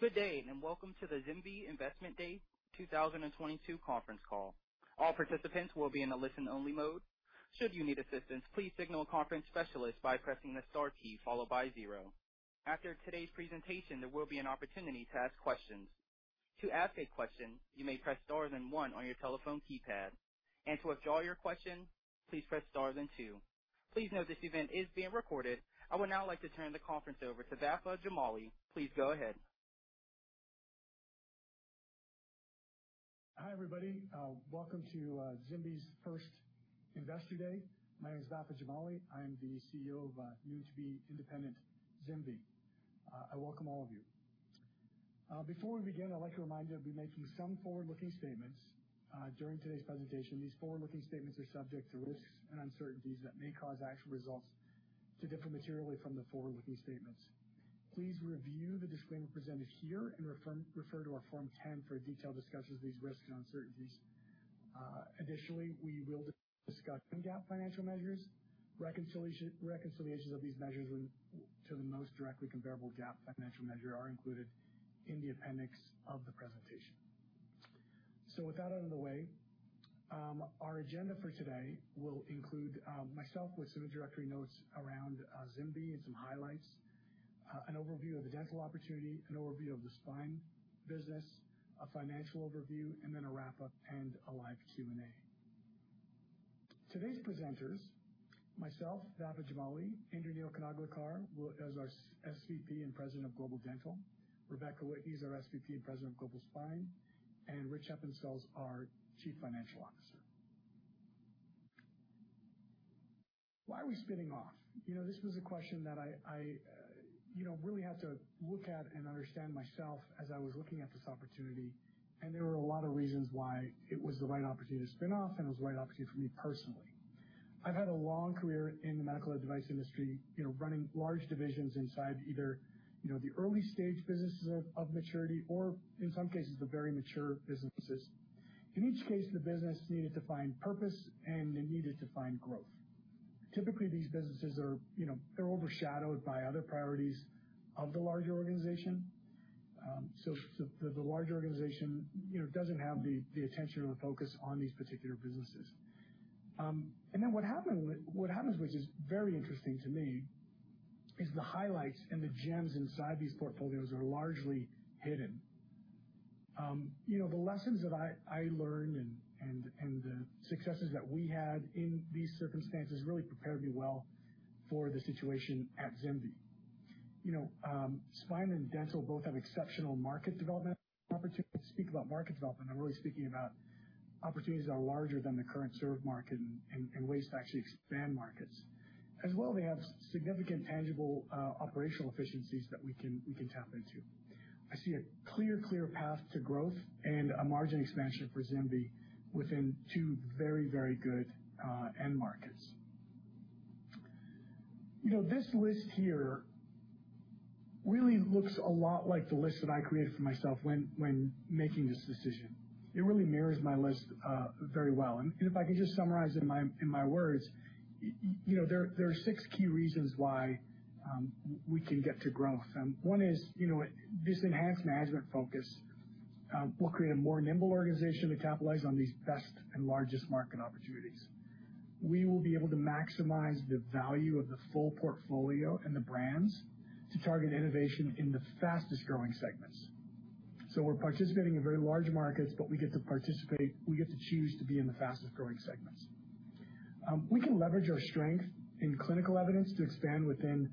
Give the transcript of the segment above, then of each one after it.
Good day, and welcome to the ZimVie Investment Day 2022 conference call. All participants will be in a listen-only mode. Should you need assistance, please signal a conference specialist by pressing the star key followed by 0. After today's presentation, there will be an opportunity to ask questions. To ask a question, you may press star then 1 on your telephone keypad. To withdraw your question, please press star then 2. Please note this event is being recorded. I would now like to turn the conference over to Vafa Jamali. Please go ahead. Hi, everybody, welcome to ZimVie's first Investor Day. My name is Vafa Jamali. I am the CEO of soon to be independent ZimVie. I welcome all of you. Before we begin, I'd like to remind you that we may be making some forward-looking statements during today's presentation. These forward-looking statements are subject to risks and uncertainties that may cause actual results to differ materially from the forward-looking statements. Please review the disclaimer presented here and refer to our Form 10 for a detailed discussion of these risks and uncertainties. Additionally, we will be discussing GAAP financial measures. Reconciliations of these measures to the most directly comparable GAAP financial measure are included in the appendix of the presentation. With that out of the way, our agenda for today will include myself with some introductory notes around ZimVie and some highlights, an overview of the dental opportunity, an overview of the spine business, a financial overview, and then a wrap up and a live Q&A. Today's presenters, myself, Vafa Jamali, Indraneel Kanaglekar as our SVP and President of Global Dental, Rebecca Whitney is our SVP and President of Global Spine, and Richard Heppenstall is our Chief Financial Officer. Why are we spinning off? You know, this was a question that I you know, really had to look at and understand myself as I was looking at this opportunity, and there were a lot of reasons why it was the right opportunity to spin off, and it was the right opportunity for me personally. I've had a long career in the medical device industry, you know, running large divisions inside either, you know, the early stage businesses of maturity or in some cases, the very mature businesses. In each case, the business needed to find purpose, and they needed to find growth. Typically, these businesses are, you know, they're overshadowed by other priorities of the larger organization, so the larger organization, you know, doesn't have the attention or focus on these particular businesses. What happens, which is very interesting to me, is the highlights and the gems inside these portfolios are largely hidden. You know, the lessons that I learned and the successes that we had in these circumstances really prepared me well for the situation at ZimVie. You know, spine and dental both have exceptional market development opportunities. When I speak about market development, I'm really speaking about opportunities that are larger than the current served market and ways to actually expand markets. As well, they have significant tangible operational efficiencies that we can tap into. I see a clear path to growth and a margin expansion for ZimVie within two very good end markets. You know, this list here really looks a lot like the list that I created for myself when making this decision. It really mirrors my list very well. If I could just summarize in my words, you know, there are six key reasons why we can get to growth. One is, you know, this enhanced management focus will create a more nimble organization to capitalize on these best and largest market opportunities. We will be able to maximize the value of the full portfolio and the brands to target innovation in the fastest-growing segments. We're participating in very large markets, but we get to participate, we get to choose to be in the fastest-growing segments. We can leverage our strength in clinical evidence to expand within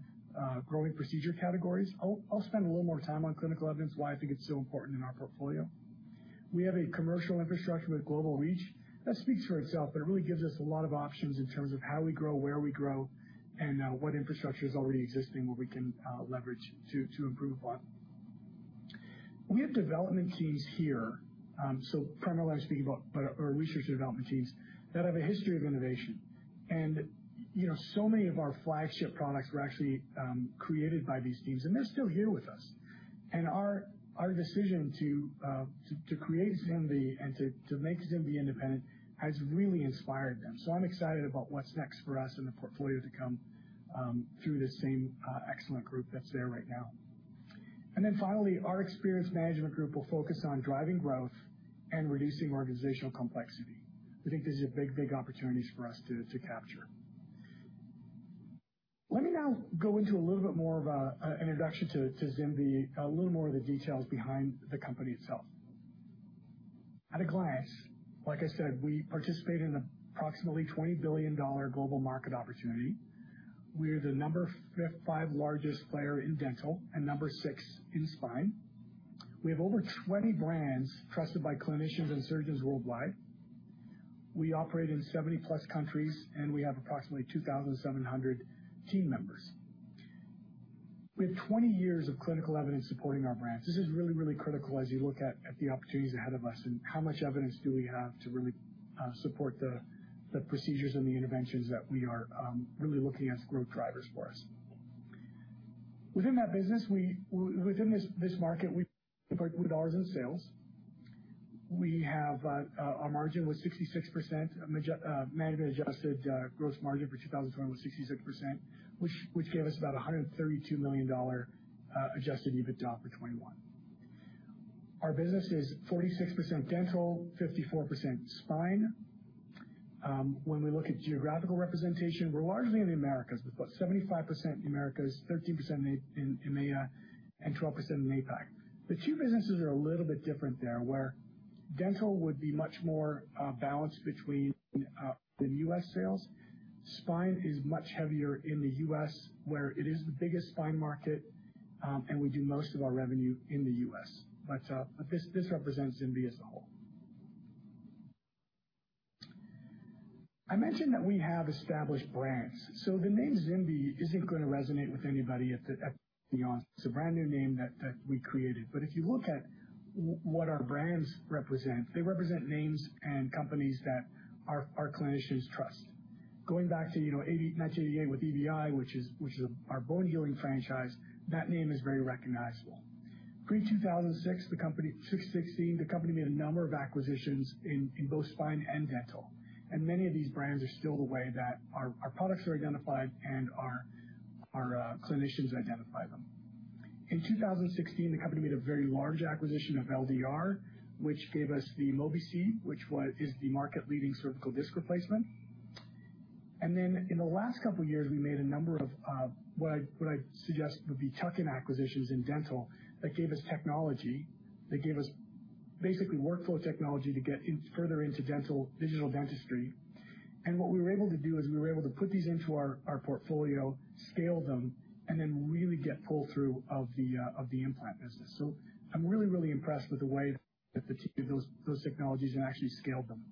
growing procedure categories. I'll spend a little more time on clinical evidence, why I think it's so important in our portfolio. We have a commercial infrastructure with global reach. That speaks for itself, but it really gives us a lot of options in terms of how we grow, where we grow, and what infrastructure is already existing, what we can leverage to improve upon. We have development teams here, so primarily I'm speaking about or research and development teams that have a history of innovation. You know, so many of our flagship products were actually created by these teams, and they're still here with us. Our decision to create ZimVie and to make ZimVie independent has really inspired them. I'm excited about what's next for us and the portfolio to come through this same excellent group that's there right now. Then finally, our experienced management group will focus on driving growth and reducing organizational complexity. We think these are big opportunities for us to capture. Let me now go into a little bit more of an introduction to ZimVie, a little more of the details behind the company itself. At a glance, like I said, we participate in approximately $20 billion global market opportunity. We're the fifth largest player in dental and sixth in spine. We have over 20 brands trusted by clinicians and surgeons worldwide. We operate in 70-plus countries, and we have approximately 2,700 team members. We have 20 years of clinical evidence supporting our brands. This is really critical as you look at the opportunities ahead of us and how much evidence do we have to really support the procedures and the interventions that we are really looking at as growth drivers for us. Within that business, within this market, our margin was 66%. Management adjusted gross margin for 2021 was 66%, which gave us about $132 million adjusted EBITDA for 2021. Our business is 46% dental, 54% spine. When we look at geographical representation, we're largely in the Americas. We've got 75% in the Americas, 13% in EMEA, and 12% in APAC. The two businesses are a little bit different there, where dental would be much more balanced between the U.S. sales. Spine is much heavier in the U.S., where it is the biggest spine market, and we do most of our revenue in the U.S. This represents ZimVie as a whole. I mentioned that we have established brands. The name ZimVie isn't gonna resonate with anybody. It's a brand new name that we created. But if you look at what our brands represent, they represent names and companies that our clinicians trust. Going back to 1988 with EBI, which is our bone healing franchise, that name is very recognizable. Pre-2006, the company made a number of acquisitions in both spine and dental, and many of these brands are still the way that our products are identified and our clinicians identify them. In 2016, the company made a very large acquisition of LDR, which gave us the Mobi-C, which is the market leading cervical disc replacement. In the last couple years, we made a number of what I'd suggest would be tuck-in acquisitions in dental that gave us technology that gave us basically workflow technology to get further into dental, digital dentistry. What we were able to do is put these into our portfolio, scale them, and then really get pull through of the implant business. I'm really impressed with the way that we took those technologies and actually scaled them.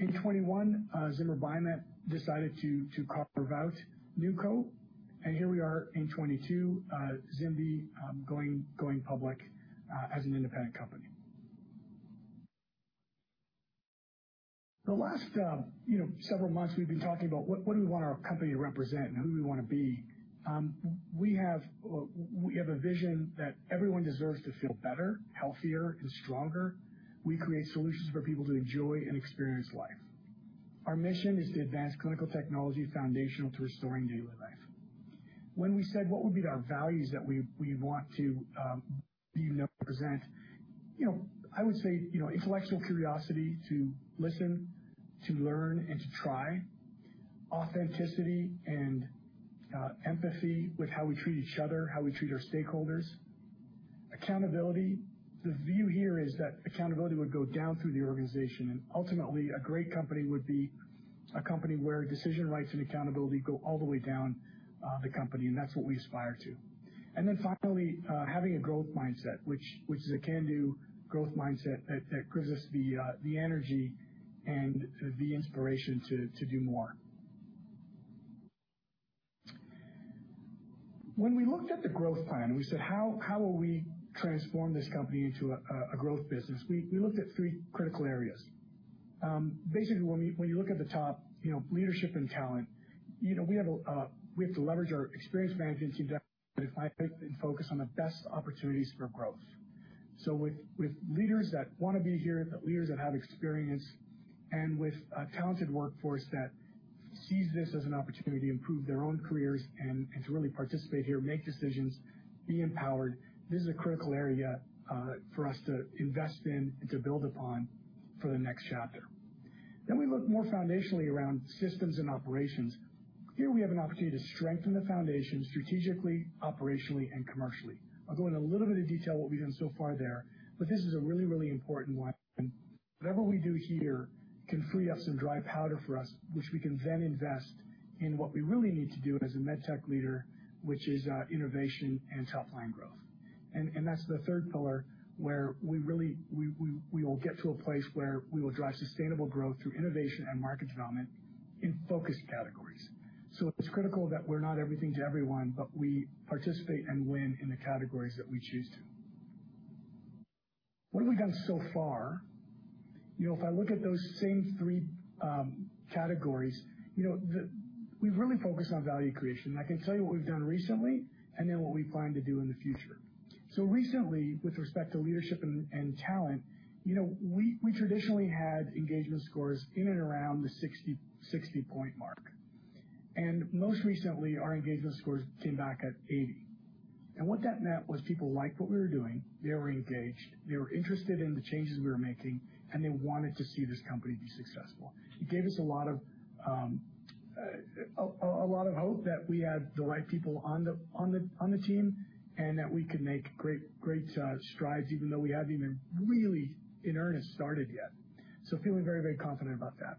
In 2021, Zimmer Biomet decided to carve out ZimVie, and here we are in 2022, ZimVie going public as an independent company. The last several months, we've been talking about what do we want our company to represent and who we wanna be. We have a vision that everyone deserves to feel better, healthier, and stronger. We create solutions for people to enjoy and experience life. Our mission is to advance clinical technology foundational to restoring daily life. When we said what would be the values that we want to, you know, present, you know, I would say, you know, intellectual curiosity to listen, to learn, and to try. Authenticity and empathy with how we treat each other, how we treat our stakeholders. Accountability. The view here is that accountability would go down through the organization, and ultimately a great company would be a company where decision rights and accountability go all the way down the company, and that's what we aspire to. Finally, having a growth mindset, which is a can-do growth mindset that gives us the energy and the inspiration to do more. When we looked at the growth plan, we said, "How will we transform this company into a growth business?" We looked at three critical areas. Basically, when you look at the top, you know, leadership and talent, you know, we have to leverage our experienced management team to identify and focus on the best opportunities for growth. With leaders that wanna be here, the leaders that have experience, and with a talented workforce that sees this as an opportunity to improve their own careers and to really participate here, make decisions, be empowered, this is a critical area for us to invest in and to build upon for the next chapter. We look more foundationally around systems and operations. Here we have an opportunity to strengthen the foundation strategically, operationally, and commercially. I'll go into a little bit of detail what we've done so far there, but this is a really, really important one. Whatever we do here can free up some dry powder for us, which we can then invest in what we really need to do as a med tech leader, which is innovation and top line growth. That's the third pillar, where we really will get to a place where we will drive sustainable growth through innovation and market development in focused categories. It's critical that we're not everything to everyone, but we participate and win in the categories that we choose to. What have we done so far? You know, if I look at those same three categories, you know, we've really focused on value creation. I can tell you what we've done recently and then what we plan to do in the future. Recently, with respect to leadership and talent, you know, we traditionally had engagement scores in and around the 60-point mark. Most recently, our engagement scores came back at 80. What that meant was people liked what we were doing, they were engaged, they were interested in the changes we were making, and they wanted to see this company be successful. It gave us a lot of hope that we have the right people on the team, and that we can make great strides even though we haven't even really in earnest started yet. Feeling very confident about that.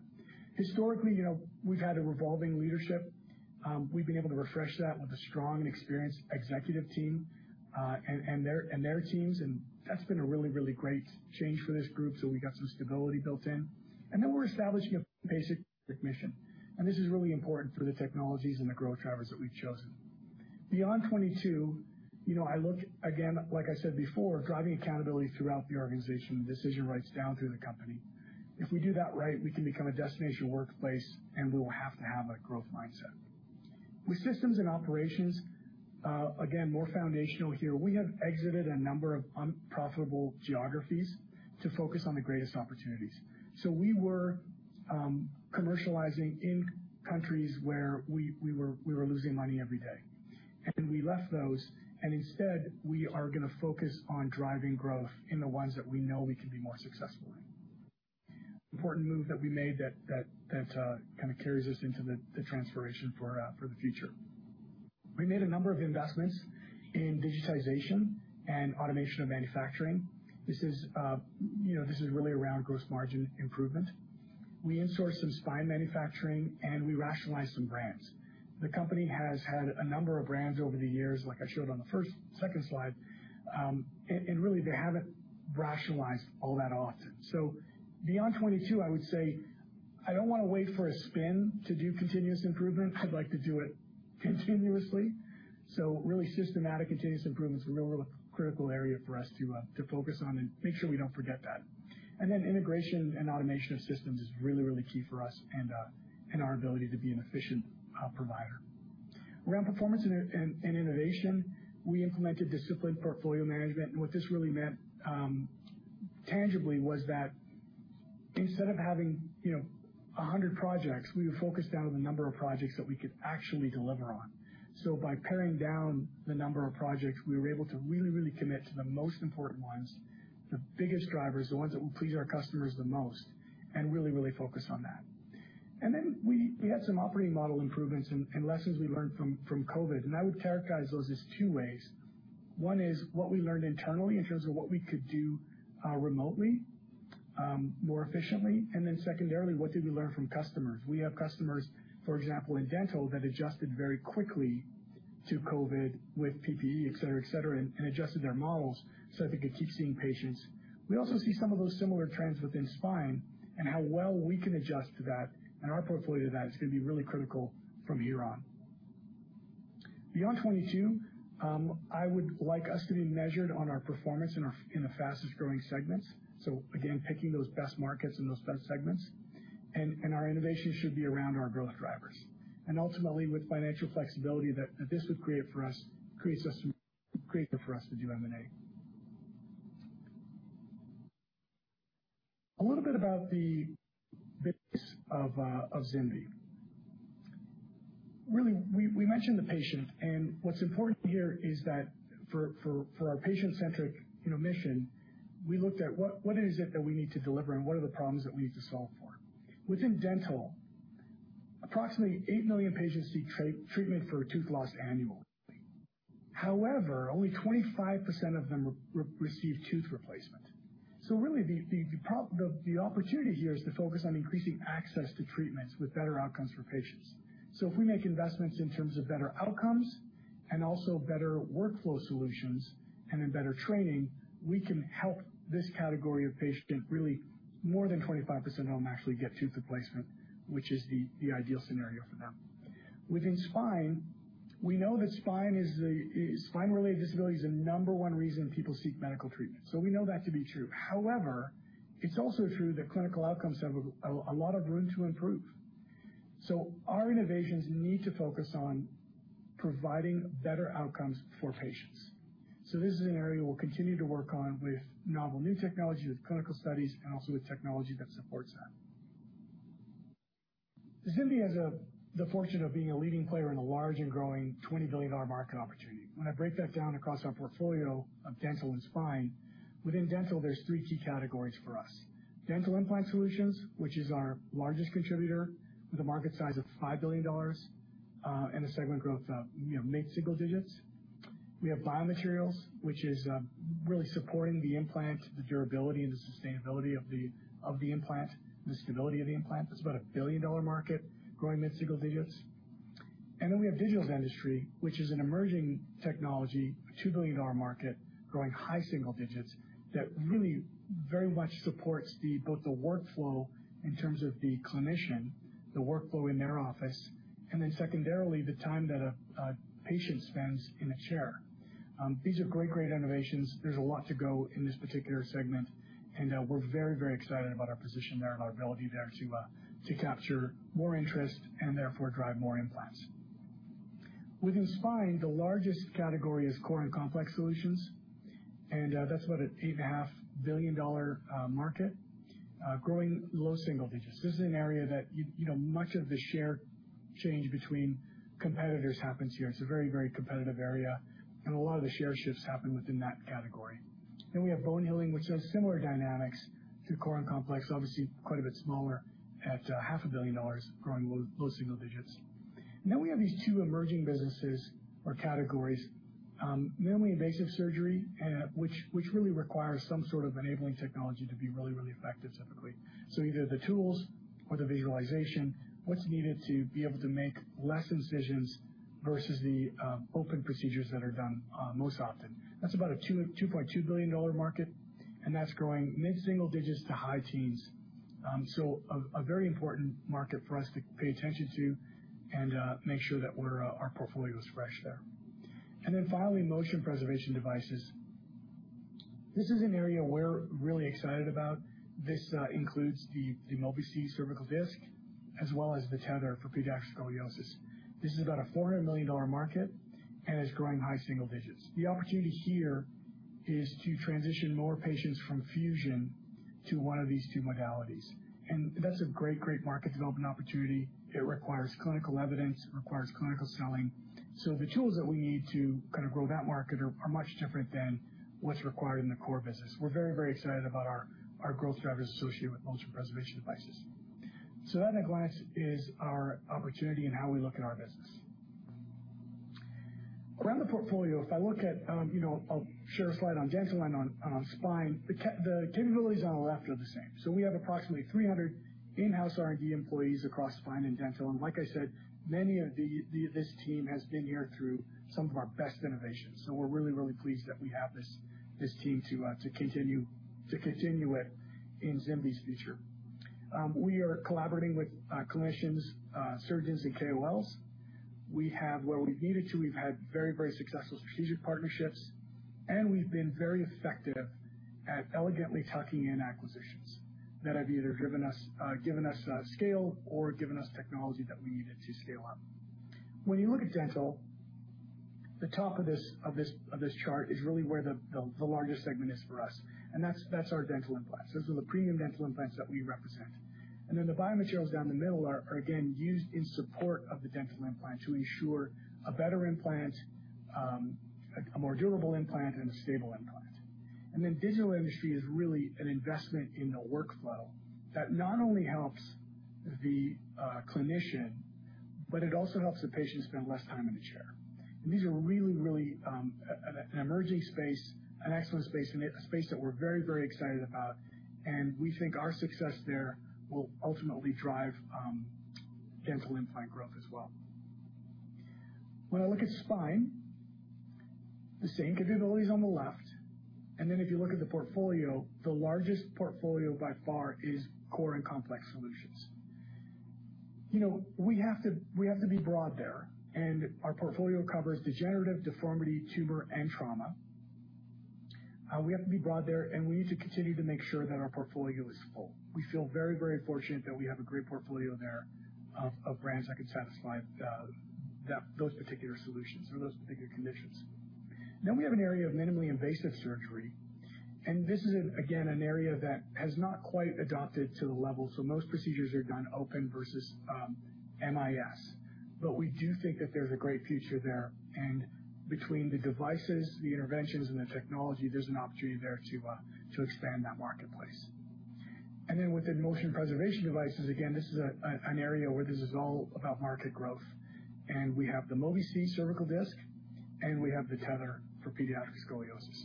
Historically, you know, we've had a revolving leadership. We've been able to refresh that with a strong and experienced executive team, and their teams, and that's been a really great change for this group. We got some stability built in. Then we're establishing a basic mission, and this is really important for the technologies and the growth drivers that we've chosen. Beyond 2022, you know, I look, again, like I said before, driving accountability throughout the organization, decision rights down through the company. If we do that right, we can become a destination workplace, and we will have to have a growth mindset. With systems and operations, again, more foundational here. We have exited a number of unprofitable geographies to focus on the greatest opportunities. So we were commercializing in countries where we were losing money every day, and we left those, and instead, we are gonna focus on driving growth in the ones that we know we can be more successful in. Important move that we made that kind of carries us into the transformation for the future. We made a number of investments in digitization and automation of manufacturing. This is really around gross margin improvement. We insourced some spine manufacturing, and we rationalized some brands. The company has had a number of brands over the years, like I showed on the second slide, and really, they haven't rationalized all that often. Beyond 2022, I would say I don't wanna wait for a spin to do continuous improvement. I'd like to do it continuously. Really systematic continuous improvement is a real critical area for us to focus on and make sure we don't forget that. Integration and automation of systems is really key for us and our ability to be an efficient provider. Around performance and innovation, we implemented disciplined portfolio management, and what this really meant tangibly was that instead of having, you know, 100 projects, we would focus down on the number of projects that we could actually deliver on. So by paring down the number of projects, we were able to really commit to the most important ones, the biggest drivers, the ones that will please our customers the most, and really focus on that. We had some operating model improvements and lessons we learned from COVID, and I would characterize those as two ways. One is what we learned internally in terms of what we could do remotely more efficiently, and then secondarily, what did we learn from customers? We have customers, for example, in dental that adjusted very quickly to COVID with PPE, et cetera, and adjusted their models so they could keep seeing patients. We also see some of those similar trends within spine and how well we can adjust to that and our portfolio to that is gonna be really critical from here on. Beyond 2022, I would like us to be measured on our performance in the fastest-growing segments. Again, picking those best markets and those best segments. Our innovation should be around our growth drivers. Ultimately, with financial flexibility that this would create for us to do M&A. A little bit about the base of ZimVie. Really, we mentioned the patient, and what's important here is that for our patient-centric, you know, mission, we looked at what is it that we need to deliver and what are the problems that we need to solve for. Within dental, approximately 8 million patients seek treatment for tooth loss annually. However, only 25% of them receive tooth replacement. Really the opportunity here is to focus on increasing access to treatments with better outcomes for patients. If we make investments in terms of better outcomes and also better workflow solutions and in better training, we can help this category of patient get really more than 25% of them actually get tooth replacement, which is the ideal scenario for them. Within spine, we know that spine-related disability is the number one reason people seek medical treatment. So we know that to be true. However, it's also true that clinical outcomes have a lot of room to improve. So our innovations need to focus on providing better outcomes for patients. So this is an area we'll continue to work on with novel new technology, with clinical studies, and also with technology that supports that. ZimVie has the fortune of being a leading player in the large and growing $20 billion market opportunity. When I break that down across our portfolio of dental and spine, within dental, there's 3 key categories for us. Dental implant solutions, which is our largest contributor with a market size of $5 billion, and a segment growth of, you know, mid-single digits. We have biomaterials, which is really supporting the implant, the durability and the sustainability of the implant, the stability of the implant. That's about a $1 billion market growing mid-single digits. Then we have digital dentistry, which is an emerging technology, a $2 billion market growing high single digits that really very much supports both the workflow in terms of the clinician, the workflow in their office, and then secondarily, the time that a patient spends in a chair. These are great innovations. There's a lot to go in this particular segment, and we're very excited about our position there and our ability there to capture more interest and therefore drive more implants. Within spine, the largest category is core and complex solutions, and that's about an $8.5 billion market, growing low single digits. This is an area that you know, much of the share change between competitors happens here. It's a very, very competitive area, and a lot of the share shifts happen within that category. Then we have bone healing, which has similar dynamics to core and complex, obviously quite a bit smaller at $500 million, growing low single digits. Then we have these two emerging businesses or categories, minimally invasive surgery, which really requires some sort of enabling technology to be really, really effective typically. So either the tools or the visualization, what's needed to be able to make less incisions versus the open procedures that are done most often. That's about a $2.2 billion market, and that's growing mid-single digits to high teens. A very important market for us to pay attention to and make sure that we're our portfolio is fresh there. Finally, motion preservation devices. This is an area we're really excited about. This includes the Mobi-C cervical disc as well as the Tether for pediatric scoliosis. This is about a $400 million market and is growing high single digits. The opportunity here is to transition more patients from fusion to one of these two modalities, and that's a great market development opportunity. It requires clinical evidence. It requires clinical selling. The tools that we need to kind of grow that market are much different than what's required in the core business. We're very, very excited about our growth drivers associated with motion preservation devices. At a glance is our opportunity and how we look at our business. Around the portfolio, if I look at, I'll share a slide on dental and on spine. The capabilities on the left are the same. We have approximately 300 in-house R&D employees across spine and dental. Like I said, many of this team has been here through some of our best innovations. We're really, really pleased that we have this team to continue it in ZimVie's future. We are collaborating with clinicians, surgeons and KOLs. We have, where we've needed to, we've had very, very successful strategic partnerships, and we've been very effective at elegantly tucking in acquisitions that have either given us scale or given us technology that we needed to scale on. When you look at Dental, the top of this chart is really where the largest segment is for us, and that's our Dental implants. Those are the premium Dental implants that we represent. Then the biomaterials down the middle are again used in support of the Dental implant to ensure a better implant, a more durable implant and a stable implant. Then digital dentistry is really an investment in the workflow that not only helps the clinician, but it also helps the patient spend less time in the chair. These are really an emerging space, an excellent space, and a space that we're very excited about, and we think our success there will ultimately drive dental implant growth as well. When I look at spine, the same capabilities on the left, and then if you look at the portfolio, the largest portfolio by far is core and complex solutions. You know, we have to be broad there, and our portfolio covers degenerative deformity, tumor and trauma. We have to be broad there, and we need to continue to make sure that our portfolio is full. We feel very fortunate that we have a great portfolio there of brands that can satisfy those particular solutions or those particular conditions. We have an area of minimally invasive surgery, and this is again an area that has not quite adopted to the level. Most procedures are done open versus MIS. We do think that there's a great future there. Between the devices, the interventions and the technology, there's an opportunity there to expand that marketplace. Within motion preservation devices, again, this is an area where this is all about market growth. We have the Mobi-C cervical disc, and we have the Tether for pediatric scoliosis.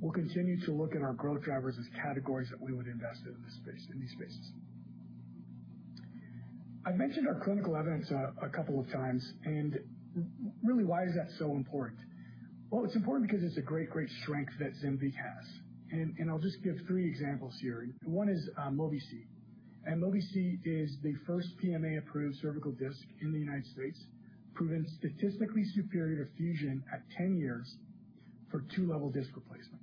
We'll continue to look at our growth drivers as categories that we would invest in this space, in these spaces. I've mentioned our clinical evidence a couple of times, and really why is that so important? Well, it's important because it's a great strength that ZimVie has. I'll just give three examples here. One is Mobi-C. Mobi-C is the first PMA approved cervical disc in the United States, proven statistically superior to fusion at 10 years for two-level disc replacement.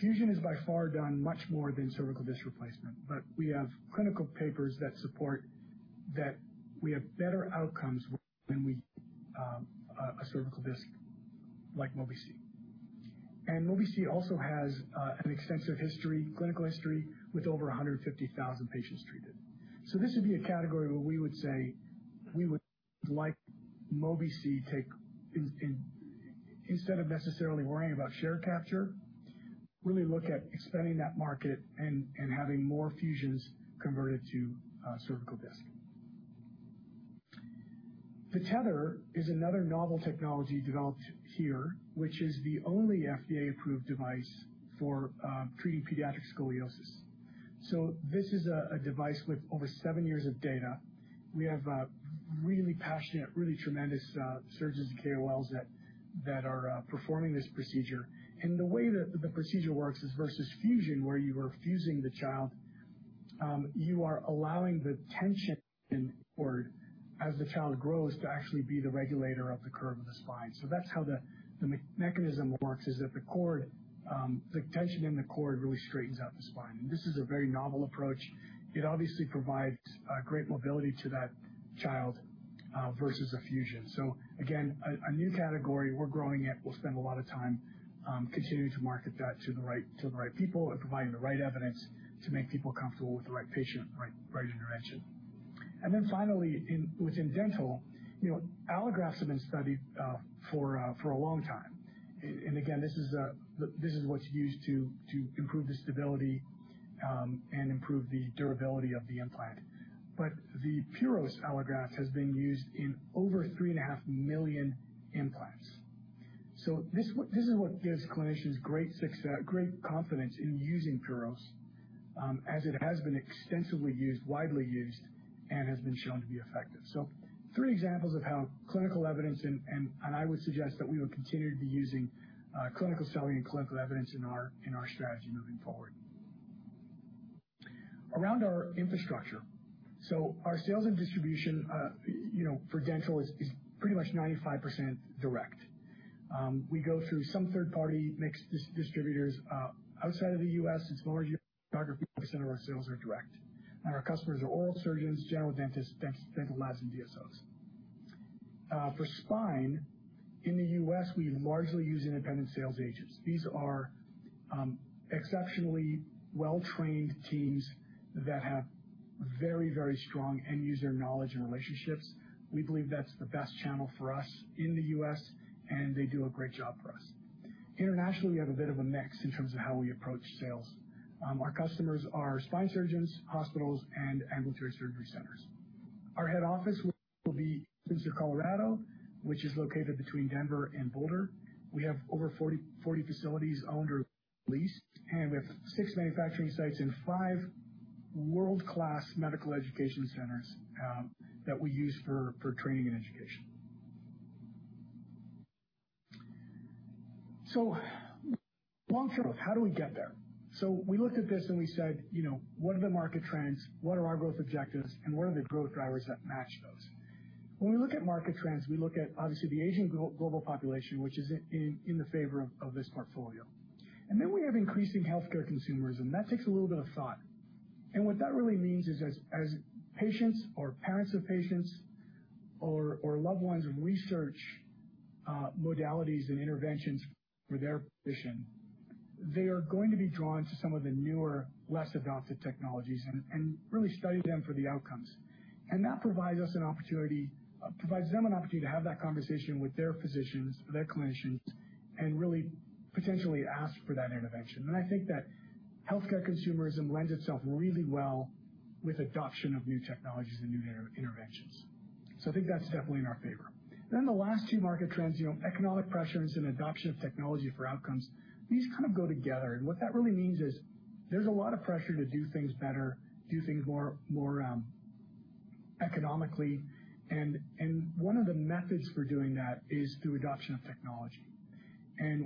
Fusion is by far done much more than cervical disc replacement. We have clinical papers that support that we have better outcomes when we use a cervical disc like Mobi-C. Mobi-C also has an extensive clinical history with over 150,000 patients treated. This would be a category where we would say we would like Mobi-C taken in instead of necessarily worrying about share capture, really look at expanding that market and having more fusions converted to cervical disc. The Tether is another novel technology developed here, which is the only FDA-approved device for treating pediatric scoliosis. This is a device with over seven years of data. We have really passionate, really tremendous surgeons and KOLs that are performing this procedure. The way that the procedure works is versus fusion, where you are fusing the child, you are allowing the tension in the cord as the child grows to actually be the regulator of the curve of the spine. That's how the mechanism works, is that the cord, the tension in the cord really straightens out the spine. This is a very novel approach. It obviously provides great mobility to that child versus a fusion. Again, a new category. We're growing it. We'll spend a lot of time continuing to market that to the right people and providing the right evidence to make people comfortable with the right patient, right intervention. Finally, within dental, you know, allografts have been studied for a long time. Again, this is what's used to improve the stability and improve the durability of the implant. The Puros allograft has been used in over 3.5 million implants. This is what gives clinicians great confidence in using Puros, as it has been extensively used, widely used, and has been shown to be effective. Three examples of how clinical evidence and I would suggest that we will continue to be using clinical selling and clinical evidence in our strategy moving forward. Around our infrastructure. Our sales and distribution, you know, for dental is pretty much 95% direct. We go through some third-party mixed distributors outside of the U.S. as a large percent of our sales are direct. Our customers are oral surgeons, general dentists, dental labs, and DSOs. For spine, in the U.S., we largely use independent sales agents. These are exceptionally well-trained teams that have very strong end user knowledge and relationships. We believe that's the best channel for us in the U.S., and they do a great job for us. Internationally, we have a bit of a mix in terms of how we approach sales. Our customers are spine surgeons, hospitals and ambulatory surgery centers. Our head office will be Windsor, Colorado, which is located between Denver and Boulder. We have over 40 facilities owned or leased, and with 6 manufacturing sites and 5 world-class medical education centers that we use for training and education. Long term, how do we get there? We looked at this and we said, you know, "What are the market trends? What are our growth objectives and what are the growth drivers that match those?" When we look at market trends, we look at, obviously, the aging global population, which is in the favor of this portfolio. Then we have increasing healthcare consumerism. That takes a little bit of thought. What that really means is as patients or parents of patients or loved ones research modalities and interventions for their physician, they are going to be drawn to some of the newer, less adopted technologies and really study them for the outcomes. That provides them an opportunity to have that conversation with their physicians, their clinicians, and really potentially ask for that intervention. I think that healthcare consumerism lends itself really well with adoption of new technologies and new interventions. I think that's definitely in our favor. The last two market trends, you know, economic pressures and adoption of technology for outcomes, these kind of go together. What that really means is there's a lot of pressure to do things better, do things more economically. One of the methods for doing that is through adoption of technology.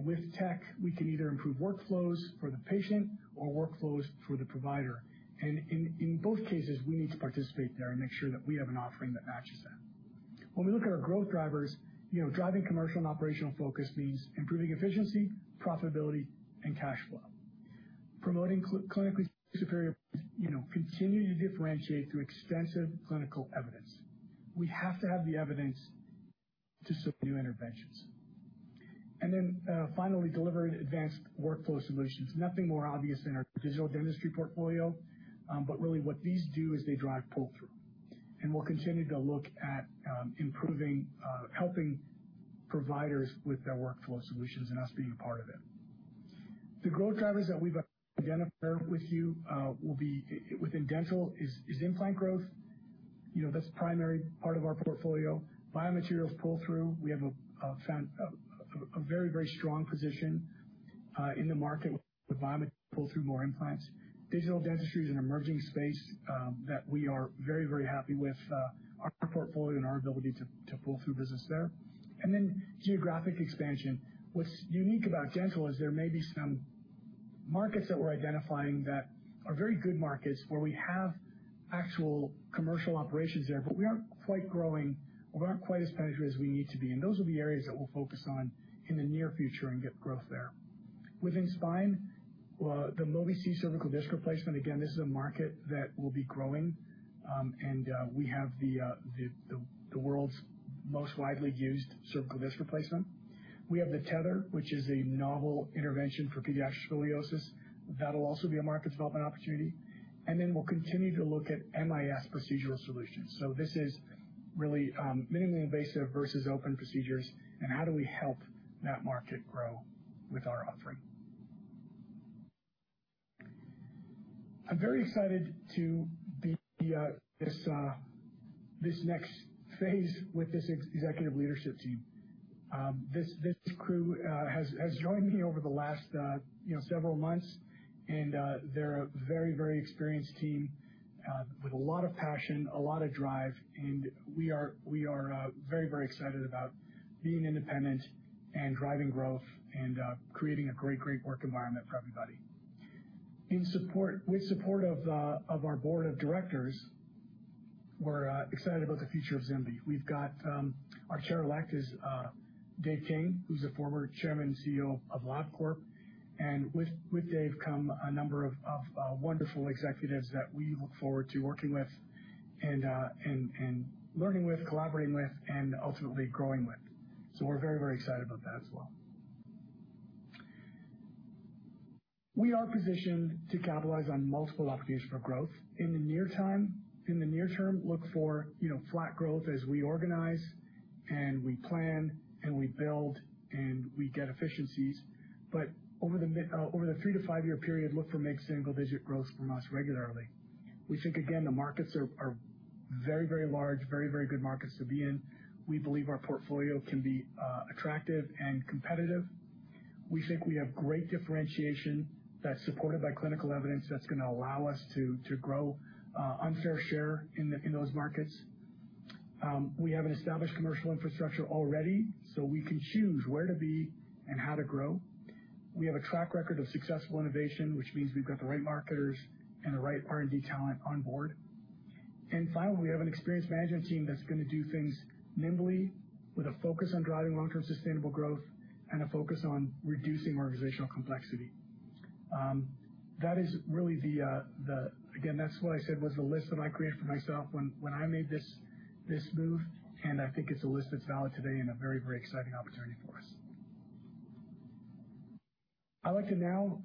With tech, we can either improve workflows for the patient or workflows for the provider. In both cases, we need to participate there and make sure that we have an offering that matches that. When we look at our growth drivers, you know, driving commercial and operational focus means improving efficiency, profitability and cash flow. Promoting clinically superior, you know, continue to differentiate through extensive clinical evidence. We have to have the evidence to support new interventions. Finally, delivering advanced workflow solutions. Nothing more obvious than our digital dentistry portfolio. But really what these do is they drive pull-through. We'll continue to look at improving, helping providers with their workflow solutions and us being a part of it. The growth drivers that we've identified with you will be within dental is implant growth. You know, that's primary part of our portfolio. Biomaterials pull-through. We have found a very strong position in the market with biomaterials pull-through more implants. Digital dentistry is an emerging space that we are very happy with our portfolio and our ability to pull through business there. Geographic expansion. What's unique about dental is there may be some markets that we're identifying that are very good markets, where we have actual commercial operations there, but we aren't quite growing. We're not quite as penetrated as we need to be, and those are the areas that we'll focus on in the near future and get growth there. Within spine, the Mobi-C cervical disc replacement, again, this is a market that will be growing, and we have the world's most widely used cervical disc replacement. We have the Tether, which is a novel intervention for pediatric scoliosis. That'll also be a market development opportunity. Then we'll continue to look at MIS procedural solutions. This is really minimally invasive versus open procedures and how do we help that market grow with our offering. I'm very excited to be in this next phase with this executive leadership team. This crew has joined me over the last, you know, several months. They're a very experienced team with a lot of passion, a lot of drive. We are very excited about being independent and driving growth and creating a great work environment for everybody. With support of our board of directors, we're excited about the future of ZimVie. We've got our Chair-elect is David King, who's a former Chairman and CEO of LabCorp. With David King come a number of wonderful executives that we look forward to working with and learning with, collaborating with, and ultimately growing with. We're very excited about that as well. We are positioned to capitalize on multiple opportunities for growth. In the near term, look for, you know, flat growth as we organize and we plan and we build and we get efficiencies. Over the three to five year period, look for mid-single digit growth from us regularly. We think, again, the markets are very, very large, very, very good markets to be in. We believe our portfolio can be attractive and competitive. We think we have great differentiation that's supported by clinical evidence that's gonna allow us to grow on fair share in those markets. We have an established commercial infrastructure already, so we can choose where to be and how to grow. We have a track record of successful innovation, which means we've got the right marketers and the right R&D talent on board. Finally, we have an experienced management team that's gonna do things nimbly with a focus on driving long-term sustainable growth and a focus on reducing organizational complexity. That is really the. Again, that's what I said was the list that I created for myself when I made this move, and I think it's a list that's valid today and a very, very exciting opportunity for us. I'd like to now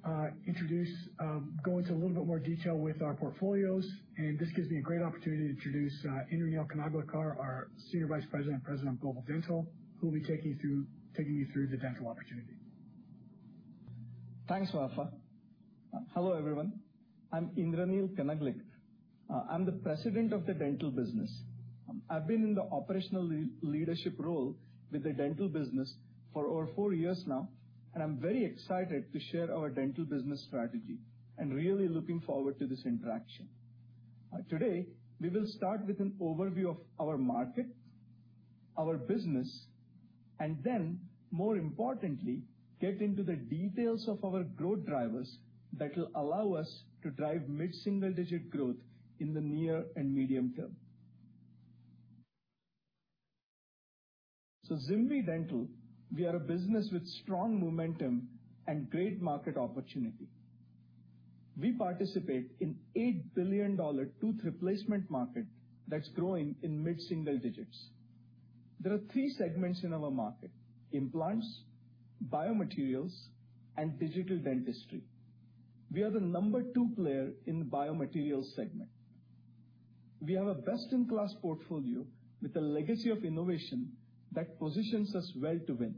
go into a little bit more detail with our portfolios, and this gives me a great opportunity to introduce Indraneel Kanaglekar, our Senior Vice President and President of Global Dental, who will be taking you through the dental opportunity. Thanks, Vafa. Hello, everyone. I'm Indraneel Kanaglekar. I'm the president of the dental business. I've been in the operational leadership role with the dental business for over four years now, and I'm very excited to share our dental business strategy and really looking forward to this interaction. Today, we will start with an overview of our market, our business, and then more importantly, get into the details of our growth drivers that will allow us to drive mid-single-digit growth in the near and medium term. ZimVie Dental, we are a business with strong momentum and great market opportunity. We participate in $8 billion tooth replacement market that's growing in mid-single digits. There are three segments in our market: implants, biomaterials, and digital dentistry. We are the number two player in the biomaterials segment. We have a best-in-class portfolio with a legacy of innovation that positions us well to win.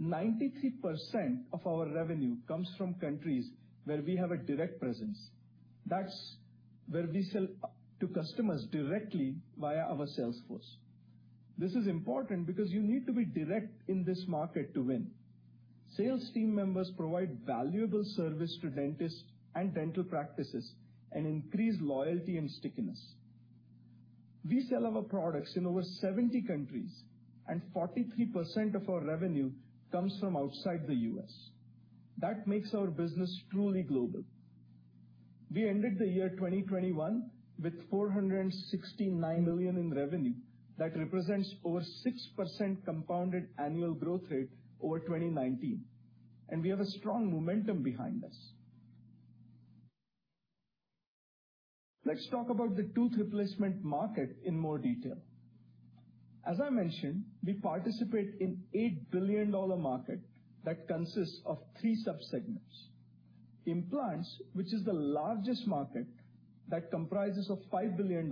93% of our revenue comes from countries where we have a direct presence. That's where we sell to customers directly via our sales force. This is important because you need to be direct in this market to win. Sales team members provide valuable service to dentists and dental practices and increase loyalty and stickiness. We sell our products in over 70 countries, and 43% of our revenue comes from outside the U.S. That makes our business truly global. We ended the year 2021 with $469 million in revenue. That represents over 6% compounded annual growth rate over 2019, and we have a strong momentum behind us. Let's talk about the tooth replacement market in more detail. As I mentioned, we participate in $8 billion market that consists of three sub-segments. Implants, which is the largest market that comprises $5 billion,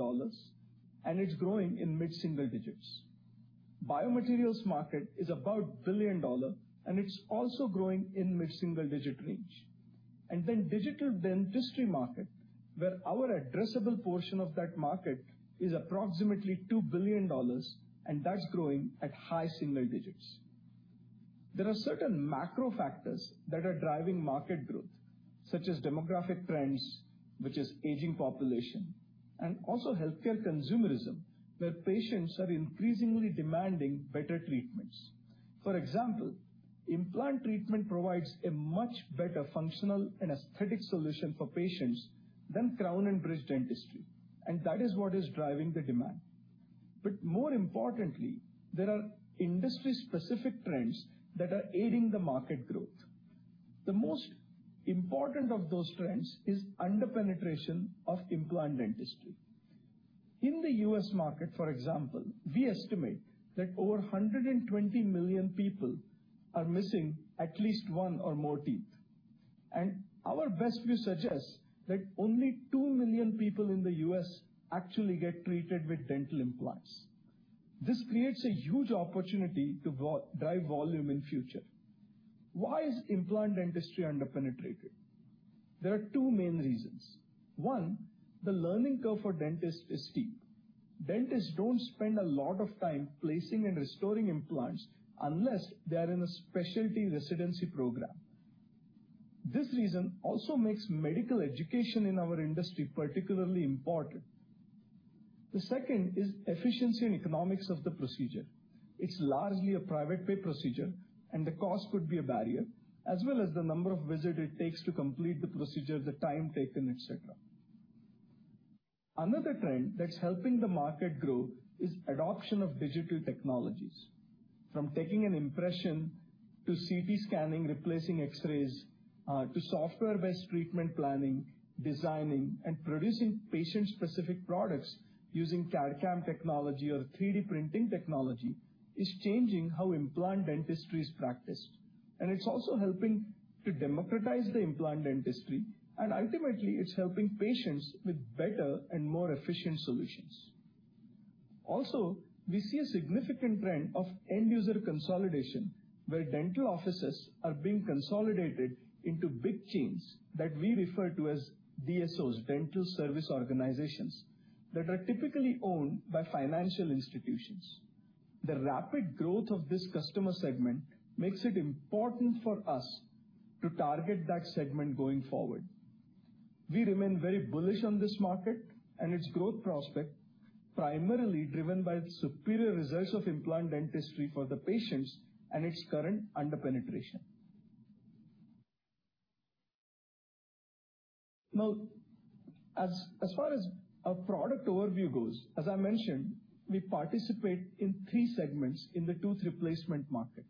and it's growing in mid-single digits. Biomaterials market is about $1 billion, and it's also growing in mid-single-digit range. Then digital dentistry market, where our addressable portion of that market is approximately $2 billion, and that's growing at high single digits. There are certain macro factors that are driving market growth, such as demographic trends, which is aging population, and also healthcare consumerism, where patients are increasingly demanding better treatments. For example, implant treatment provides a much better functional and aesthetic solution for patients than crown and bridge dentistry, and that is what is driving the demand. More importantly, there are industry-specific trends that are aiding the market growth. The most important of those trends is under-penetration of implant dentistry. In the U.S. market, for example, we estimate that over 120 million people are missing at least one or more teeth. Our best view suggests that only 2 million people in the U.S. actually get treated with dental implants. This creates a huge opportunity to drive volume in future. Why is implant dentistry under-penetrated? There are two main reasons. One, the learning curve for dentists is steep. Dentists don't spend a lot of time placing and restoring implants unless they are in a specialty residency program. This reason also makes medical education in our industry particularly important. The second is efficiency and economics of the procedure. It's largely a private pay procedure, and the cost could be a barrier, as well as the number of visits it takes to complete the procedure, the time taken, et cetera. Another trend that's helping the market grow is adoption of digital technologies. From taking an impression to CT scanning, replacing X-rays, to software-based treatment planning, designing, and producing patient-specific products using CAD/CAM technology or 3D printing technology is changing how implant dentistry is practiced, and it's also helping to democratize the implant dentistry. Ultimately, it's helping patients with better and more efficient solutions. Also, we see a significant trend of end user consolidation, where dental offices are being consolidated into big chains that we refer to as DSOs, dental service organizations, that are typically owned by financial institutions. The rapid growth of this customer segment makes it important for us to target that segment going forward. We remain very bullish on this market and its growth prospect, primarily driven by the superior results of implant dentistry for the patients and its current under-penetration. Now, as far as our product overview goes, as I mentioned, we participate in three segments in the tooth replacement market.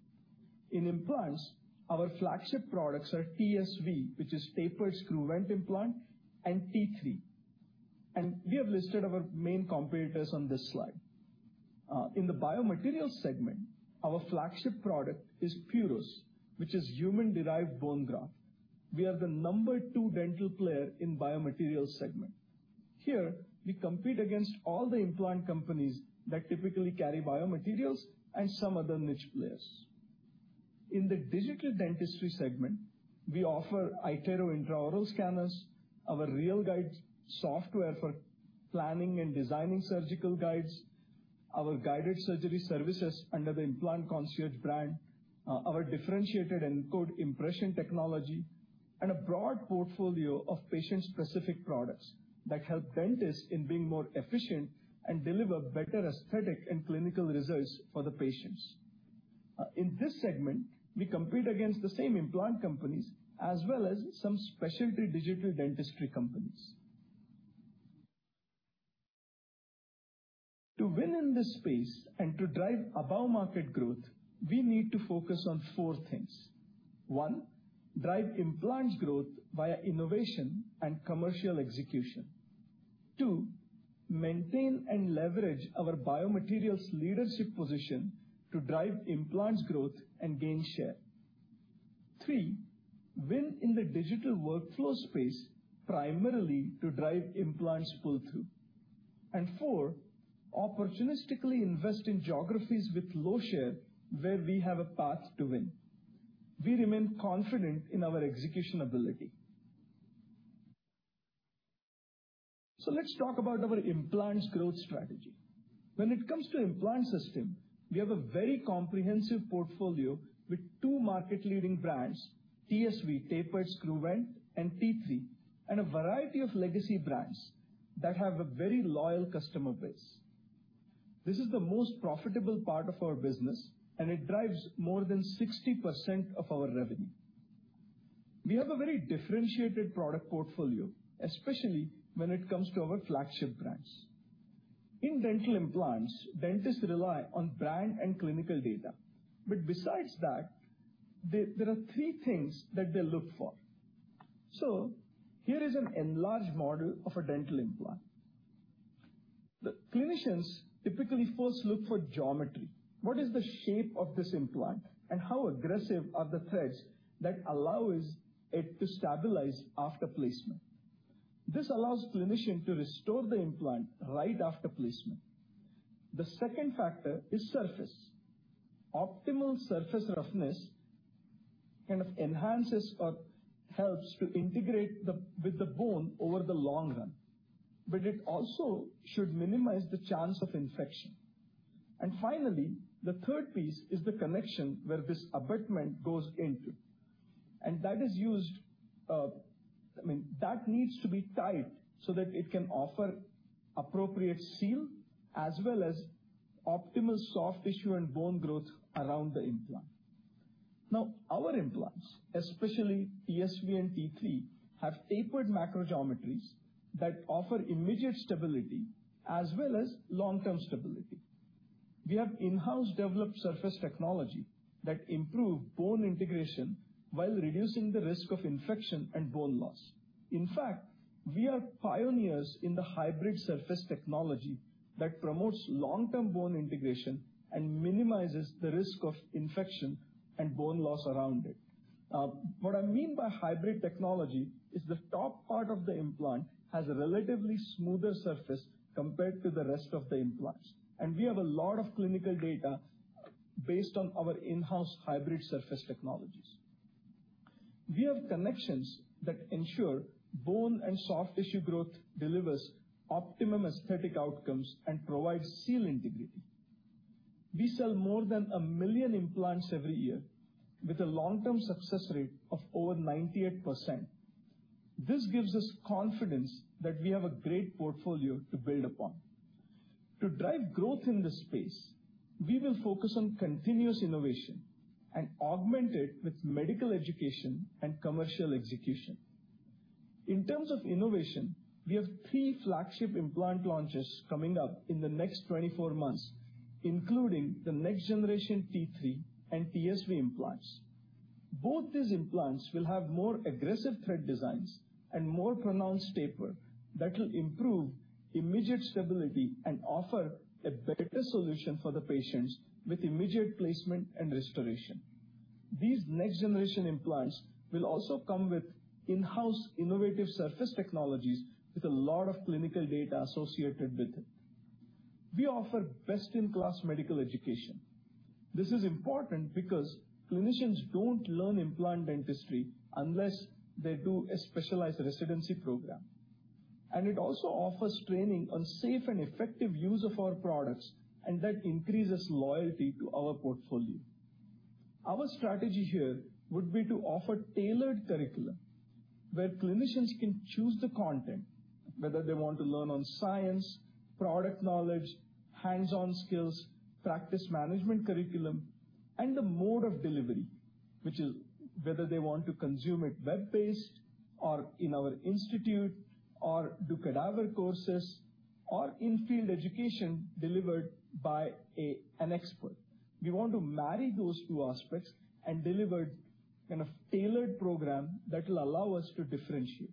In implants, our flagship products are TSV, which is Tapered Screw-Vent implant, and T3. We have listed our main competitors on this slide. In the biomaterials segment, our flagship product is Puros, which is human-derived bone graft. We are the number two dental player in biomaterials segment. Here, we compete against all the implant companies that typically carry biomaterials and some other niche players. In the digital dentistry segment, we offer iTero intraoral scanners, our RealGUIDE software for planning and designing surgical guides, our guided surgery services under the Implant Concierge brand, our differentiated and good impression technology, and a broad portfolio of patient-specific products that help dentists in being more efficient and deliver better aesthetic and clinical results for the patients. In this segment, we compete against the same implant companies as well as some specialty digital dentistry companies. To win in this space and to drive above-market growth, we need to focus on four things. One, drive implants growth via innovation and commercial execution. Two, maintain and leverage our biomaterials leadership position to drive implants growth and gain share. Three, win in the digital workflow space primarily to drive implants pull-through. Four, opportunistically invest in geographies with low share where we have a path to win. We remain confident in our execution ability. Let's talk about our implants growth strategy. When it comes to implant system, we have a very comprehensive portfolio with two market-leading brands, TSV, Tapered Screw-Vent, and T3, and a variety of legacy brands that have a very loyal customer base. This is the most profitable part of our business, and it drives more than 60% of our revenue. We have a very differentiated product portfolio, especially when it comes to our flagship brands. In dental implants, dentists rely on brand and clinical data, but besides that, there are three things that they look for. Here is an enlarged model of a dental implant. The clinicians typically first look for geometry. What is the shape of this implant, and how aggressive are the threads that allows it to stabilize after placement? This allows clinician to restore the implant right after placement. The second factor is surface. Optimal surface roughness kind of enhances or helps to integrate the with the bone over the long run, but it also should minimize the chance of infection. Finally, the third piece is the connection where this abutment goes into. That needs to be tight so that it can offer appropriate seal as well as optimal soft tissue and bone growth around the implant. Now, our implants, especially TSV and T3, have tapered macro geometries that offer immediate stability as well as long-term stability. We have in-house developed surface technology that improve bone integration while reducing the risk of infection and bone loss. In fact, we are pioneers in the hybrid surface technology that promotes long-term bone integration and minimizes the risk of infection and bone loss around it. What I mean by hybrid technology is the top part of the implant has a relatively smoother surface compared to the rest of the implants. We have a lot of clinical data based on our in-house hybrid surface technologies. We have connections that ensure bone and soft tissue growth delivers optimum aesthetic outcomes and provides seal integrity. We sell more than a million implants every year with a long-term success rate of over 98%. This gives us confidence that we have a great portfolio to build upon. To drive growth in this space, we will focus on continuous innovation and augment it with medical education and commercial execution. In terms of innovation, we have three flagship implant launches coming up in the next 24 months, including the next generation T3 and TSV implants. Both these implants will have more aggressive thread designs and more pronounced taper that will improve immediate stability and offer a better solution for the patients with immediate placement and restoration. These next generation implants will also come with in-house innovative surface technologies with a lot of clinical data associated with it. We offer best-in-class medical education. This is important because clinicians don't learn implant dentistry unless they do a specialized residency program. It also offers training on safe and effective use of our products, and that increases loyalty to our portfolio. Our strategy here would be to offer tailored curriculum where clinicians can choose the content, whether they want to learn on science, product knowledge, hands-on skills, practice management curriculum, and the mode of delivery, which is whether they want to consume it web-based or in our institute or do cadaver courses or in-field education delivered by an expert. We want to marry those two aspects and deliver kind of tailored program that will allow us to differentiate.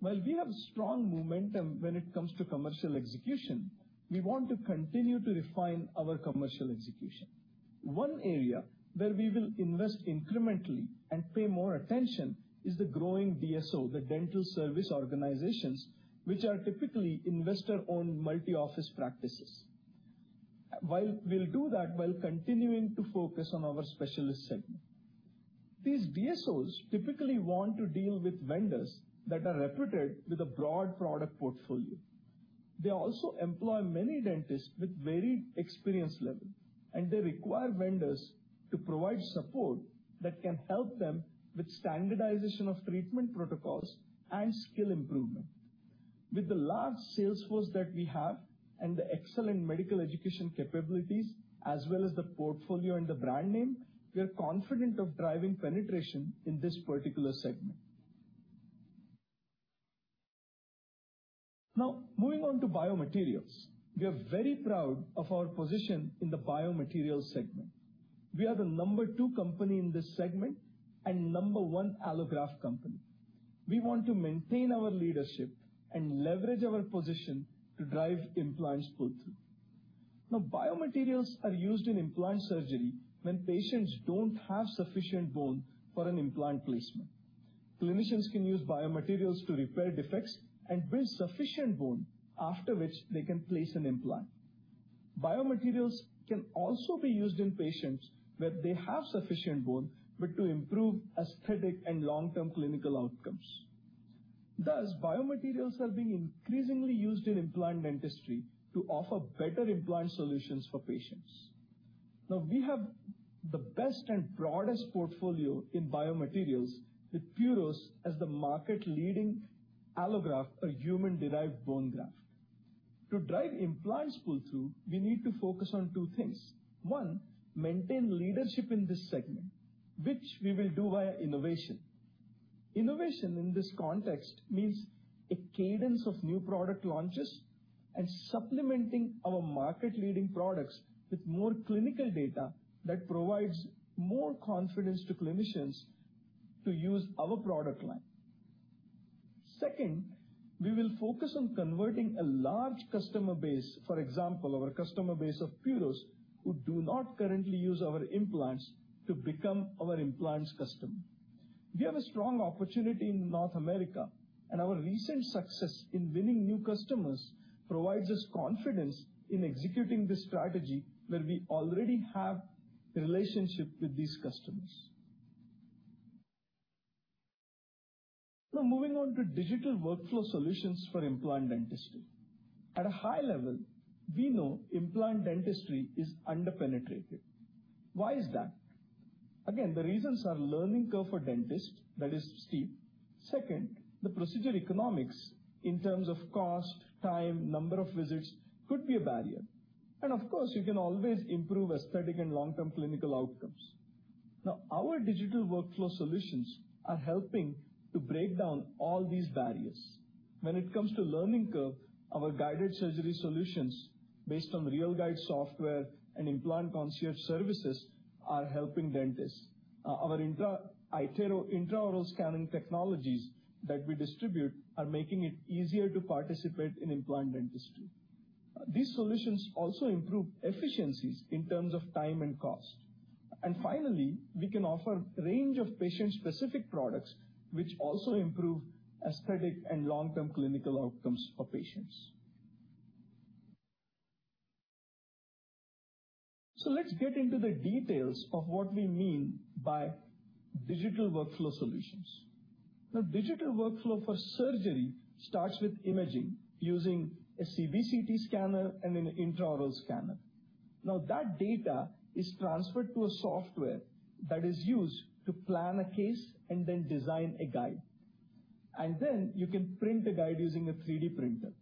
While we have strong momentum when it comes to commercial execution, we want to continue to refine our commercial execution. One area where we will invest incrementally and pay more attention is the growing DSO, the dental service organizations, which are typically investor-owned multi-office practices, while we'll do that while continuing to focus on our specialist segment. These DSOs typically want to deal with vendors that are reputable with a broad product portfolio. They also employ many dentists with varied experience levels, and they require vendors to provide support that can help them with standardization of treatment protocols and skill improvement. With the large sales force that we have and the excellent medical education capabilities as well as the portfolio and the brand name, we are confident of driving penetration in this particular segment. Now, moving on to biomaterials. We are very proud of our position in the biomaterials segment. We are the number two company in this segment and number one allograft company. We want to maintain our leadership and leverage our position to drive implants pull-through. Now biomaterials are used in implant surgery when patients don't have sufficient bone for an implant placement. Clinicians can use biomaterials to repair defects and build sufficient bone, after which they can place an implant. Biomaterials can also be used in patients where they have sufficient bone, but to improve aesthetic and long-term clinical outcomes. Thus, biomaterials are being increasingly used in implant dentistry to offer better implant solutions for patients. Now we have the best and broadest portfolio in biomaterials with Puros as the market leading allograft or human-derived bone graft. To drive implants pull-through, we need to focus on two things. One, maintain leadership in this segment, which we will do via innovation. Innovation in this context means a cadence of new product launches and supplementing our market-leading products with more clinical data that provides more confidence to clinicians to use our product line. Second, we will focus on converting a large customer base, for example, our customer base of Puros, who do not currently use our implants to become our implants customer. We have a strong opportunity in North America, and our recent success in winning new customers provides us confidence in executing this strategy where we already have relationship with these customers. Now moving on to digital workflow solutions for implant dentistry. At a high level, we know implant dentistry is under-penetrated. Why is that? Again, the reasons are learning curve for dentists, that is steep. Second, the procedure economics in terms of cost, time, number of visits could be a barrier. Of course, you can always improve aesthetic and long-term clinical outcomes. Now our digital workflow solutions are helping to break down all these barriers. When it comes to learning curve, our guided surgery solutions based on RealGUIDE software and Implant Concierge services are helping dentists. Our iTero intraoral scanning technologies that we distribute are making it easier to participate in implant dentistry. These solutions also improve efficiencies in terms of time and cost. Finally, we can offer range of patient-specific products which also improve aesthetic and long-term clinical outcomes for patients. Let's get into the details of what we mean by digital workflow solutions. Now, digital workflow for surgery starts with imaging using a CBCT scanner and an intraoral scanner. Now that data is transferred to a software that is used to plan a case and then design a guide. You can print a guide using a 3D printer.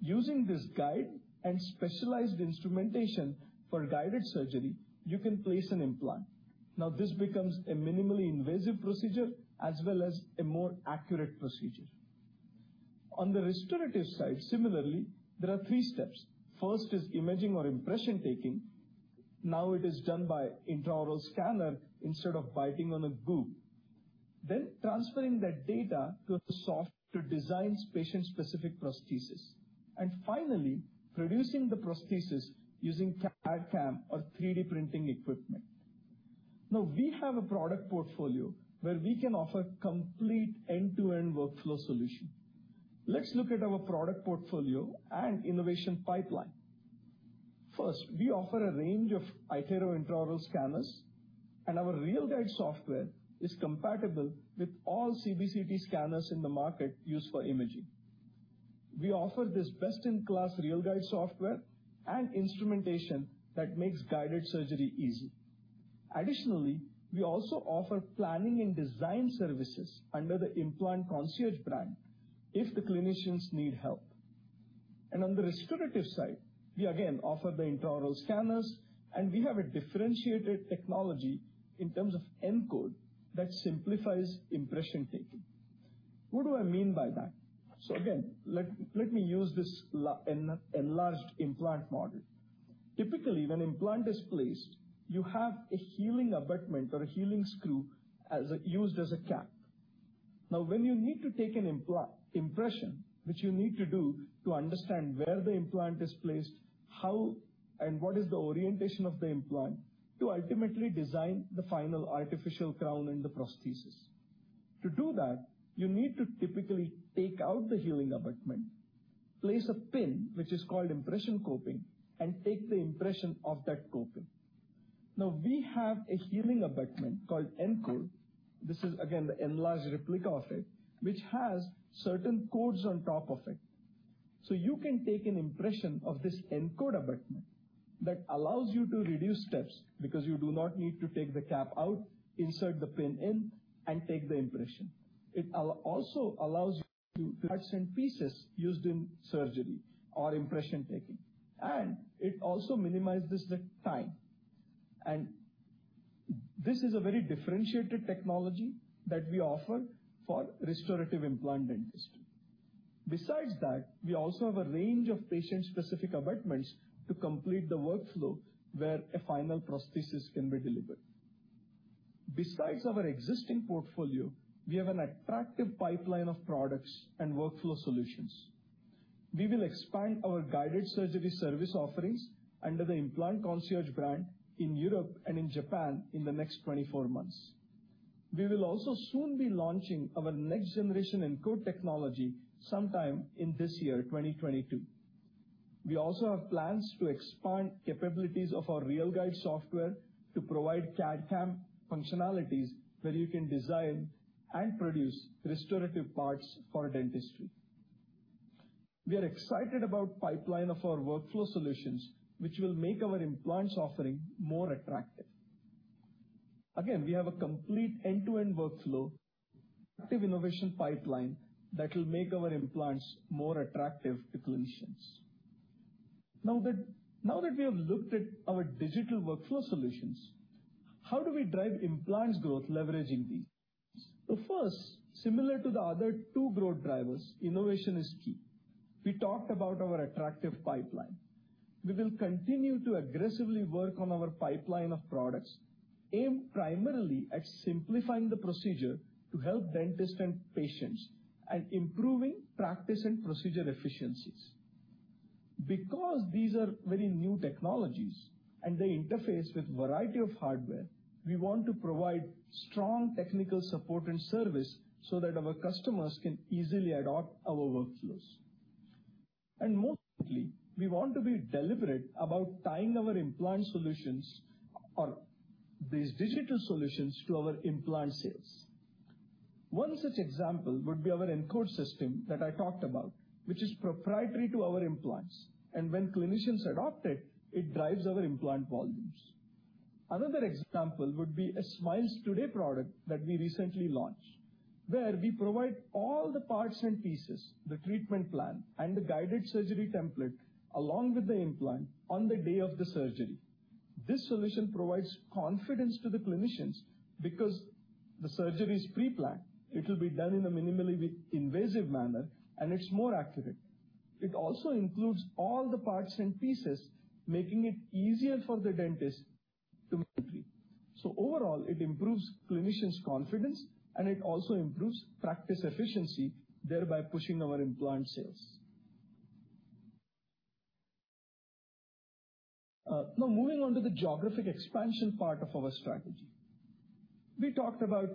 Using this guide and specialized instrumentation for guided surgery, you can place an implant. Now this becomes a minimally invasive procedure as well as a more accurate procedure. On the restorative side, similarly, there are 3 steps. First is imaging or impression taking. Now it is done by intraoral scanner instead of biting on a goo. Transferring that data to software to design patient-specific prosthesis. Finally producing the prosthesis using CAD/CAM or 3D printing equipment. Now we have a product portfolio where we can offer complete end-to-end workflow solution. Let's look at our product portfolio and innovation pipeline. First, we offer a range of iTero intraoral scanners, and our RealGUIDE software is compatible with all CBCT scanners in the market used for imaging. We offer this best-in-class RealGUIDE software and instrumentation that makes guided surgery easy. Additionally, we also offer planning and design services under the Implant Concierge brand if the clinicians need help. On the restorative side, we again offer the intraoral scanners, and we have a differentiated technology in terms of Encode that simplifies impression taking. What do I mean by that? Again, let me use this enlarged implant model. Typically, when implant is placed, you have a healing abutment or a healing screw used as a cap. Now, when you need to take an implant impression, which you need to do to understand where the implant is placed, how and what is the orientation of the implant to ultimately design the final artificial crown and the prosthesis. To do that, you need to typically take out the healing abutment, place a pin, which is called impression coping, and take the impression of that coping. Now, we have a healing abutment called Encode. This is again the enlarged replica of it, which has certain codes on top of it. You can take an impression of this Encode abutment that allows you to reduce steps because you do not need to take the cap out, insert the pin in and take the impression. It also allows you to minimize parts and pieces used in surgery or impression taking, and it also minimizes the time. This is a very differentiated technology that we offer for restorative implant dentistry. Besides that, we also have a range of patient-specific abutments to complete the workflow where a final prosthesis can be delivered. Besides our existing portfolio, we have an attractive pipeline of products and workflow solutions. We will expand our guided surgery service offerings under the Implant Concierge brand in Europe and in Japan in the next 24 months. We will also soon be launching our next generation Encode technology sometime in this year, 2022. We also have plans to expand capabilities of our RealGUIDE software to provide CAD/CAM functionalities, where you can design and produce restorative parts for dentistry. We are excited about pipeline of our workflow solutions, which will make our implants offering more attractive. Again, we have a complete end-to-end workflow active innovation pipeline that will make our implants more attractive to clinicians. Now that we have looked at our digital workflow solutions, how do we drive implants growth leveraging these? First, similar to the other two growth drivers, innovation is key. We talked about our attractive pipeline. We will continue to aggressively work on our pipeline of products, aimed primarily at simplifying the procedure to help dentists and patients and improving practice and procedure efficiencies. Because these are very new technologies and they interface with a variety of hardware, we want to provide strong technical support and service so that our customers can easily adopt our workflows. Mostly, we want to be deliberate about tying our implant solutions or these digital solutions to our implant sales. One such example would be our Encode system that I talked about, which is proprietary to our implants, and when clinicians adopt it drives our implant volumes. Another example would be a Smiles Today product that we recently launched, where we provide all the parts and pieces, the treatment plan, and the guided surgery template, along with the implant on the day of the surgery. This solution provides confidence to the clinicians because the surgery is pre-planned. It will be done in a minimally invasive manner, and it's more accurate. It also includes all the parts and pieces, making it easier for the dentist to treat. Overall it improves clinicians' confidence, and it also improves practice efficiency, thereby pushing our implant sales. Now moving on to the geographic expansion part of our strategy. We talked about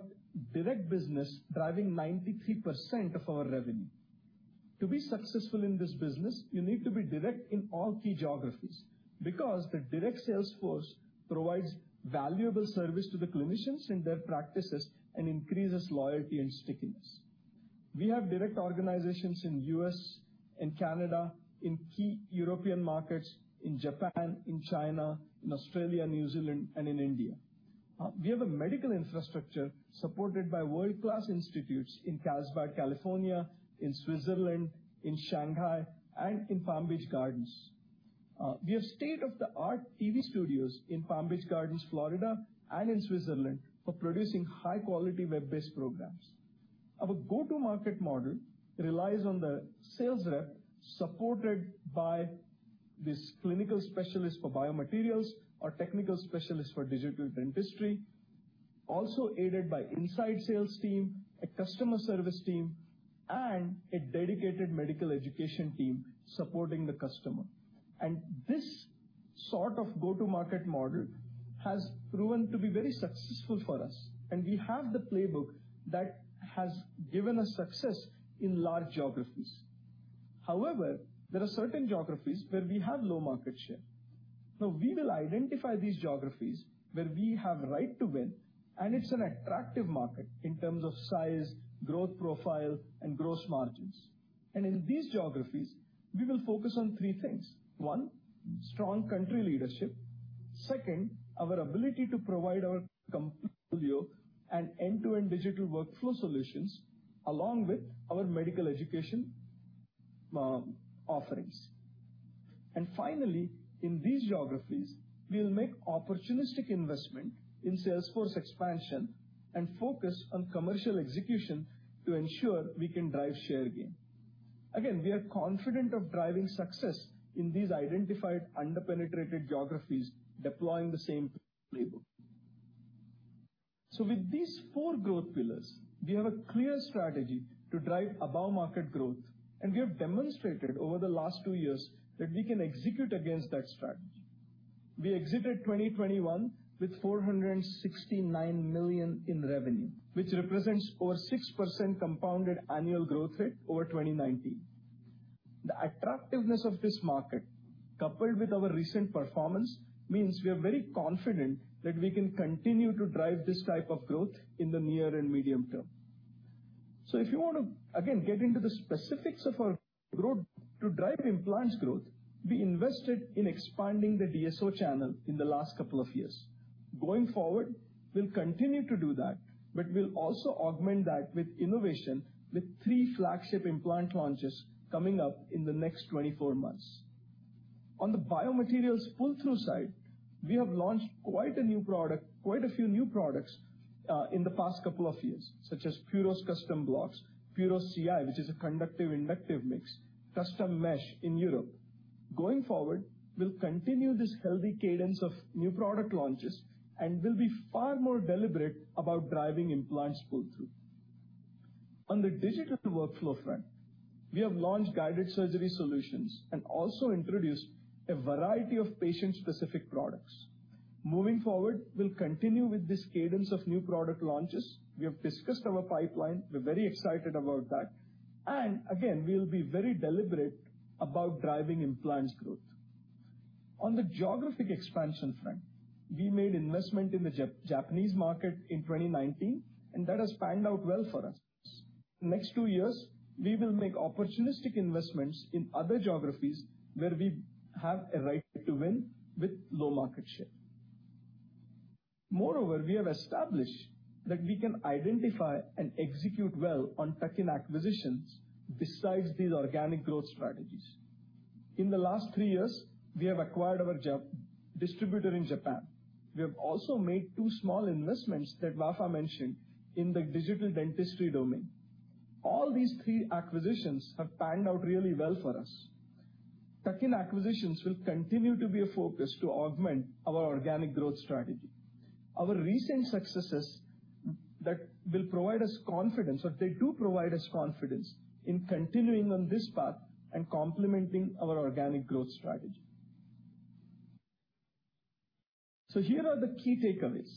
direct business driving 93% of our revenue. To be successful in this business, you need to be direct in all key geographies because the direct sales force provides valuable service to the clinicians and their practices and increases loyalty and stickiness. We have direct organizations in U.S. and Canada, in key European markets, in Japan, in China, in Australia, New Zealand, and in India. We have a medical infrastructure supported by world-class institutes in Carlsbad, California, in Switzerland, in Shanghai and in Palm Beach Gardens. We have state-of-the-art TV studios in Palm Beach Gardens, Florida, and in Switzerland for producing high-quality web-based programs. Our go-to-market model relies on the sales rep supported by this clinical specialist for biomaterials or technical specialist for digital dentistry, also aided by inside sales team, a customer service team, and a dedicated medical education team supporting the customer. This sort of go-to-market model has proven to be very successful for us, and we have the playbook that has given us success in large geographies. However, there are certain geographies where we have low market share. Now, we will identify these geographies where we have right to win, and it's an attractive market in terms of size, growth profile, and gross margins. In these geographies, we will focus on three things. One, strong country leadership. Second, our ability to provide our complete portfolio and end-to-end digital workflow solutions along with our medical education offerings. Finally, in these geographies, we'll make opportunistic investment in sales force expansion and focus on commercial execution to ensure we can drive share gain. Again, we are confident of driving success in these identified under-penetrated geographies, deploying the same playbook. With these four growth pillars, we have a clear strategy to drive above-market growth, and we have demonstrated over the last two years that we can execute against that strategy. We exited 2021 with $469 million in revenue, which represents over 6% compounded annual growth rate over 2019. The attractiveness of this market, coupled with our recent performance, means we are very confident that we can continue to drive this type of growth in the near and medium term. If you want to, again, get into the specifics of our growth. To drive implants growth, we invested in expanding the DSO channel in the last couple of years. Going forward, we'll continue to do that, but we'll also augment that with innovation with three flagship implant launches coming up in the next 24 months. On the biomaterials pull-through side, we have launched quite a few new products in the past couple of years, such as Puros Allograft Block, Puros Ci, which is a conductive inductive mix, custom mesh in Europe. Going forward, we'll continue this healthy cadence of new product launches, and we'll be far more deliberate about driving implants pull-through. On the digital workflow front, we have launched guided surgery solutions and also introduced a variety of patient-specific products. Moving forward, we'll continue with this cadence of new product launches. We have discussed our pipeline. We're very excited about that. We'll be very deliberate about driving implants growth. On the geographic expansion front, we made investment in the Japanese market in 2019, and that has panned out well for us. In the next two years, we will make opportunistic investments in other geographies where we have a right to win with low market share. Moreover, we have established that we can identify and execute well on tuck-in acquisitions besides these organic growth strategies. In the last three years, we have acquired our Japanese distributor in Japan. We have also made two small investments that Vafa mentioned in the digital dentistry domain. All these three acquisitions have panned out really well for us. Tuck-in acquisitions will continue to be a focus to augment our organic growth strategy. Our recent successes that will provide us confidence, or they do provide us confidence in continuing on this path and complementing our organic growth strategy. Here are the key takeaways.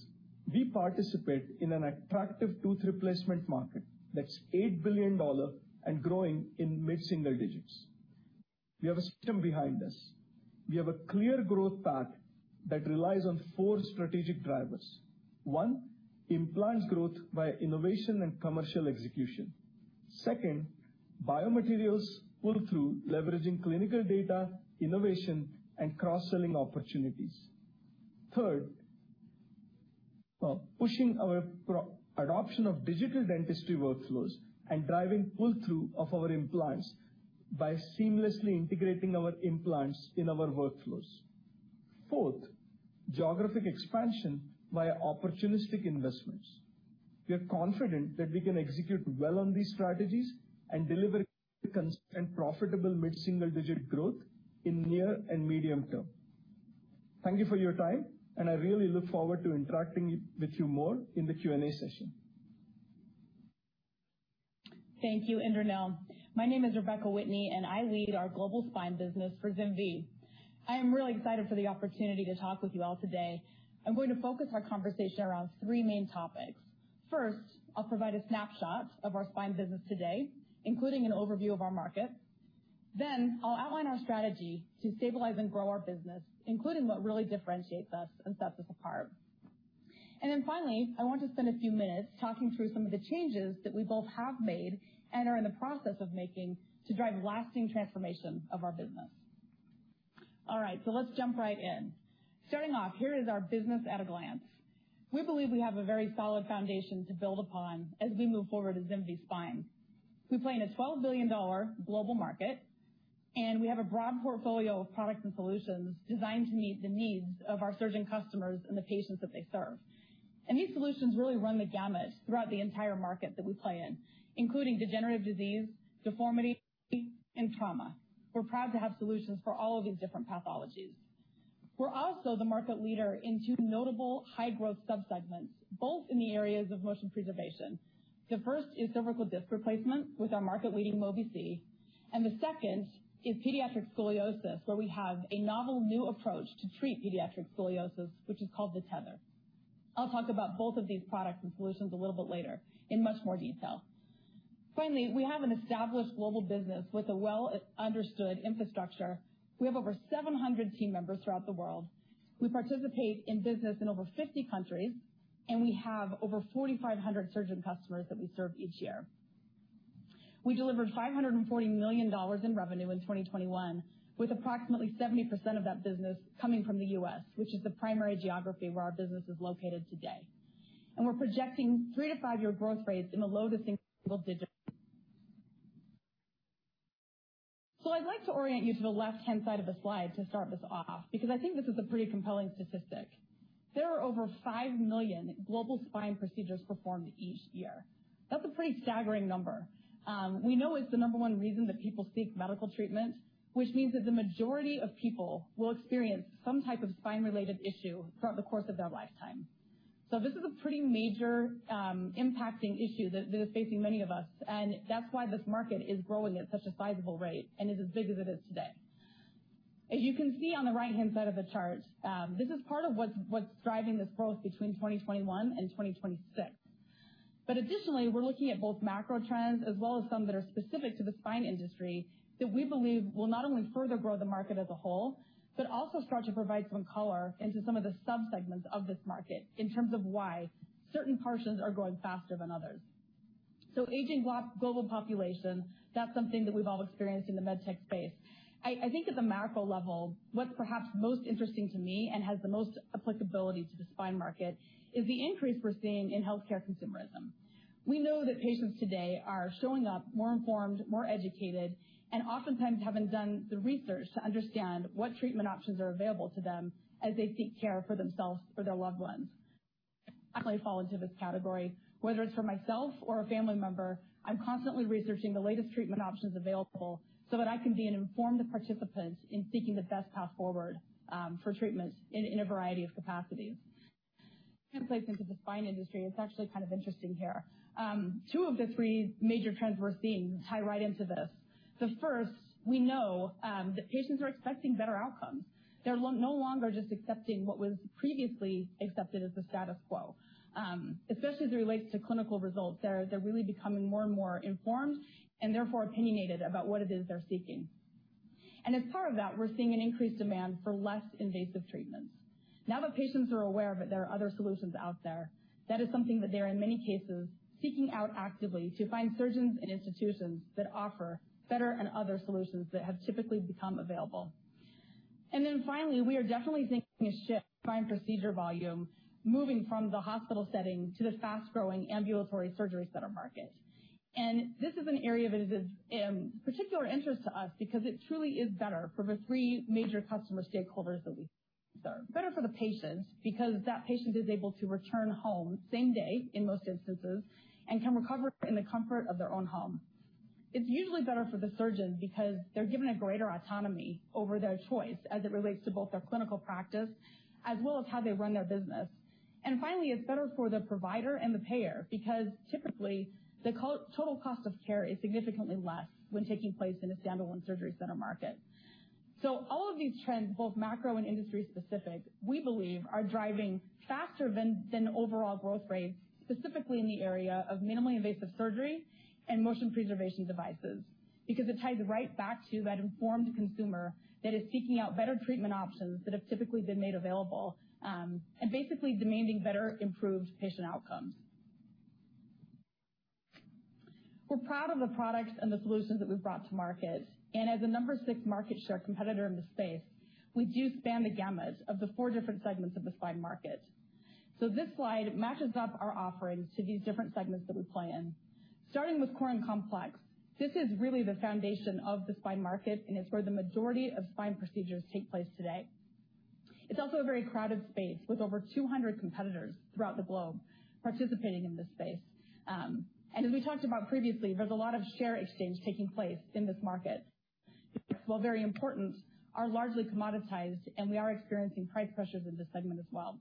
We participate in an attractive tooth replacement market that's $8 billion and growing in mid-single digits. We have a system behind us. We have a clear growth path that relies on four strategic drivers. One, implants growth via innovation and commercial execution. Second, biomaterials pull-through, leveraging clinical data, innovation, and cross-selling opportunities. Third, pushing our adoption of digital dentistry workflows and driving pull-through of our implants by seamlessly integrating our implants in our workflows. Fourth, geographic expansion via opportunistic investments. We are confident that we can execute well on these strategies and deliver consistent profitable mid-single-digit growth in near and medium term. Thank you for your time, and I really look forward to interacting with you more in the Q&A session. Thank you, Indraneel. My name is Rebecca Whitney, and I lead our global spine business for ZimVie. I am really excited for the opportunity to talk with you all today. I'm going to focus our conversation around three main topics. First, I'll provide a snapshot of our spine business today, including an overview of our market. Then I'll outline our strategy to stabilize and grow our business, including what really differentiates us and sets us apart. Finally, I want to spend a few minutes talking through some of the changes that we both have made and are in the process of making to drive lasting transformation of our business. All right, so let's jump right in. Starting off, here is our business at a glance. We believe we have a very solid foundation to build upon as we move forward as ZimVie Spine. We play in a $12 billion global market, and we have a broad portfolio of products and solutions designed to meet the needs of our surgeon customers and the patients that they serve. These solutions really run the gamut throughout the entire market that we play in, including degenerative disease, deformity, and trauma. We're proud to have solutions for all of these different pathologies. We're also the market leader in two notable high-growth sub-segments, both in the areas of motion preservation. The first is cervical disc replacement with our market-leading Mobi-C. The second is pediatric scoliosis, where we have a novel new approach to treat pediatric scoliosis, which is called the Tether. I'll talk about both of these products and solutions a little bit later in much more detail. Finally, we have an established global business with a well-understood infrastructure. We have over 700 team members throughout the world. We participate in business in over 50 countries, and we have over 4,500 surgeon customers that we serve each year. We delivered $540 million in revenue in 2021, with approximately 70% of that business coming from the U.S., which is the primary geography where our business is located today. We're projecting three to five year growth rates in the low- to single-digit. I'd like to orient you to the left-hand side of the slide to start this off, because I think this is a pretty compelling statistic. There are over 5 million global spine procedures performed each year. That's a pretty staggering number. We know it's the number one reason that people seek medical treatment, which means that the majority of people will experience some type of spine-related issue throughout the course of their lifetime. This is a pretty major impacting issue that is facing many of us, and that's why this market is growing at such a sizable rate and is as big as it is today. As you can see on the right-hand side of the chart, this is part of what's driving this growth between 2021 and 2026. Additionally, we're looking at both macro trends as well as some that are specific to the spine industry that we believe will not only further grow the market as a whole, but also start to provide some color into some of the sub-segments of this market in terms of why certain portions are growing faster than others. Aging global population, that's something that we've all experienced in the med tech space. I think at the macro level, what's perhaps most interesting to me and has the most applicability to the spine market is the increase we're seeing in healthcare consumerism. We know that patients today are showing up more informed, more educated, and oftentimes having done the research to understand what treatment options are available to them as they seek care for themselves or their loved ones. I definitely fall into this category, whether it's for myself or a family member, I'm constantly researching the latest treatment options available so that I can be an informed participant in seeking the best path forward, for treatment in a variety of capacities. Translating to the spine industry, it's actually kind of interesting here. Two of the three major trends we're seeing tie right into this. The first, we know, that patients are expecting better outcomes. They're no longer just accepting what was previously accepted as the status quo, especially as it relates to clinical results. They're really becoming more and more informed and therefore opinionated about what it is they're seeking. As part of that, we're seeing an increased demand for less invasive treatments. Now that patients are aware that there are other solutions out there, that is something that they're in many cases seeking out actively to find surgeons and institutions that offer better and other solutions that have typically become available. Then finally, we are definitely seeing a shift in spine procedure volume moving from the hospital setting to the fast-growing ambulatory surgery center market. This is an area that is of particular interest to us because it truly is better for the three major customer stakeholders that we serve. Better for the patients, because that patient is able to return home same day in most instances and can recover in the comfort of their own home. It's usually better for the surgeon because they're given a greater autonomy over their choice as it relates to both their clinical practice as well as how they run their business. Finally, it's better for the provider and the payer because typically the total cost of care is significantly less when taking place in a standalone surgery center market. All of these trends, both macro and industry-specific, we believe are driving faster than overall growth rates, specifically in the area of minimally invasive surgery and motion preservation devices. Because it ties right back to that informed consumer that is seeking out better treatment options that have typically been made available, and basically demanding better improved patient outcomes. We're proud of the products and the solutions that we've brought to market. As a number six market share competitor in the space, we do span the gamuts of the four different segments of the spine market. This slide matches up our offerings to these different segments that we play in. Starting with core and complex. This is really the foundation of the spine market, and it's where the majority of spine procedures take place today. It's also a very crowded space with over 200 competitors throughout the globe participating in this space. As we talked about previously, there's a lot of share exchange taking place in this market. While very important, are largely commoditized, and we are experiencing price pressures in this segment as well.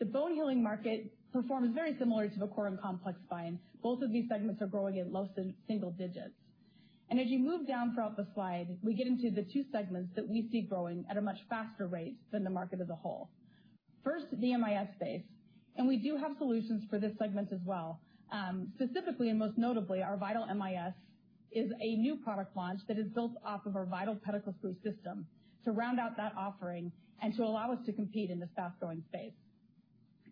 The bone healing market performs very similarly to the core and complex spine. Both of these segments are growing at low single digits. As you move down throughout the slide, we get into the two segments that we see growing at a much faster rate than the market as a whole. First, the MIS space. We do have solutions for this segment as well. Specifically and most notably, our Vital MIS is a new product launch that is built off of our Vital Pedicle Screw system to round out that offering and to allow us to compete in this fast-growing space.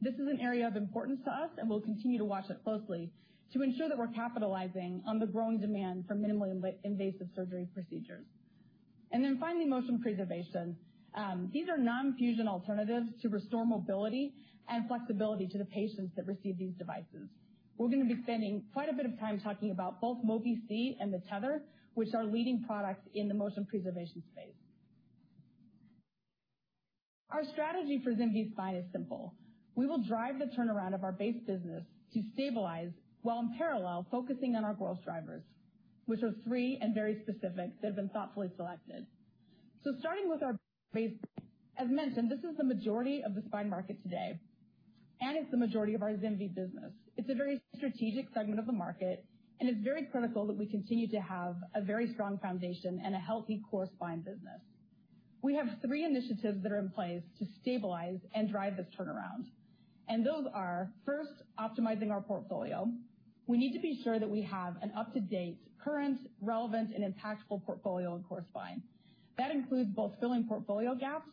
This is an area of importance to us, and we'll continue to watch it closely to ensure that we're capitalizing on the growing demand for minimally invasive surgery procedures. Finally, motion preservation. These are non-fusion alternatives to restore mobility and flexibility to the patients that receive these devices. We're gonna be spending quite a bit of time talking about both Mobi-C and the Tether, which are leading products in the motion preservation space. Our strategy for ZimVie Spine is simple. We will drive the turnaround of our base business to stabilize while in parallel, focusing on our growth drivers, which are three and very specific that have been thoughtfully selected. Starting with our base. As mentioned, this is the majority of the spine market today. It's the majority of our ex-MIS business. It's a very strategic segment of the market, and it's very critical that we continue to have a very strong foundation and a healthy core spine business. We have three initiatives that are in place to stabilize and drive this turnaround, and those are first, optimizing our portfolio. We need to be sure that we have an up-to-date, current, relevant, and impactful portfolio in core spine. That includes both filling portfolio gaps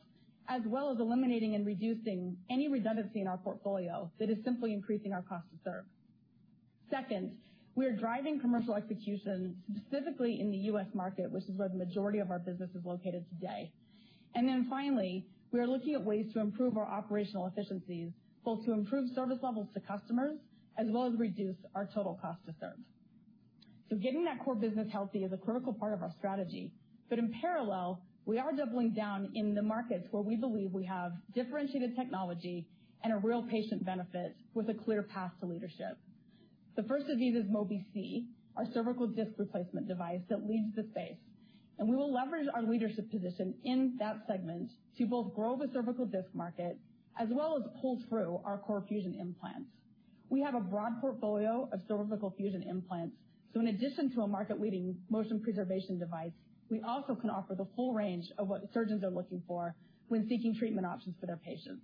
as well as eliminating and reducing any redundancy in our portfolio that is simply increasing our cost to serve. Second, we are driving commercial execution specifically in the U.S. market, which is where the majority of our business is located today. Then finally, we are looking at ways to improve our operational efficiencies, both to improve service levels to customers as well as reduce our total cost to serve. Getting that core business healthy is a critical part of our strategy. In parallel, we are doubling down in the markets where we believe we have differentiated technology and a real patient benefit with a clear path to leadership. The first of these is Mobi-C, our cervical disc replacement device that leads the space, and we will leverage our leadership position in that segment to both grow the cervical disc market as well as pull through our core fusion implants. We have a broad portfolio of cervical fusion implants, so in addition to a market-leading motion preservation device, we also can offer the full range of what surgeons are looking for when seeking treatment options for their patients.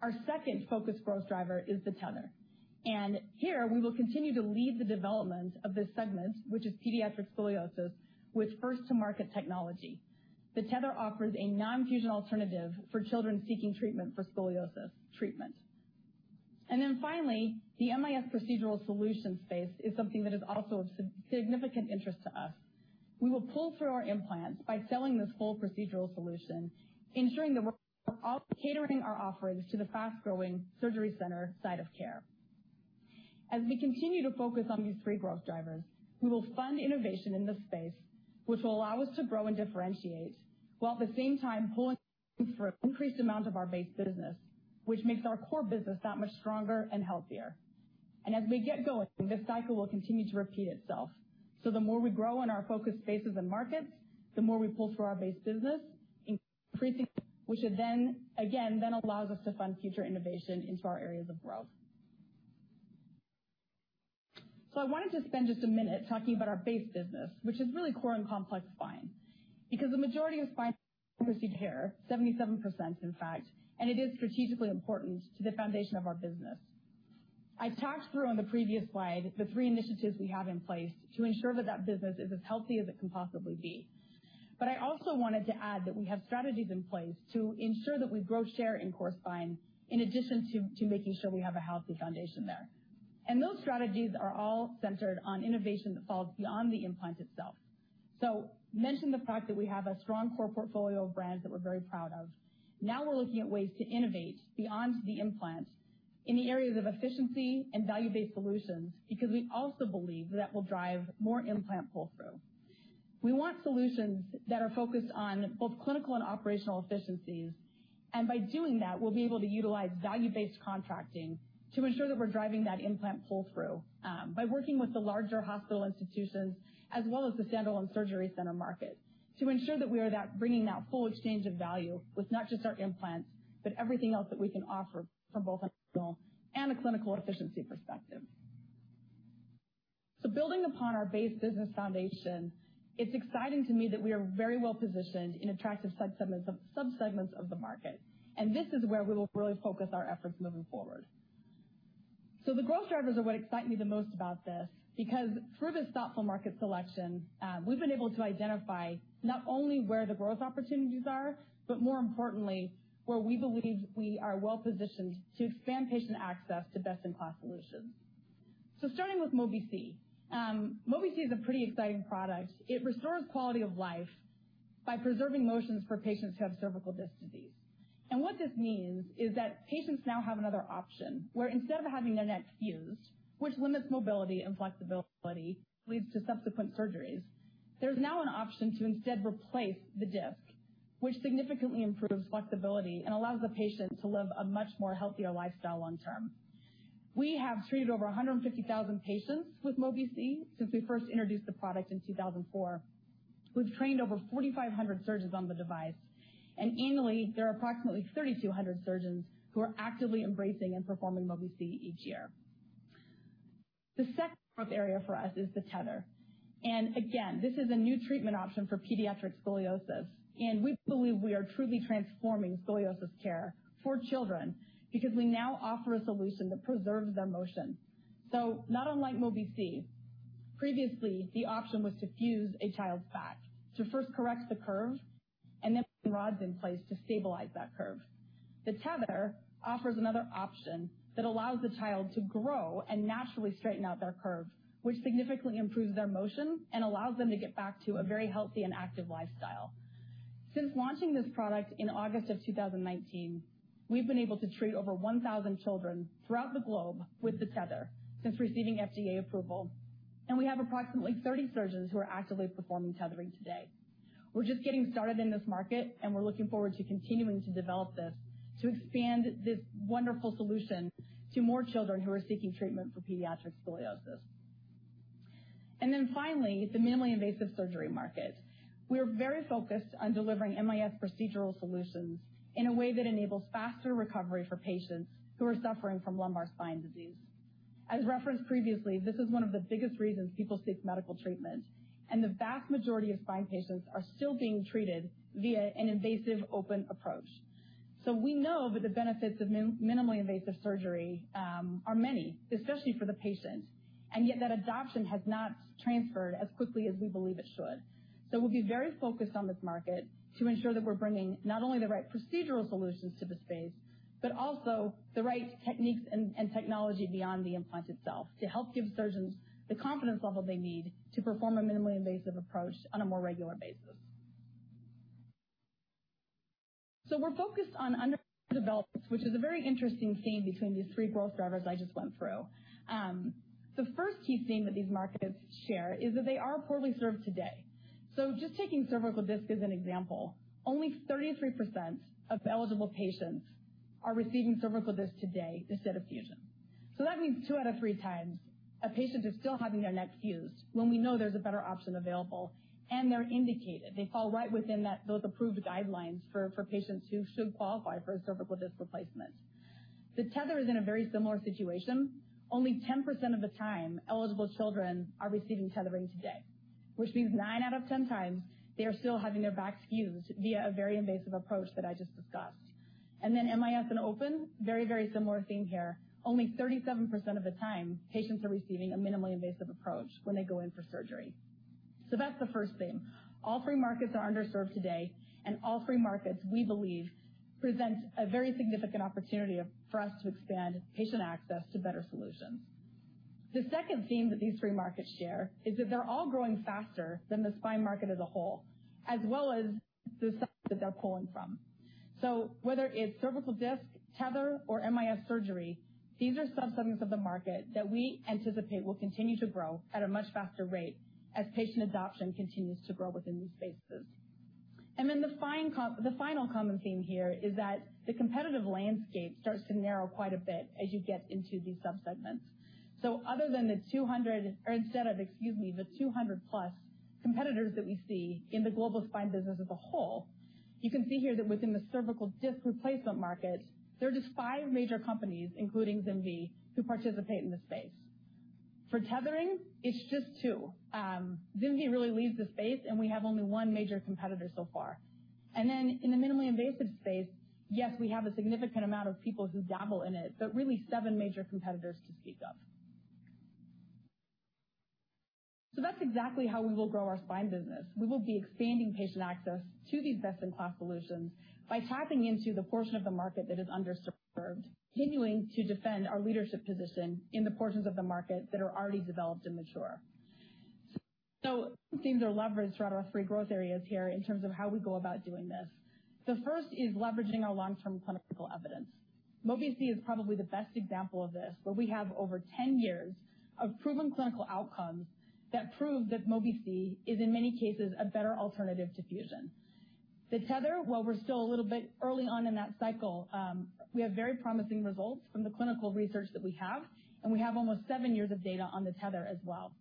Our second focus growth driver is the Tether, and here we will continue to lead the development of this segment, which is pediatric scoliosis with first-to-market technology. The Tether offers a non-fusion alternative for children seeking treatment for scoliosis treatment. Finally, the MIS procedural solution space is something that is also of significant interest to us. We will pull through our implants by selling this full procedural solution, ensuring that we're all catering our offerings to the fast-growing surgery center side of care. As we continue to focus on these three growth drivers, we will fund innovation in this space, which will allow us to grow and differentiate while at the same time pulling through increased amounts of our base business, which makes our core business that much stronger and healthier. As we get going, this cycle will continue to repeat itself. The more we grow in our focus spaces and markets, the more we pull through our base business, increasing, which then again then allows us to fund future innovation into our areas of growth. I wanted to spend just a minute talking about our base business, which is really core and complex spine, because the majority of spine received care, 77%, in fact, and it is strategically important to the foundation of our business. I talked through on the previous slide the three initiatives we have in place to ensure that business is as healthy as it can possibly be. I also wanted to add that we have strategies in place to ensure that we grow share in core spine in addition to making sure we have a healthy foundation there. Those strategies are all centered on innovation that falls beyond the implant itself. Mentioned the fact that we have a strong core portfolio of brands that we're very proud of. Now we're looking at ways to innovate beyond the implant in the areas of efficiency and value-based solutions, because we also believe that will drive more implant pull-through. We want solutions that are focused on both clinical and operational efficiencies. By doing that, we'll be able to utilize value-based contracting to ensure that we're driving that implant pull-through, by working with the larger hospital institutions as well as the standalone surgery center market to ensure that we are that bringing that full exchange of value with not just our implants, but everything else that we can offer from both a hospital and a clinical efficiency perspective. Building upon our base business foundation, it's exciting to me that we are very well positioned in attractive sub-segments of the market. This is where we will really focus our efforts moving forward. The growth drivers are what excite me the most about this, because through this thoughtful market selection, we've been able to identify not only where the growth opportunities are, but more importantly, where we believe we are well-positioned to expand patient access to best-in-class solutions. Starting with Mobi-C. Mobi-C is a pretty exciting product. It restores quality of life by preserving motions for patients who have cervical disc disease. What this means is that patients now have another option where instead of having their neck fused, which limits mobility and flexibility, leads to subsequent surgeries. There's now an option to instead replace the disc, which significantly improves flexibility and allows the patient to live a much more healthier lifestyle long term. We have treated over 150,000 patients with Mobi-C since we first introduced the product in 2004. We've trained over 4,500 surgeons on the device, and annually there are approximately 3,200 surgeons who are actively embracing and performing Mobi-C each year. The second growth area for us is the Tether. Again, this is a new treatment option for pediatric scoliosis. We believe we are truly transforming scoliosis care for children because we now offer a solution that preserves their motion. Not unlike Mobi-C, previously the option was to fuse a child's back to first correct the curve and then putting rods in place to stabilize that curve. The Tether offers another option that allows the child to grow and naturally straighten out their curve, which significantly improves their motion and allows them to get back to a very healthy and active lifestyle. Since launching this product in August of 2019, we've been able to treat over 1,000 children throughout the globe with The Tether since receiving FDA approval. We have approximately 30 surgeons who are actively performing tethering today. We're just getting started in this market, and we're looking forward to continuing to develop this to expand this wonderful solution to more children who are seeking treatment for pediatric scoliosis. Finally, the minimally invasive surgery market. We are very focused on delivering MIS procedural solutions in a way that enables faster recovery for patients who are suffering from lumbar spine disease. As referenced previously, this is one of the biggest reasons people seek medical treatment, and the vast majority of spine patients are still being treated via an invasive open approach. We know that the benefits of minimally invasive surgery are many, especially for the patient. Yet that adoption has not transferred as quickly as we believe it should. We'll be very focused on this market to ensure that we're bringing not only the right procedural solutions to the space, but also the right techniques and technology beyond the implant itself to help give surgeons the confidence level they need to perform a minimally invasive approach on a more regular basis. We're focused on these developments, which is a very interesting theme between these three growth drivers I just went through. The first key theme that these markets share is that they are poorly served today. Just taking cervical disc as an example, only 33% of eligible patients are receiving cervical disc today instead of fusion. That means two out of three times a patient is still having their neck fused when we know there's a better option available, and they're indicated. They fall right within that, those approved guidelines for patients who should qualify for a cervical disc replacement. The Tether is in a very similar situation. Only 10% of the time eligible children are receiving tethering today, which means 9 out of 10 times they are still having their backs fused via a very invasive approach that I just discussed. MIS and open, very, very similar theme here. Only 37% of the time patients are receiving a minimally invasive approach when they go in for surgery. That's the first theme. All three markets are underserved today, and all three markets, we believe, present a very significant opportunity for us to expand patient access to better solutions. The second theme that these three markets share is that they're all growing faster than the spine market as a whole, as well as the subs that they're pulling from. Whether it's cervical disc, tether, or MIS surgery, these are sub-segments of the market that we anticipate will continue to grow at a much faster rate as patient adoption continues to grow within these spaces. The final common theme here is that the competitive landscape starts to narrow quite a bit as you get into these sub-segments. Other than the 200+ competitors that we see in the global spine business as a whole, you can see here that within the cervical disc replacement market, there are just five major companies, including ZimVie, who participate in the space. For tethering, it's just two. ZimVie really leads the space, and we have only one major competitor so far. In the minimally invasive space, yes, we have a significant amount of people who dabble in it, but really seven major competitors to speak of. That's exactly how we will grow our spine business. We will be expanding patient access to these best-in-class solutions by tapping into the portion of the market that is underserved, continuing to defend our leadership position in the portions of the market that are already developed and mature. Some themes are leveraged throughout our three growth areas here in terms of how we go about doing this. The first is leveraging our long-term clinical evidence. Mobi-C is probably the best example of this, where we have over 10 years of proven clinical outcomes that prove that Mobi-C is, in many cases, a better alternative to fusion. The Tether, while we're still a little bit early on in that cycle, we have very promising results from the clinical research that we have, and we have almost seven years of data on the Tether as well.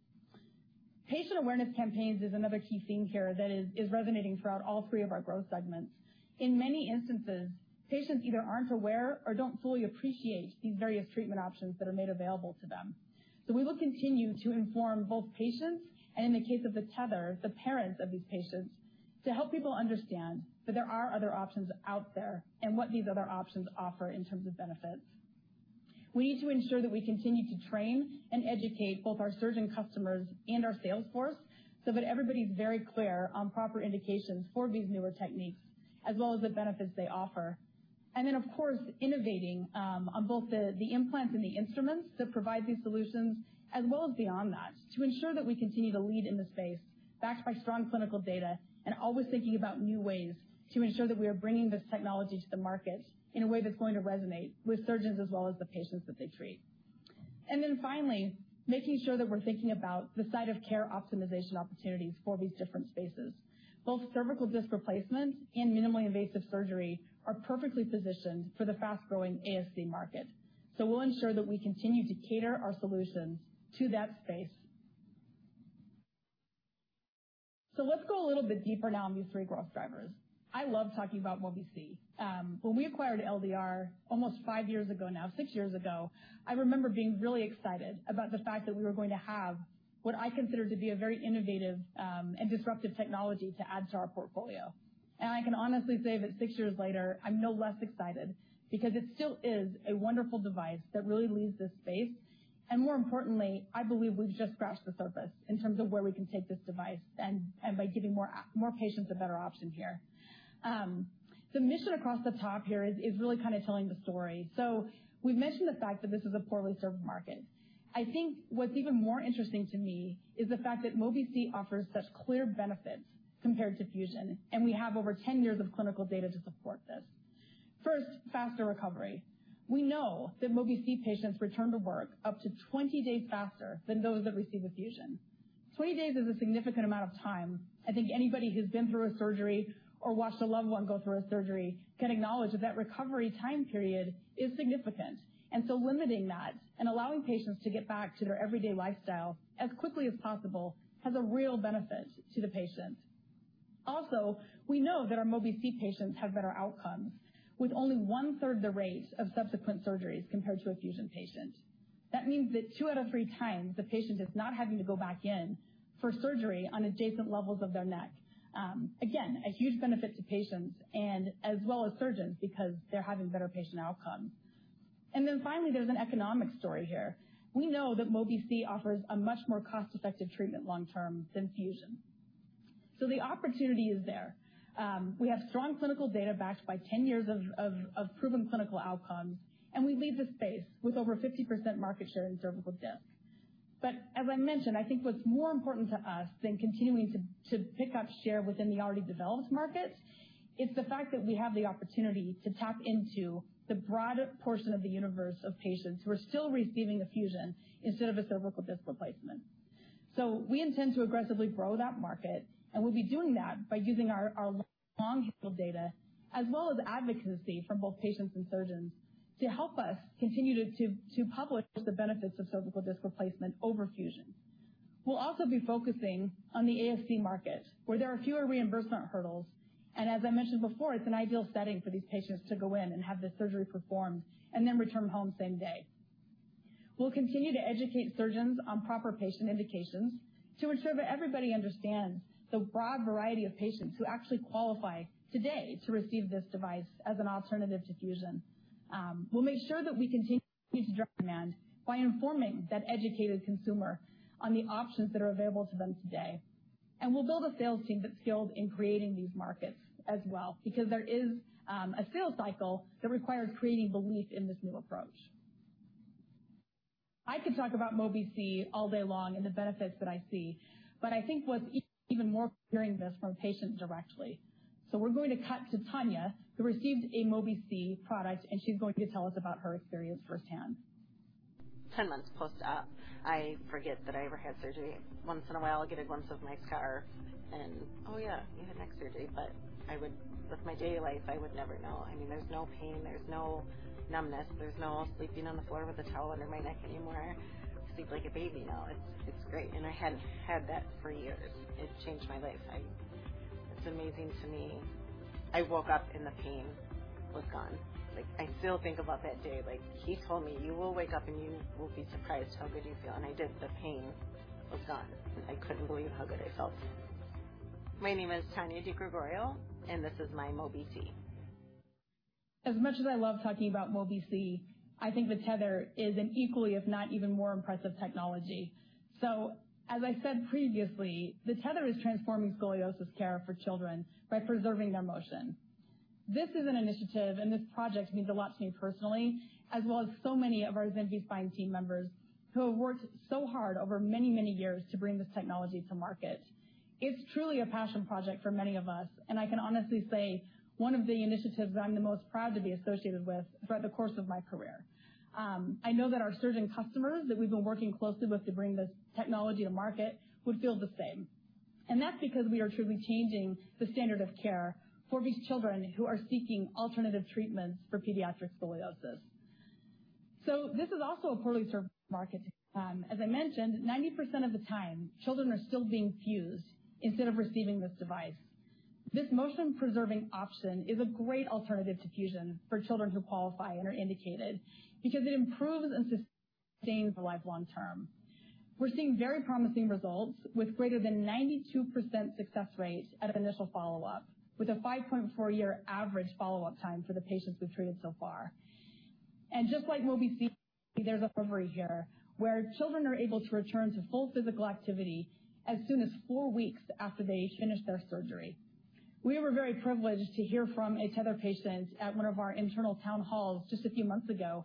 Patient awareness campaigns is another key theme here that is resonating throughout all three of our growth segments. In many instances, patients either aren't aware or don't fully appreciate these various treatment options that are made available to them. We will continue to inform both patients and in the case of the Tether, the parents of these patients, to help people understand that there are other options out there and what these other options offer in terms of benefits. We need to ensure that we continue to train and educate both our surgeon customers and our sales force so that everybody's very clear on proper indications for these newer techniques as well as the benefits they offer. Of course, innovating on both the implants and the instruments that provide these solutions, as well as beyond that to ensure that we continue to lead in the space backed by strong clinical data and always thinking about new ways to ensure that we are bringing this technology to the market in a way that's going to resonate with surgeons as well as the patients that they treat. Finally, making sure that we're thinking about the site of care optimization opportunities for these different spaces. Both cervical disc replacement and minimally invasive surgery are perfectly positioned for the fast-growing ASC market. We'll ensure that we continue to cater our solutions to that space. Let's go a little bit deeper now on these three growth drivers. I love talking about Mobi-C. When we acquired LDR almost five years ago now, six years ago, I remember being really excited about the fact that we were going to have what I consider to be a very innovative, and disruptive technology to add to our portfolio. I can honestly say that six years later, I'm no less excited because it still is a wonderful device that really leads this space. More importantly, I believe we've just scratched the surface in terms of where we can take this device and by giving more patients a better option here. The mission across the top here is really kind of telling the story. We've mentioned the fact that this is a poorly served market. I think what's even more interesting to me is the fact that Mobi-C offers such clear benefits compared to fusion, and we have over 10 years of clinical data to support this. First, faster recovery. We know that Mobi-C patients return to work up to 20 days faster than those that receive a fusion. 20 days is a significant amount of time. I think anybody who's been through a surgery or watched a loved one go through a surgery can acknowledge that that recovery time period is significant. Limiting that and allowing patients to get back to their everyday lifestyle as quickly as possible has a real benefit to the patient. Also, we know that our Mobi-C patients have better outcomes with only 1/3 the rate of subsequent surgeries compared to a fusion patient. That means that two out of three times the patient is not having to go back in for surgery on adjacent levels of their neck. Again, a huge benefit to patients and as well as surgeons because they're having better patient outcomes. Finally, there's an economic story here. We know that Mobi-C offers a much more cost-effective treatment long term than fusion. The opportunity is there. We have strong clinical data backed by 10 years of proven clinical outcomes, and we lead the space with over 50% market share in cervical disc. As I mentioned, I think what's more important to us than continuing to pick up share within the already developed market is the fact that we have the opportunity to tap into the broader portion of the universe of patients who are still receiving a fusion instead of a cervical disc replacement. We intend to aggressively grow that market, and we'll be doing that by using our longitudinal data as well as advocacy from both patients and surgeons to help us continue to publish the benefits of cervical disc replacement over fusion. We'll also be focusing on the ASC market, where there are fewer reimbursement hurdles. As I mentioned before, it's an ideal setting for these patients to go in and have the surgery performed and then return home same day. We'll continue to educate surgeons on proper patient indications to ensure that everybody understands the broad variety of patients who actually qualify today to receive this device as an alternative to fusion. We'll make sure that we continue to drive demand by informing that educated consumer on the options that are available to them today. We'll build a sales team that's skilled in creating these markets as well, because there is a sales cycle that requires creating belief in this new approach. I could talk about Mobi-C all day long and the benefits that I see, but I think what's even more hearing this from a patient directly. We're going to cut to Tanya, who received a Mobi-C product, and she's going to tell us about her experience firsthand. 10 months post-op, I forget that I ever had surgery. Once in a while, I'll get a glimpse of my scar and, oh yeah, you had neck surgery, but with my daily life, I would never know. I mean, there's no pain, there's no numbness, there's no sleeping on the floor with a towel under my neck anymore. I sleep like a baby now. It's great. I hadn't had that for years. It's changed my life. It's amazing to me. I woke up and the pain was gone. Like, I still think about that day. Like, he told me, "You will wake up and you will be surprised how good you feel." I did. The pain was gone. I couldn't believe how good I felt. My name is Tanya DeGregorio, and this is my Mobi-C. As much as I love talking about Mobi-C, I think the Tether is an equally, if not even more impressive technology. As I said previously, the Tether is transforming scoliosis care for children by preserving their motion. This is an initiative, and this project means a lot to me personally, as well as so many of our Zimmer Biomet Spine team members who have worked so hard over many, many years to bring this technology to market. It's truly a passion project for many of us, and I can honestly say one of the initiatives that I'm the most proud to be associated with throughout the course of my career. I know that our surgeon customers that we've been working closely with to bring this technology to market would feel the same. That's because we are truly changing the standard of care for these children who are seeking alternative treatments for pediatric scoliosis. This is also a poorly served market. As I mentioned, 90% of the time, children are still being fused instead of receiving this device. This motion-preserving option is a great alternative to fusion for children who qualify and are indicated because it improves and sustains life long-term. We're seeing very promising results with greater than 92% success rate at initial follow-up, with a 5.4-year average follow-up time for the patients we've treated so far. Just like Mobi-C, there's recovery here where children are able to return to full physical activity as soon as four weeks after they finish their surgery. We were very privileged to hear from a Tether patient at one of our internal town halls just a few months ago,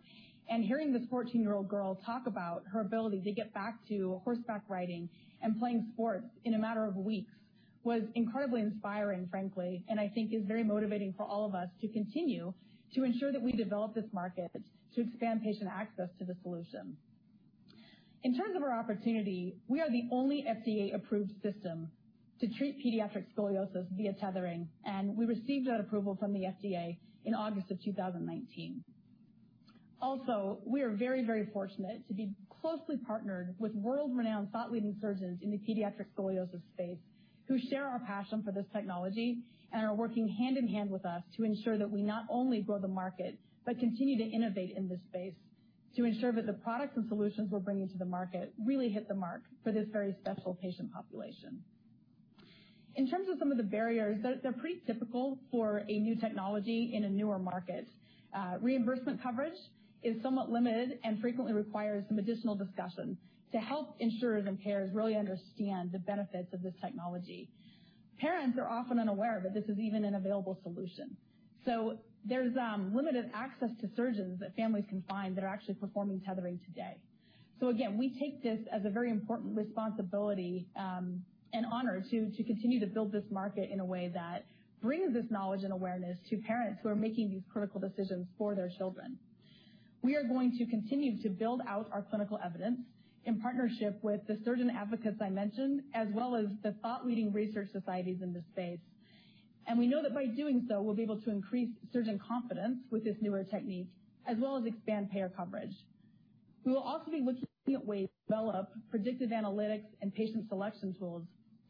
and hearing this 14-year-old girl talk about her ability to get back to horseback riding and playing sports in a matter of weeks was incredibly inspiring, frankly. I think is very motivating for all of us to continue to ensure that we develop this market to expand patient access to the solution. In terms of our opportunity, we are the only FDA-approved system to treat pediatric scoliosis via tethering, and we received that approval from the FDA in August of 2019. Also, we are very, very fortunate to be closely partnered with world-renowned, thought-leading surgeons in the pediatric scoliosis space who share our passion for this technology and are working hand in hand with us to ensure that we not only grow the market but continue to innovate in this space to ensure that the products and solutions we're bringing to the market really hit the mark for this very special patient population. In terms of some of the barriers, they're pretty typical for a new technology in a newer market. Reimbursement coverage is somewhat limited and frequently requires some additional discussion to help insurers and payers really understand the benefits of this technology. Parents are often unaware that this is even an available solution. There's limited access to surgeons that families can find that are actually performing tethering today. Again, we take this as a very important responsibility and honor to continue to build this market in a way that brings this knowledge and awareness to parents who are making these critical decisions for their children. We are going to continue to build out our clinical evidence in partnership with the surgeon advocates I mentioned, as well as the thought-leading research societies in this space. We know that by doing so, we'll be able to increase surgeon confidence with this newer technique, as well as expand payer coverage. We will also be looking at ways to develop predictive analytics and patient selection tools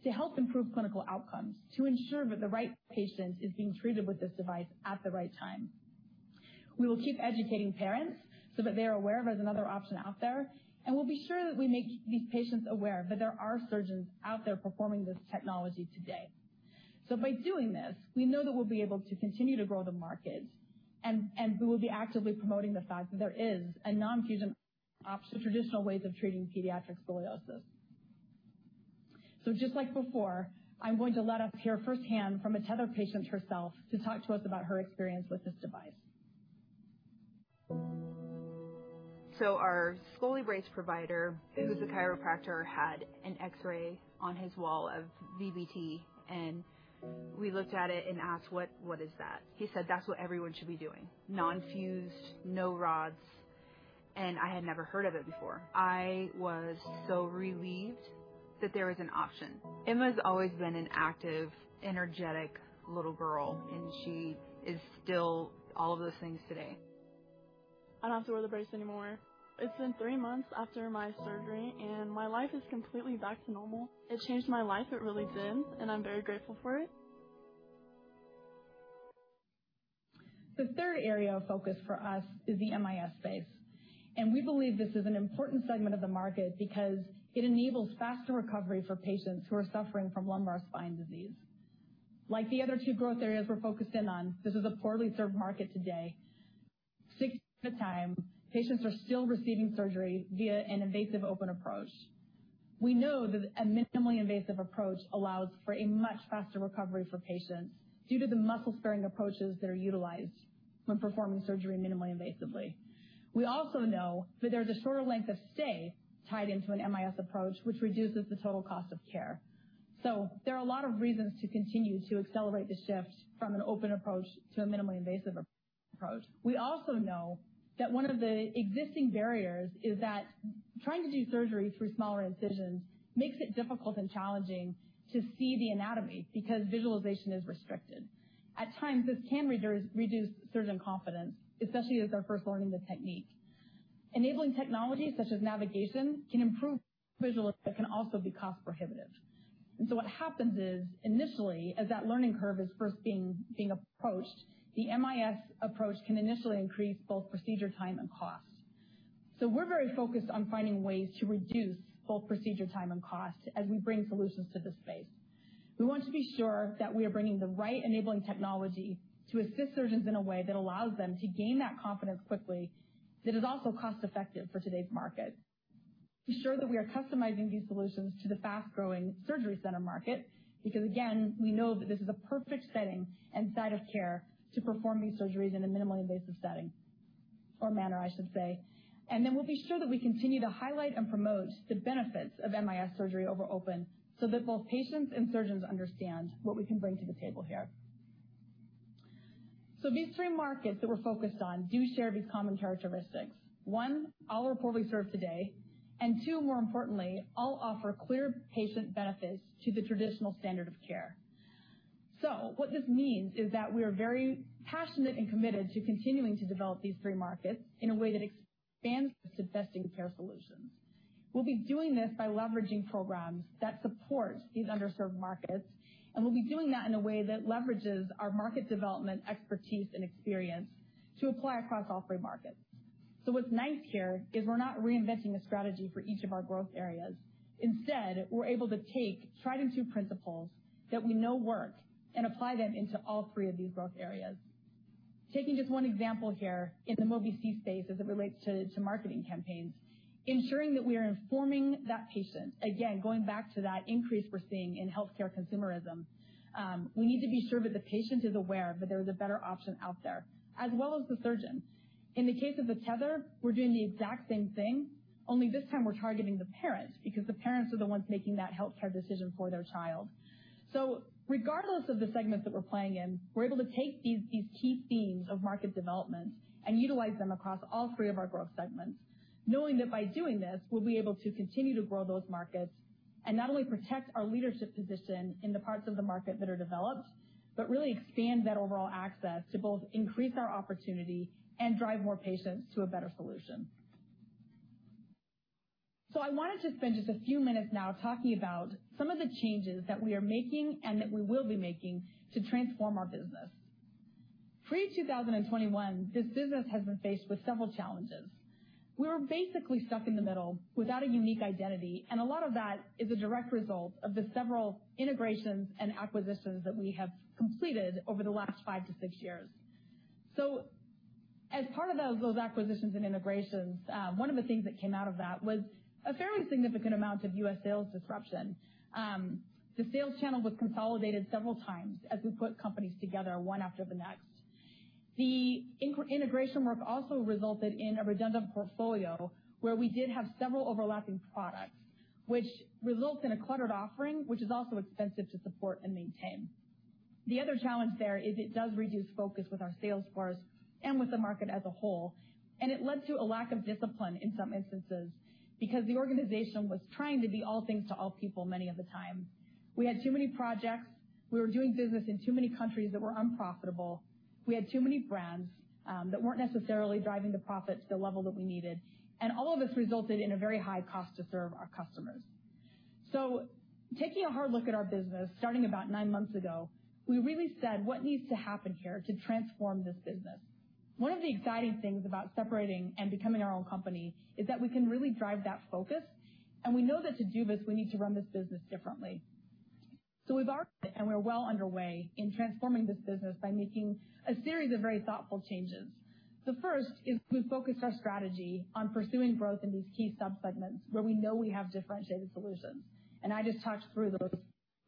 to help improve clinical outcomes to ensure that the right patient is being treated with this device at the right time. We will keep educating parents so that they are aware there's another option out there, and we'll be sure that we make these patients aware that there are surgeons out there performing this technology today. By doing this, we know that we'll be able to continue to grow the market and we will be actively promoting the fact that there is a non-fusion option to traditional ways of treating pediatric scoliosis. Just like before, I'm going to let us hear firsthand from a Tether patient herself to talk to us about her experience with this device. Our scoliosis brace provider, who's a chiropractor, had an X-ray on his wall of VBT, and we looked at it and asked, "What, what is that?" He said, "That's what everyone should be doing. Non-fused, no rods." I had never heard of it before. I was so relieved that there was an option. Emma's always been an active, energetic little girl, and she is still all of those things today. I don't have to wear the brace anymore. It's been three months after my surgery, and my life is completely back to normal. It changed my life. It really did, and I'm very grateful for it. The third area of focus for us is the MIS space, and we believe this is an important segment of the market because it enables faster recovery for patients who are suffering from lumbar spine disease. Like the other two growth areas we're focused in on, this is a poorly served market today. 60% of the time, patients are still receiving surgery via an invasive open approach. We know that a minimally invasive approach allows for a much faster recovery for patients due to the muscle-sparing approaches that are utilized when performing surgery minimally invasively. We also know that there's a shorter length of stay tied into an MIS approach, which reduces the total cost of care. There are a lot of reasons to continue to accelerate the shift from an open approach to a minimally invasive approach. We also know that one of the existing barriers is that trying to do surgery through smaller incisions makes it difficult and challenging to see the anatomy because visualization is restricted. At times, this can reduce surgeon confidence, especially as they're first learning the technique. Enabling technology such as navigation can improve visualization, but can also be cost prohibitive. What happens is initially, as that learning curve is first being approached, the MIS approach can initially increase both procedure time and cost. We're very focused on finding ways to reduce both procedure time and cost as we bring solutions to this space. We want to be sure that we are bringing the right enabling technology to assist surgeons in a way that allows them to gain that confidence quickly that is also cost effective for today's market. To show that we are customizing these solutions to the fast-growing surgery center market, because again, we know that this is a perfect setting and site of care to perform these surgeries in a minimally invasive setting or manner, I should say. Then we'll be sure that we continue to highlight and promote the benefits of MIS surgery over open so that both patients and surgeons understand what we can bring to the table here. These three markets that we're focused on do share these common characteristics. One, all are poorly served today, and two, more importantly, all offer clear patient benefits to the traditional standard of care. What this means is that we are very passionate and committed to continuing to develop these three markets in a way that expands access to best-in-care solutions. We'll be doing this by leveraging programs that support these underserved markets, and we'll be doing that in a way that leverages our market development expertise and experience to apply across all three markets. What's nice here is we're not reinventing the strategy for each of our growth areas. Instead, we're able to take tried-and-true principles that we know work and apply them into all three of these growth areas. Taking just one example here in the Mobi-C space as it relates to marketing campaigns, ensuring that we are informing that patient. Again, going back to that increase we're seeing in healthcare consumerism, we need to be sure that the patient is aware that there is a better option out there, as well as the surgeon. In the case of the Tether, we're doing the exact same thing. Only this time, we're targeting the parents because the parents are the ones making that healthcare decision for their child. Regardless of the segment that we're playing in, we're able to take these key themes of market development and utilize them across all three of our growth segments, knowing that by doing this, we'll be able to continue to grow those markets and not only protect our leadership position in the parts of the market that are developed, but really expand that overall access to both increase our opportunity and drive more patients to a better solution. I wanted to spend just a few minutes now talking about some of the changes that we are making and that we will be making to transform our business. Pre-2021, this business has been faced with several challenges. We were basically stuck in the middle without a unique identity, and a lot of that is a direct result of the several integrations and acquisitions that we have completed over the last five to six years. As part of those acquisitions and integrations, one of the things that came out of that was a fairly significant amount of U.S. sales disruption. The sales channel was consolidated several times as we put companies together, one after the next. The integration work also resulted in a redundant portfolio where we did have several overlapping products, which results in a cluttered offering, which is also expensive to support and maintain. The other challenge there is it does reduce focus with our sales force and with the market as a whole, and it led to a lack of discipline in some instances because the organization was trying to be all things to all people many of the time. We had too many projects. We were doing business in too many countries that were unprofitable. We had too many brands that weren't necessarily driving the profit to the level that we needed. All of this resulted in a very high cost to serve our customers. Taking a hard look at our business starting about nine months ago, we really said what needs to happen here to transform this business? One of the exciting things about separating and becoming our own company is that we can really drive that focus. We know that to do this, we need to run this business differently. We've already, and we're well underway in transforming this business by making a series of very thoughtful changes. The first is we focus our strategy on pursuing growth in these key sub-segments where we know we have differentiated solutions. I just talked through those at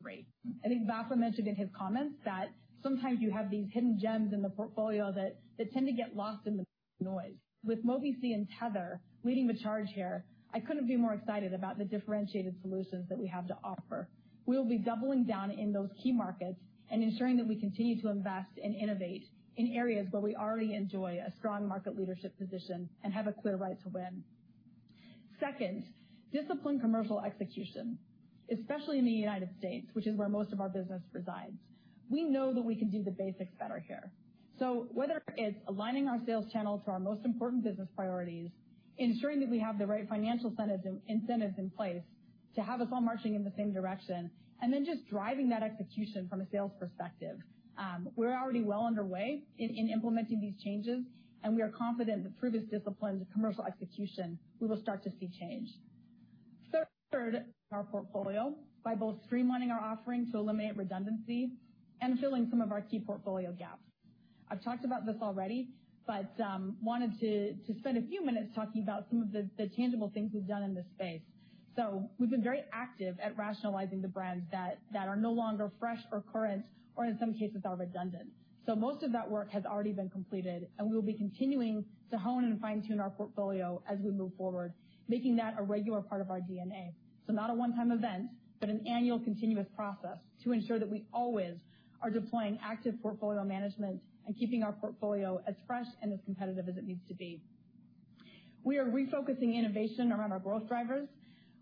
length. I think Vafa mentioned in his comments that sometimes you have these hidden gems in the portfolio that tend to get lost in the noise. With Mobi-C and Tether leading the charge here, I couldn't be more excited about the differentiated solutions that we have to offer. We'll be doubling down in those key markets and ensuring that we continue to invest and innovate in areas where we already enjoy a strong market leadership position and have a clear right to win. Second, discipline commercial execution, especially in the United States, which is where most of our business resides. We know that we can do the basics better here. Whether it's aligning our sales channel to our most important business priorities, ensuring that we have the right financial incentives in place to have us all marching in the same direction, and then just driving that execution from a sales perspective. We're already well underway in implementing these changes, and we are confident that through this disciplined commercial execution, we will start to see change. Third, our portfolio by both streamlining our offering to eliminate redundancy and filling some of our key portfolio gaps. I've talked about this already, but wanted to spend a few minutes talking about some of the tangible things we've done in this space. We've been very active at rationalizing the brands that are no longer fresh or current or in some cases are redundant. Most of that work has already been completed, and we'll be continuing to hone and fine-tune our portfolio as we move forward, making that a regular part of our DNA. Not a one-time event, but an annual continuous process to ensure that we always are deploying active portfolio management and keeping our portfolio as fresh and as competitive as it needs to be. We are refocusing innovation around our growth drivers.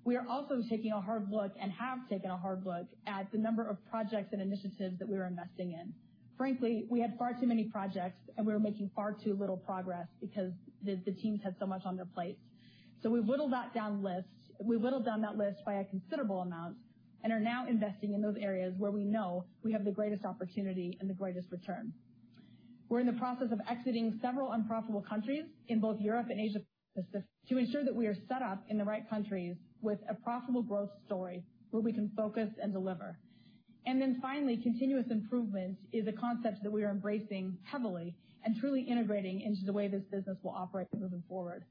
We are also taking a hard look and have taken a hard look at the number of projects and initiatives that we are investing in. Frankly, we had far too many projects, and we were making far too little progress because the teams had so much on their plates. We whittled down that list by a considerable amount and are now investing in those areas where we know we have the greatest opportunity and the greatest return. We're in the process of exiting several unprofitable countries in both Europe and Asia Pacific to ensure that we are set up in the right countries with a profitable growth story where we can focus and deliver. Finally, continuous improvement is a concept that we are embracing heavily and truly integrating into the way this business will operate moving forward.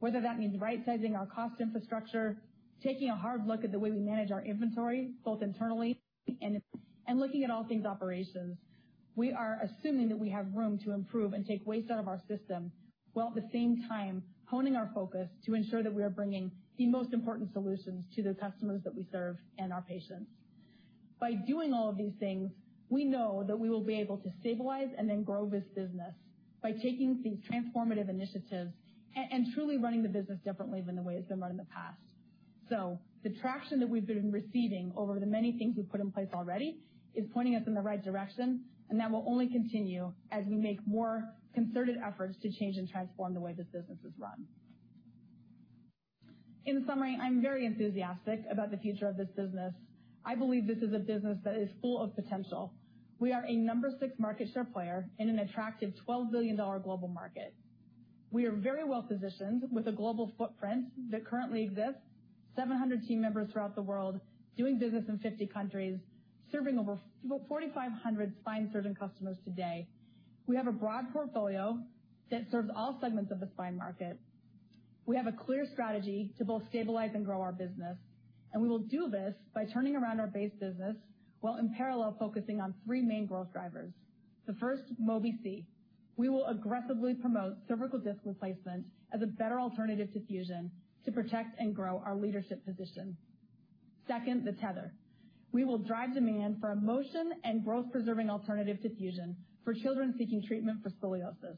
Whether that means right-sizing our cost infrastructure, taking a hard look at the way we manage our inventory, both internally and looking at all things operations. We are assuming that we have room to improve and take waste out of our system, while at the same time honing our focus to ensure that we are bringing the most important solutions to the customers that we serve and our patients. By doing all of these things, we know that we will be able to stabilize and then grow this business by taking these transformative initiatives and truly running the business differently than the way it's been run in the past. The traction that we've been receiving over the many things we've put in place already is pointing us in the right direction, and that will only continue as we make more concerted efforts to change and transform the way this business is run. In summary, I'm very enthusiastic about the future of this business. I believe this is a business that is full of potential. We are a number six market share player in an attractive $12 billion global market. We are very well positioned with a global footprint that currently exists, 700 team members throughout the world, doing business in 50 countries, serving over 4,500 spine surgeon customers today. We have a broad portfolio that serves all segments of the spine market. We have a clear strategy to both stabilize and grow our business, and we will do this by turning around our base business, while in parallel, focusing on three main growth drivers. The first, Mobi-C. We will aggressively promote cervical disc replacement as a better alternative to fusion to protect and grow our leadership position. Second, the Tether. We will drive demand for a motion and growth preserving alternative to fusion for children seeking treatment for scoliosis.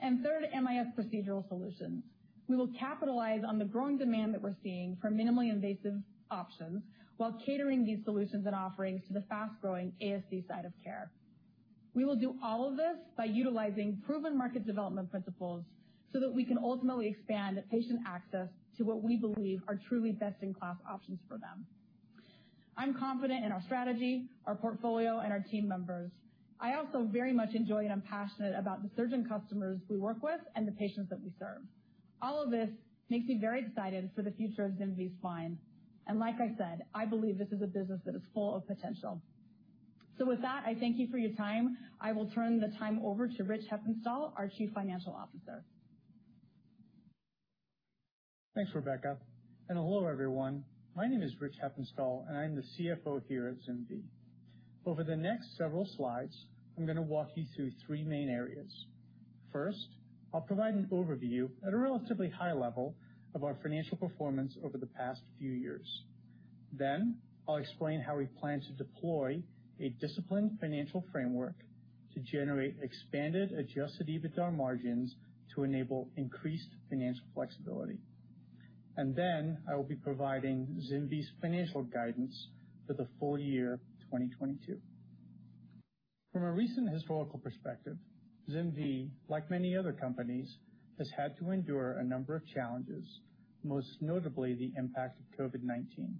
Third, MIS procedural solutions. We will capitalize on the growing demand that we're seeing for minimally invasive options while catering these solutions and offerings to the fast-growing ASC side of care. We will do all of this by utilizing proven market development principles so that we can ultimately expand patient access to what we believe are truly best in class options for them. I'm confident in our strategy, our portfolio, and our team members. I also very much enjoy and I'm passionate about the surgeon customers we work with and the patients that we serve. All of this makes me very excited for the future of ZimVie Spine. Like I said, I believe this is a business that is full of potential. With that, I thank you for your time. I will turn the time over to Richard Heppenstall, our Chief Financial Officer. Thanks, Rebecca, and hello, everyone. My name is Richard Heppenstall, and I'm the CFO here at ZimVie. Over the next several slides, I'm gonna walk you through three main areas. First, I'll provide an overview at a relatively high level of our financial performance over the past few years. Then I'll explain how we plan to deploy a disciplined financial framework to generate expanded adjusted EBITDA margins to enable increased financial flexibility. I will be providing ZimVie's financial guidance for the full year 2022. From a recent historical perspective, ZimVie, like many other companies, has had to endure a number of challenges, most notably the impact of COVID-19.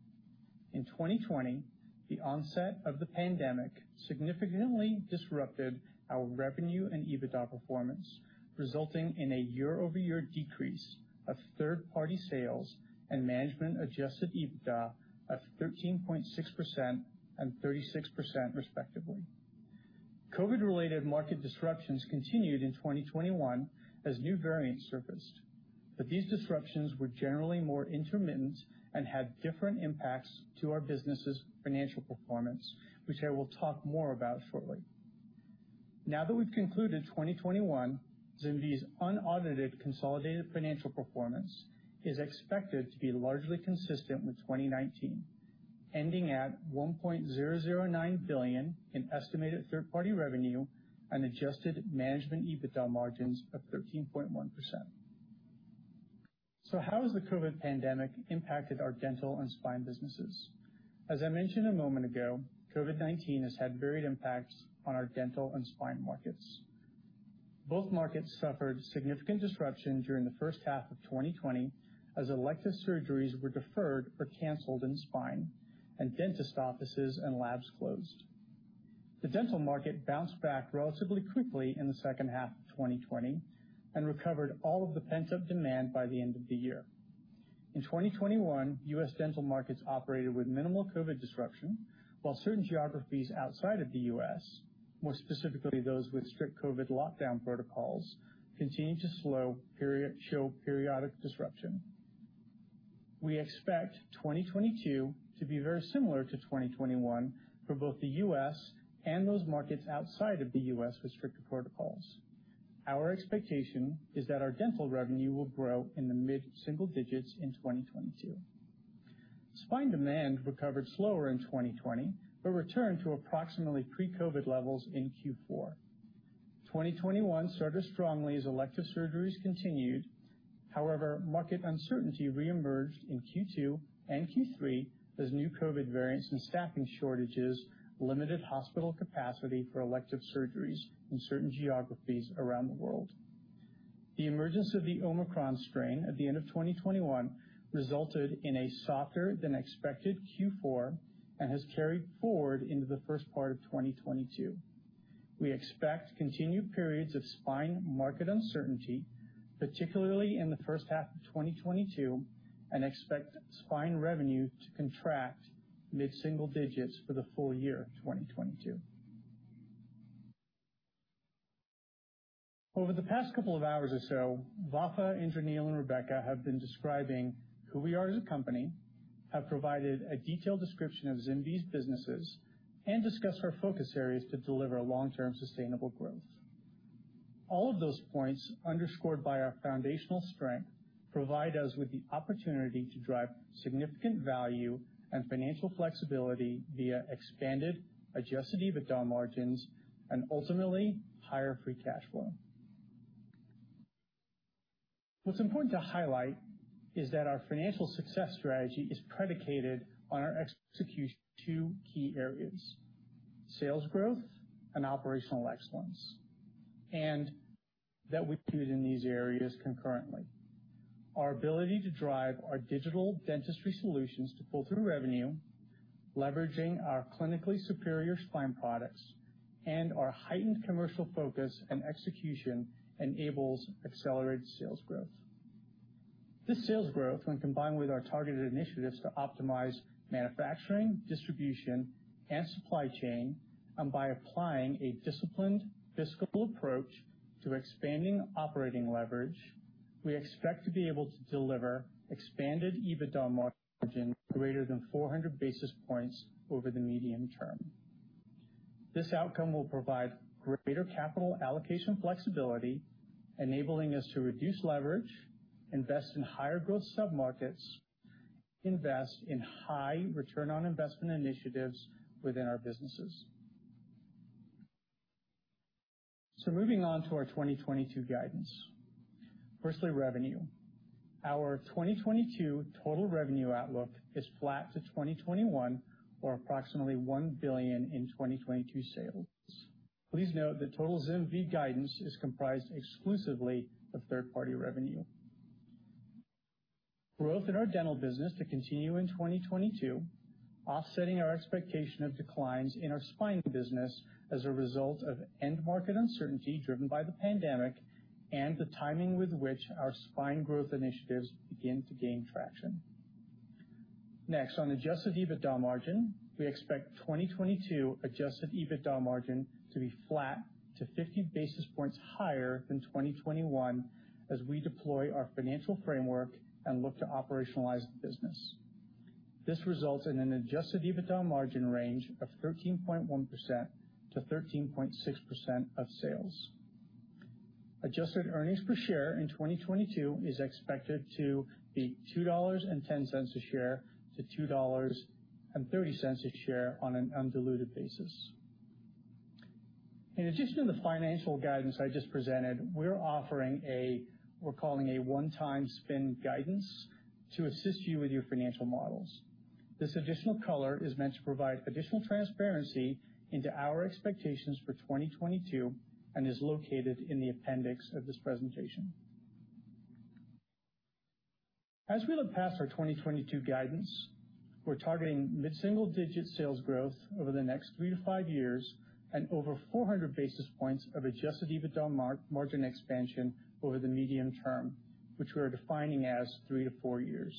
In 2020, the onset of the pandemic significantly disrupted our revenue and EBITDA performance, resulting in a year-over-year decrease of third-party sales and management adjusted EBITDA of 13.6% and 36% respectively. COVID-related market disruptions continued in 2021 as new variants surfaced, but these disruptions were generally more intermittent and had different impacts to our business's financial performance, which I will talk more about shortly. Now that we've concluded 2021, ZimVie's unaudited consolidated financial performance is expected to be largely consistent with 2019, ending at $1.009 billion in estimated third-party revenue and adjusted management EBITDA margins of 13.1%. How has the COVID pandemic impacted our dental and spine businesses? As I mentioned a moment ago, COVID-19 has had varied impacts on our dental and spine markets. Both markets suffered significant disruption during the first half of 2020 as elective surgeries were deferred or canceled in spine and dental offices and labs closed. The dental market bounced back relatively quickly in the second half of 2020 and recovered all of the pent-up demand by the end of the year. In 2021, U.S. dental markets operated with minimal COVID disruption, while certain geographies outside of the U.S., more specifically those with strict COVID lockdown protocols, continued to show periodic disruption. We expect 2022 to be very similar to 2021 for both the U.S. and those markets outside of the U.S. with stricter protocols. Our expectation is that our dental revenue will grow in the mid-single digits in 2022. Spine demand recovered slower in 2020 but returned to approximately pre-COVID levels in Q4. 2021 started strongly as elective surgeries continued. However, market uncertainty reemerged in Q2 and Q3 as new COVID variants and staffing shortages limited hospital capacity for elective surgeries in certain geographies around the world. The emergence of the Omicron strain at the end of 2021 resulted in a softer than expected Q4 and has carried forward into the first part of 2022. We expect continued periods of spine market uncertainty, particularly in the first half of 2022, and expect spine revenue to contract mid-single digits for the full year of 2022. Over the past couple of hours or so, Vafa, Indraneel, and Rebecca have been describing who we are as a company, have provided a detailed description of ZimVie's businesses, and discussed our focus areas to deliver long-term sustainable growth. All of those points underscored by our foundational strength provide us with the opportunity to drive significant value and financial flexibility via expanded, adjusted EBITDA margins and ultimately higher free cash flow. What's important to highlight is that our financial success strategy is predicated on our execution in two key areas: sales growth and operational excellence, and that we do it in these areas concurrently. Our ability to drive our digital dentistry solutions to pull through revenue, leveraging our clinically superior spine products, and our heightened commercial focus and execution enables accelerated sales growth. This sales growth, when combined with our targeted initiatives to optimize manufacturing, distribution, and supply chain, and by applying a disciplined fiscal approach to expanding operating leverage, we expect to be able to deliver expanded EBITDA margin greater than 400 basis points over the medium term. This outcome will provide greater capital allocation flexibility, enabling us to reduce leverage, invest in higher growth submarkets, invest in high return on investment initiatives within our businesses. Moving on to our 2022 guidance. Firstly, revenue. Our 2022 total revenue outlook is flat to 2021 or approximately $1 billion in 2022 sales. Please note that total ZimVie guidance is comprised exclusively of third-party revenue. Growth in our dental business to continue in 2022, offsetting our expectation of declines in our spine business as a result of end market uncertainty driven by the pandemic and the timing with which our spine growth initiatives begin to gain traction. Next, on adjusted EBITDA margin, we expect 2022 adjusted EBITDA margin to be flat to 50 basis points higher than 2021 as we deploy our financial framework and look to operationalize the business. This results in an adjusted EBITDA margin range of 13.1%-13.6% of sales. Adjusted earnings per share in 2022 is expected to be $2.10 and $2.30 a share on an undiluted basis. In addition to the financial guidance I just presented, we're calling a one-time spin guidance to assist you with your financial models. This additional color is meant to provide additional transparency into our expectations for 2022 and is located in the appendix of this presentation. As we look past our 2022 guidance, we're targeting mid-single-digit sales growth over the next three to five years and over 400 basis points of adjusted EBITDA margin expansion over the medium term, which we are defining as three to four years.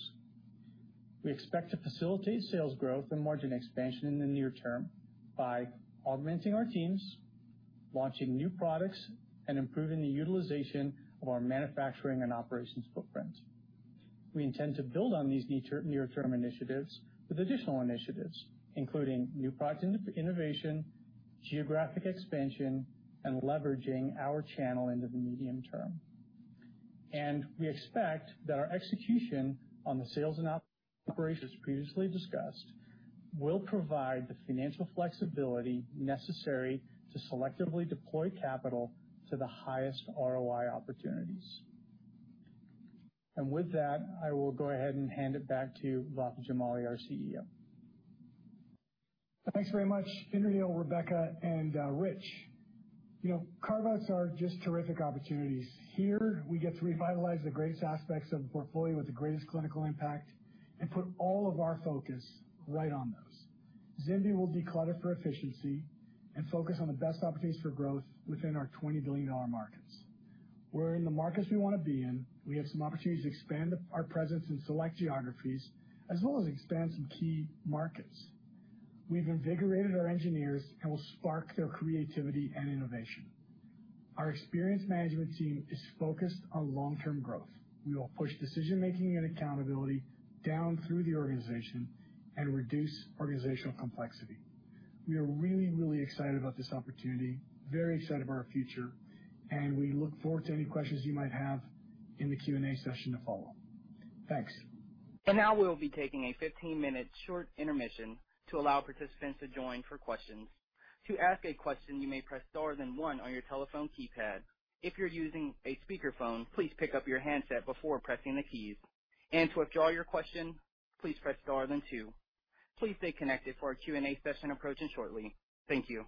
We expect to facilitate sales growth and margin expansion in the near term by augmenting our teams, launching new products, and improving the utilization of our manufacturing and operations footprint. We intend to build on these near-term initiatives with additional initiatives, including new product innovation, geographic expansion, and leveraging our channel into the medium term. We expect that our execution on the sales and operations previously discussed will provide the financial flexibility necessary to selectively deploy capital to the highest ROI opportunities. With that, I will go ahead and hand it back to Vafa Jamali, our CEO. Thanks very much, Indraneel, Rebecca, and Richard. You know, carve-outs are just terrific opportunities. Here we get to revitalize the greatest aspects of the portfolio with the greatest clinical impact and put all of our focus right on those. ZimVie will declutter for efficiency and focus on the best opportunities for growth within our $20 billion markets. We're in the markets we wanna be in. We have some opportunities to expand our presence in select geographies as well as expand some key markets. We've invigorated our engineers and will spark their creativity and innovation. Our experienced management team is focused on long-term growth. We will push decision-making and accountability down through the organization and reduce organizational complexity. We are really, really excited about this opportunity, very excited about our future, and we look forward to any questions you might have in the Q&A session to follow. Thanks. And now we'll be taking a fifteen-minute short intermission to allow participants to join for questions. To ask a question, you may press star then 1 on your telephone keypad. If you're using a speakerphone, please pick up your handset before pressing the keys. And to withdraw your question, please press star then 2. Please stay connected for our Q&A session approaching shortly. Thank you.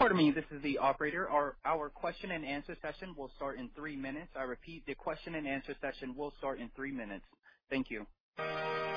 Pardon me. This is the operator. Our question and answer session will start in three minutes. I repeat, the question and answer session will start in three minutes. Thank you. Thank you,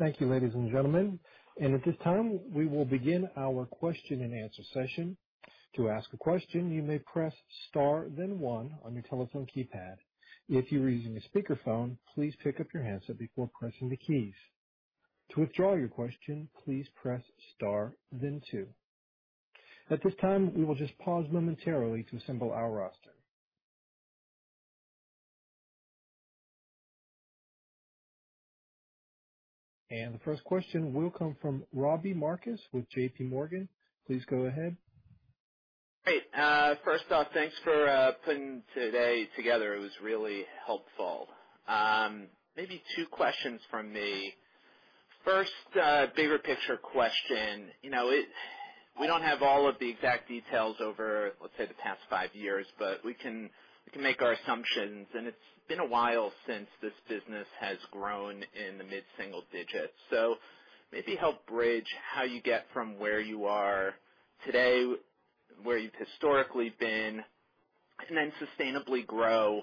ladies and gentlemen. At this time, we will begin our question and answer session. To ask a question, you may press star then 1 on your telephone keypad. If you are using a speakerphone, please pick up your handset before pressing the keys. To withdraw your question, please press star then 2. At this time, we will just pause momentarily to assemble our roster. The first question will come from Robbie Marcus with JPMorgan. Please go ahead. Great. First off, thanks for putting today together. It was really helpful. Maybe two questions from me. First, bigger picture question. You know, we don't have all of the exact details over, let's say, the past five years, but we can make our assumptions. It's been a while since this business has grown in the mid-single digits. Maybe help bridge how you get from where you are today. Where you've historically been and then sustainably grow,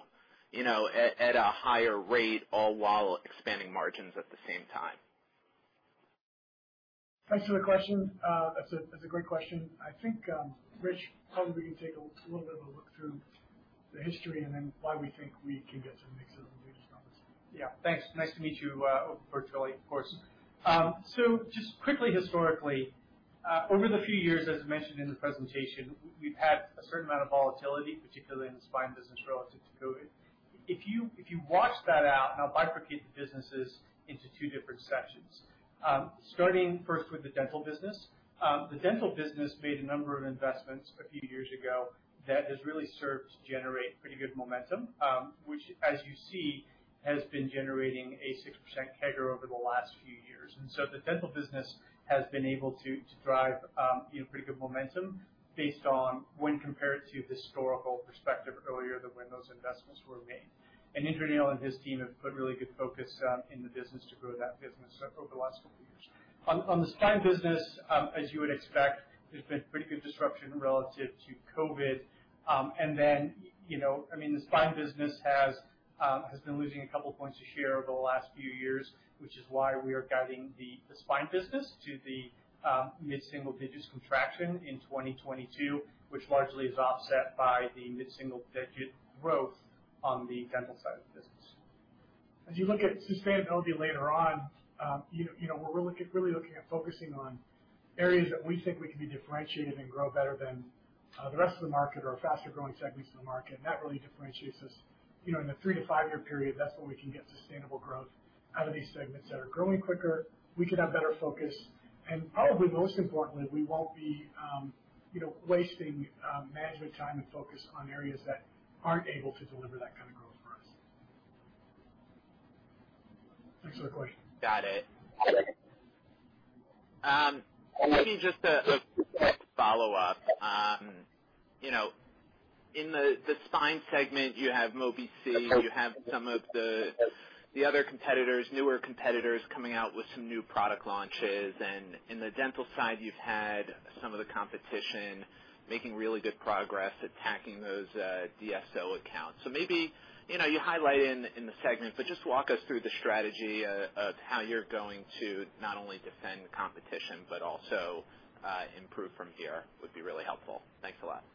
you know, at a higher rate all while expanding margins at the same time. Thanks for the question. That's a great question. I think, Rich, probably we can take a little bit of a look through the history and then why we think we can get some mix of the LDR's numbers. Yeah. Thanks. Nice to meet you virtually, of course. Just quickly historically, over the few years, as mentioned in the presentation, we've had a certain amount of volatility, particularly in the spine business relative to COVID. If you wash that out, I'll bifurcate the businesses into two different sections. Starting first with the dental business. The dental business made a number of investments a few years ago that has really served to generate pretty good momentum, which as you see, has been generating a 6% CAGR over the last few years. The dental business has been able to drive you know pretty good momentum based on when compared to historical perspective earlier than when those investments were made. Indraneel Kanaglekar and his team have put really good focus in the business to grow that business over the last couple of years. On the spine business, as you would expect, there's been pretty good disruption relative to COVID. You know, I mean, the spine business has been losing a couple points a year over the last few years, which is why we are guiding the spine business to the mid-single digits contraction in 2022, which largely is offset by the mid-single digit growth on the dental side of the business. As you look at sustainability later on, you know, we're really looking at focusing on areas that we think we can be differentiated and grow better than the rest of the market or faster growing segments of the market. That really differentiates us. You know, in a three to five year period, that's when we can get sustainable growth out of these segments that are growing quicker. We can have better focus. Probably most importantly, we won't be, you know, wasting management time and focus on areas that aren't able to deliver that kind of growth for us. Thanks for the question. Got it. Maybe just a quick follow-up. You know, in the spine segment, you have Mobi-C, you have some of the other competitors, newer competitors coming out with some new product launches. In the dental side, you've had some of the competition making really good progress attacking those DSO accounts. You know, you highlight in the segment, but just walk us through the strategy of how you're going to not only defend the competition, but also improve from here would be really helpful. Thanks a lot.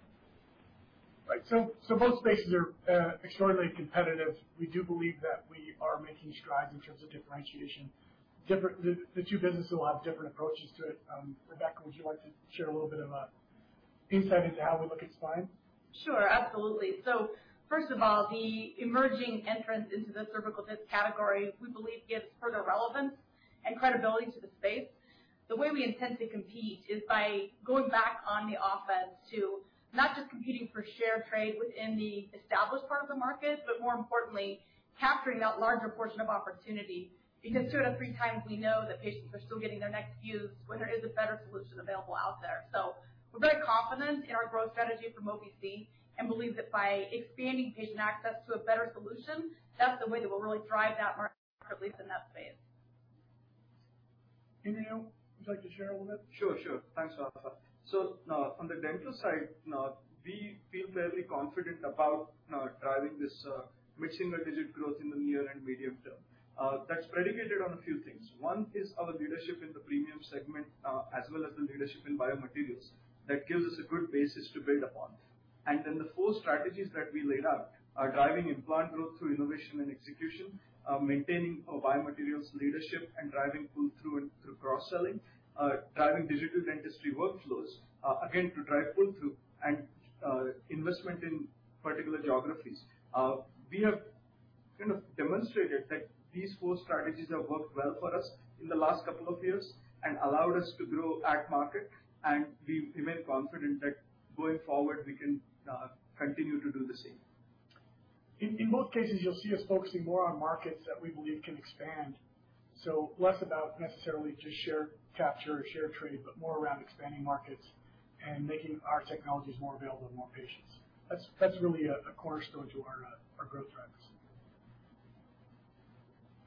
Right. Both spaces are extraordinarily competitive. We do believe that we are making strides in terms of differentiation. The two businesses will have different approaches to it. Rebecca, would you like to share a little bit of insight into how we look at spine? Sure. Absolutely. First of all, the emerging entrants into the cervical disc category, we believe gives further relevance and credibility to the space. The way we intend to compete is by going back on the offense to not just competing for share trade within the established part of the market, but more importantly, capturing that larger portion of opportunity. Because two out of three times, we know that patients are still getting their necks fused when there is a better solution available out there. We're very confident in our growth strategy for Mobi-C and believe that by expanding patient access to a better solution, that's the way that we'll really drive that market, at least in that space. Indraneel, would you like to share a little bit? Sure, sure. Thanks, Vafa. From the dental side, we feel fairly confident about driving this mid-single digit growth in the near and medium term. That's predicated on a few things. One is our leadership in the premium segment, as well as the leadership in biomaterials. That gives us a good basis to build upon. The four strategies that we laid out are driving implant growth through innovation and execution, maintaining our biomaterials leadership and driving pull-through and through cross-selling, driving digital dentistry workflows, again, to drive pull-through and investment in particular geographies. We have kind of demonstrated that these four strategies have worked well for us in the last couple of years and allowed us to grow at market, and we remain confident that going forward, we can continue to do the same. In both cases, you'll see us focusing more on markets that we believe can expand. Less about necessarily just share capture or share trade, but more around expanding markets and making our technologies more available to more patients. That's really a cornerstone to our growth strategy.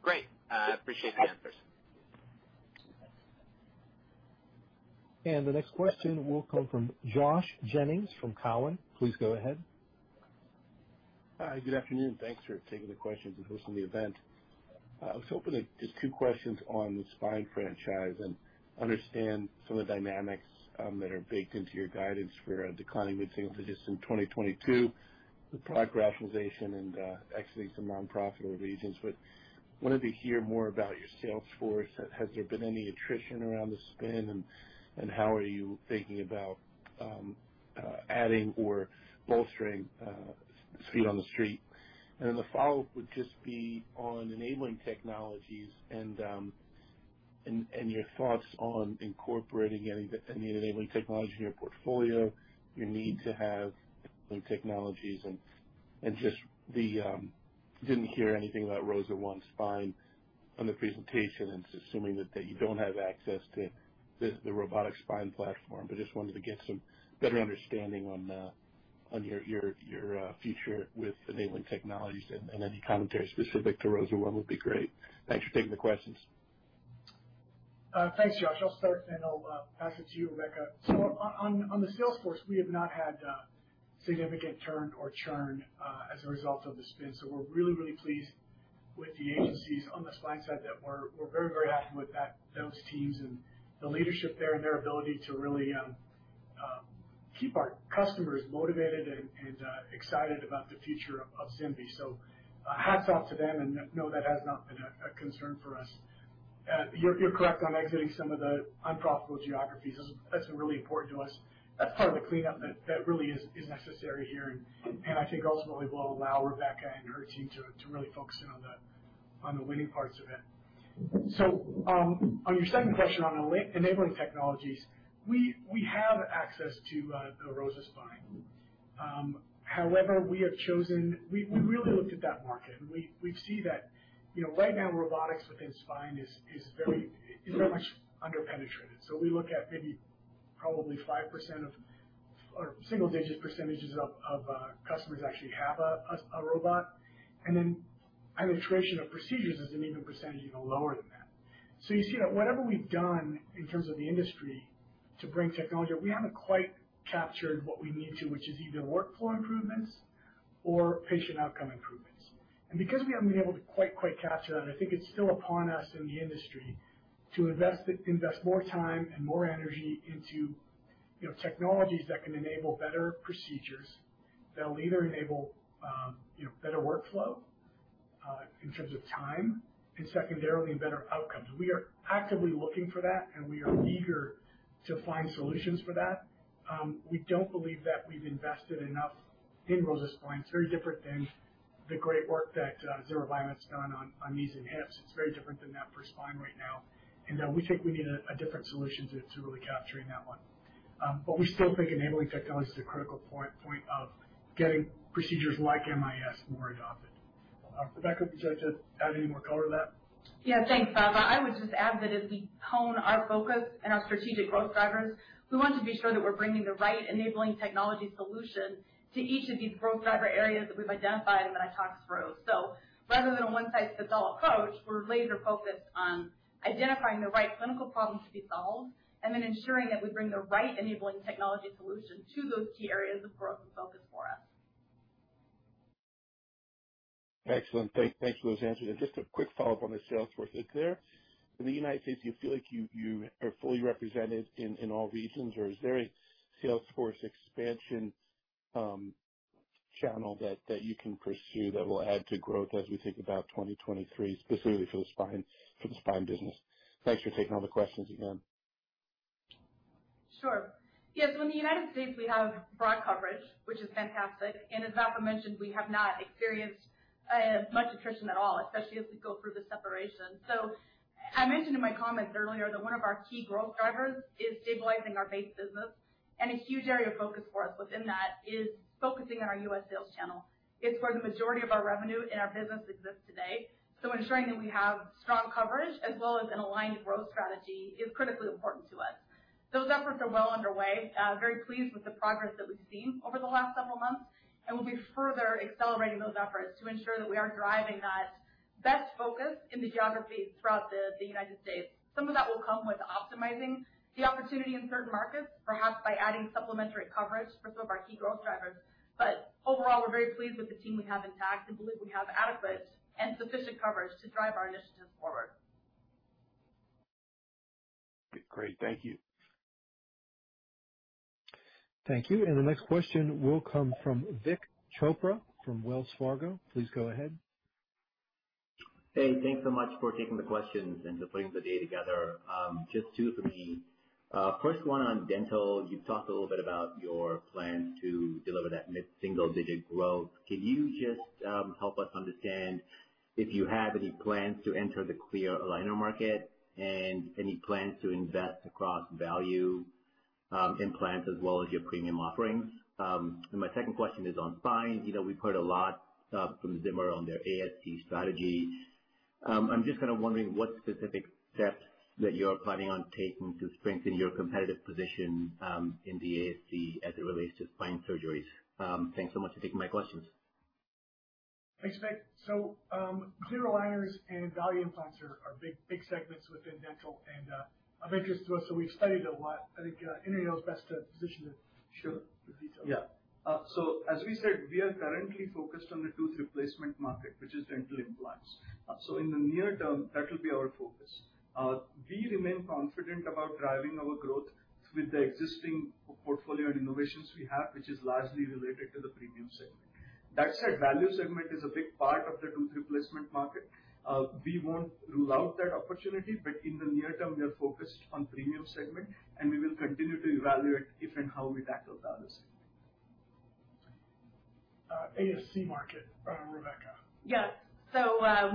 Great. I appreciate the answers. The next question will come from Josh Jennings from td TD Cowen. Please go ahead. Hi. Good afternoon. Thanks for taking the questions and hosting the event. I was hoping to ask just two questions on the spine franchise and understand some of the dynamics that are baked into your guidance for a decline in the mid-single digits in 2022, the product rationalization and exiting some non-profitable regions. Wanted to hear more about your sales force. Has there been any attrition around the spine, and how are you thinking about adding or bolstering feet on the street? Then the follow-up would just be on enabling technologies and your thoughts on incorporating any enabling technology in your portfolio, your need to have enabling technologies. I just didn't hear anything about ROSA ONE Spine on the presentation, and so assuming that you don't have access to the robotic spine platform. Just wanted to get some better understanding on your future with enabling technologies and any commentary specific to ROSA ONE would be great. Thanks for taking the questions. Thanks, Josh. I'll start, then I'll pass it to you, Rebecca. On the sales force, we have not had significant turn or churn as a result of the spin. We're really pleased with the agencies on the spine side that we're very happy with those teams and the leadership there and their ability to really keep our customers motivated and excited about the future of ZimVie. Hats off to them and no, that has not been a concern for us. You're correct on exiting some of the unprofitable geographies. That's really important to us. That's part of the cleanup that really is necessary here and I think ultimately will allow Rebecca and her team to really focus in on the winning parts of it. On your second question on the enabling technologies, we have access to the ROSA Spine. However, we really looked at that market, and we see that, you know, right now, robotics within spine is very much under-penetrated. We look at maybe probably 5% or single-digit percentages of customers actually have a robot. And then the penetration of procedures is an even lower percentage than that. You see that whatever we've done in terms of the industry to bring technology, we haven't quite captured what we need to, which is either workflow improvements or patient outcome improvements. Because we haven't been able to quite capture that, I think it's still upon us in the industry to invest more time and more energy into, you know, technologies that can enable better procedures that will either enable, you know, better workflow in terms of time, and secondarily, better outcomes. We are actively looking for that, and we are eager to find solutions for that. We don't believe that we've invested enough in ROSA Spine. It's very different than the great work that Zimmer Biomet's done on knees and hips. It's very different than that for spine right now. We think we need a different solution to really capturing that one. We still think enabling technology is a critical point of getting procedures like MIS more adopted. Rebecca, would you like to add any more color to that? Yeah. Thanks, Vafa. I would just add that as we hone our focus and our strategic growth drivers, we want to be sure that we're bringing the right enabling technology solution to each of these growth driver areas that we've identified and that I talked through. Rather than a one-size-fits-all approach, we're laser focused on identifying the right clinical problems to be solved and then ensuring that we bring the right enabling technology solution to those key areas of growth and focus for us. Excellent. Thanks for those answers. Just a quick follow-up on the sales force. Is there in the United States, do you feel like you are fully represented in all regions, or is there a sales force expansion channel that you can pursue that will add to growth as we think about 2023, specifically for the spine business? Thanks for taking all the questions again. Sure. Yeah. In the United States, we have broad coverage, which is fantastic. As Vafa mentioned, we have not experienced much attrition at all, especially as we go through the separation. I mentioned in my comments earlier that one of our key growth drivers is stabilizing our base business, and a huge area of focus for us within that is focusing on our U.S. sales channel. It's where the majority of our revenue in our business exists today. Ensuring that we have strong coverage as well as an aligned growth strategy is critically important to us. Those efforts are well underway. Very pleased with the progress that we've seen over the last several months, and we'll be further accelerating those efforts to ensure that we are driving that best focus in the geographies throughout the United States. Some of that will come with optimizing the opportunity in certain markets, perhaps by adding supplementary coverage for some of our key growth drivers. Overall, we're very pleased with the team we have intact and believe we have adequate and sufficient coverage to drive our initiatives forward. Great. Thank you. Thank you. The next question will come from Vik Chopra from Wells Fargo. Please go ahead. Hey. Thanks so much for taking the questions and for putting the day together. Just two for me. First one on dental, you've talked a little bit about your plans to deliver that mid-single digit growth. Can you just help us understand if you have any plans to enter the clear aligner market and any plans to invest across value implants as well as your premium offerings? And my second question is on spine. You know, we've heard a lot from Zimmer on their ASC strategy. I'm just kind of wondering what specific steps that you're planning on taking to strengthen your competitive position in the ASC as it relates to spine surgeries. Thanks so much for taking my questions. Thanks, Vik. Clear aligners and value implants are big segments within dental, and of interest to us, so we've studied it a lot. I think, Anil's best positioned to Sure. to detail. As we said, we are currently focused on the tooth replacement market, which is dental implants. In the near term, that will be our focus. We remain confident about driving our growth with the existing portfolio and innovations we have, which is largely related to the premium segment. That said, value segment is a big part of the tooth replacement market. We won't rule out that opportunity, but in the near term, we are focused on premium segment, and we will continue to evaluate if and how we tackle value segment. ASC market, Rebecca. Yes.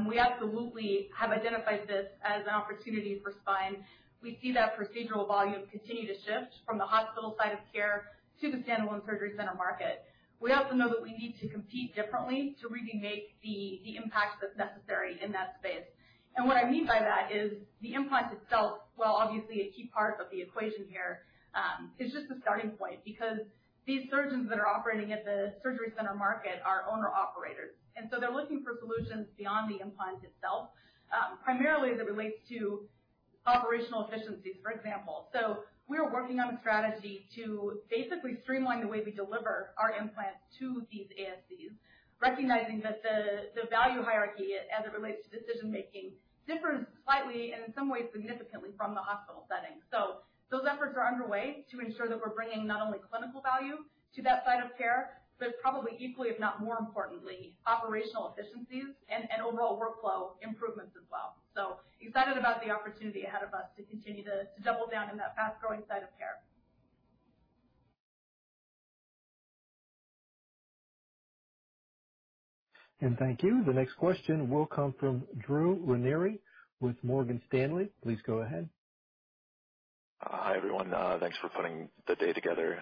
We absolutely have identified this as an opportunity for spine. We see that procedural volume continue to shift from the hospital side of care to the standalone surgery center market. We also know that we need to compete differently to really make the impact that's necessary in that space. What I mean by that is the implant itself, while obviously a key part of the equation here, is just a starting point because these surgeons that are operating at the surgery center market are owner-operators. They're looking for solutions beyond the implant itself, primarily as it relates to Operational efficiencies, for example. We are working on a strategy to basically streamline the way we deliver our implants to these ASCs, recognizing that the value hierarchy as it relates to decision-making differs slightly and in some ways significantly from the hospital setting. Those efforts are underway to ensure that we're bringing not only clinical value to that site of care, but probably equally, if not more importantly, operational efficiencies and overall workflow improvements as well. Excited about the opportunity ahead of us to continue to double down on that fast-growing side of care. Thank you. The next question will come from Drew Ranieri with Morgan Stanley. Please go ahead. Hi, everyone. Thanks for putting the day together.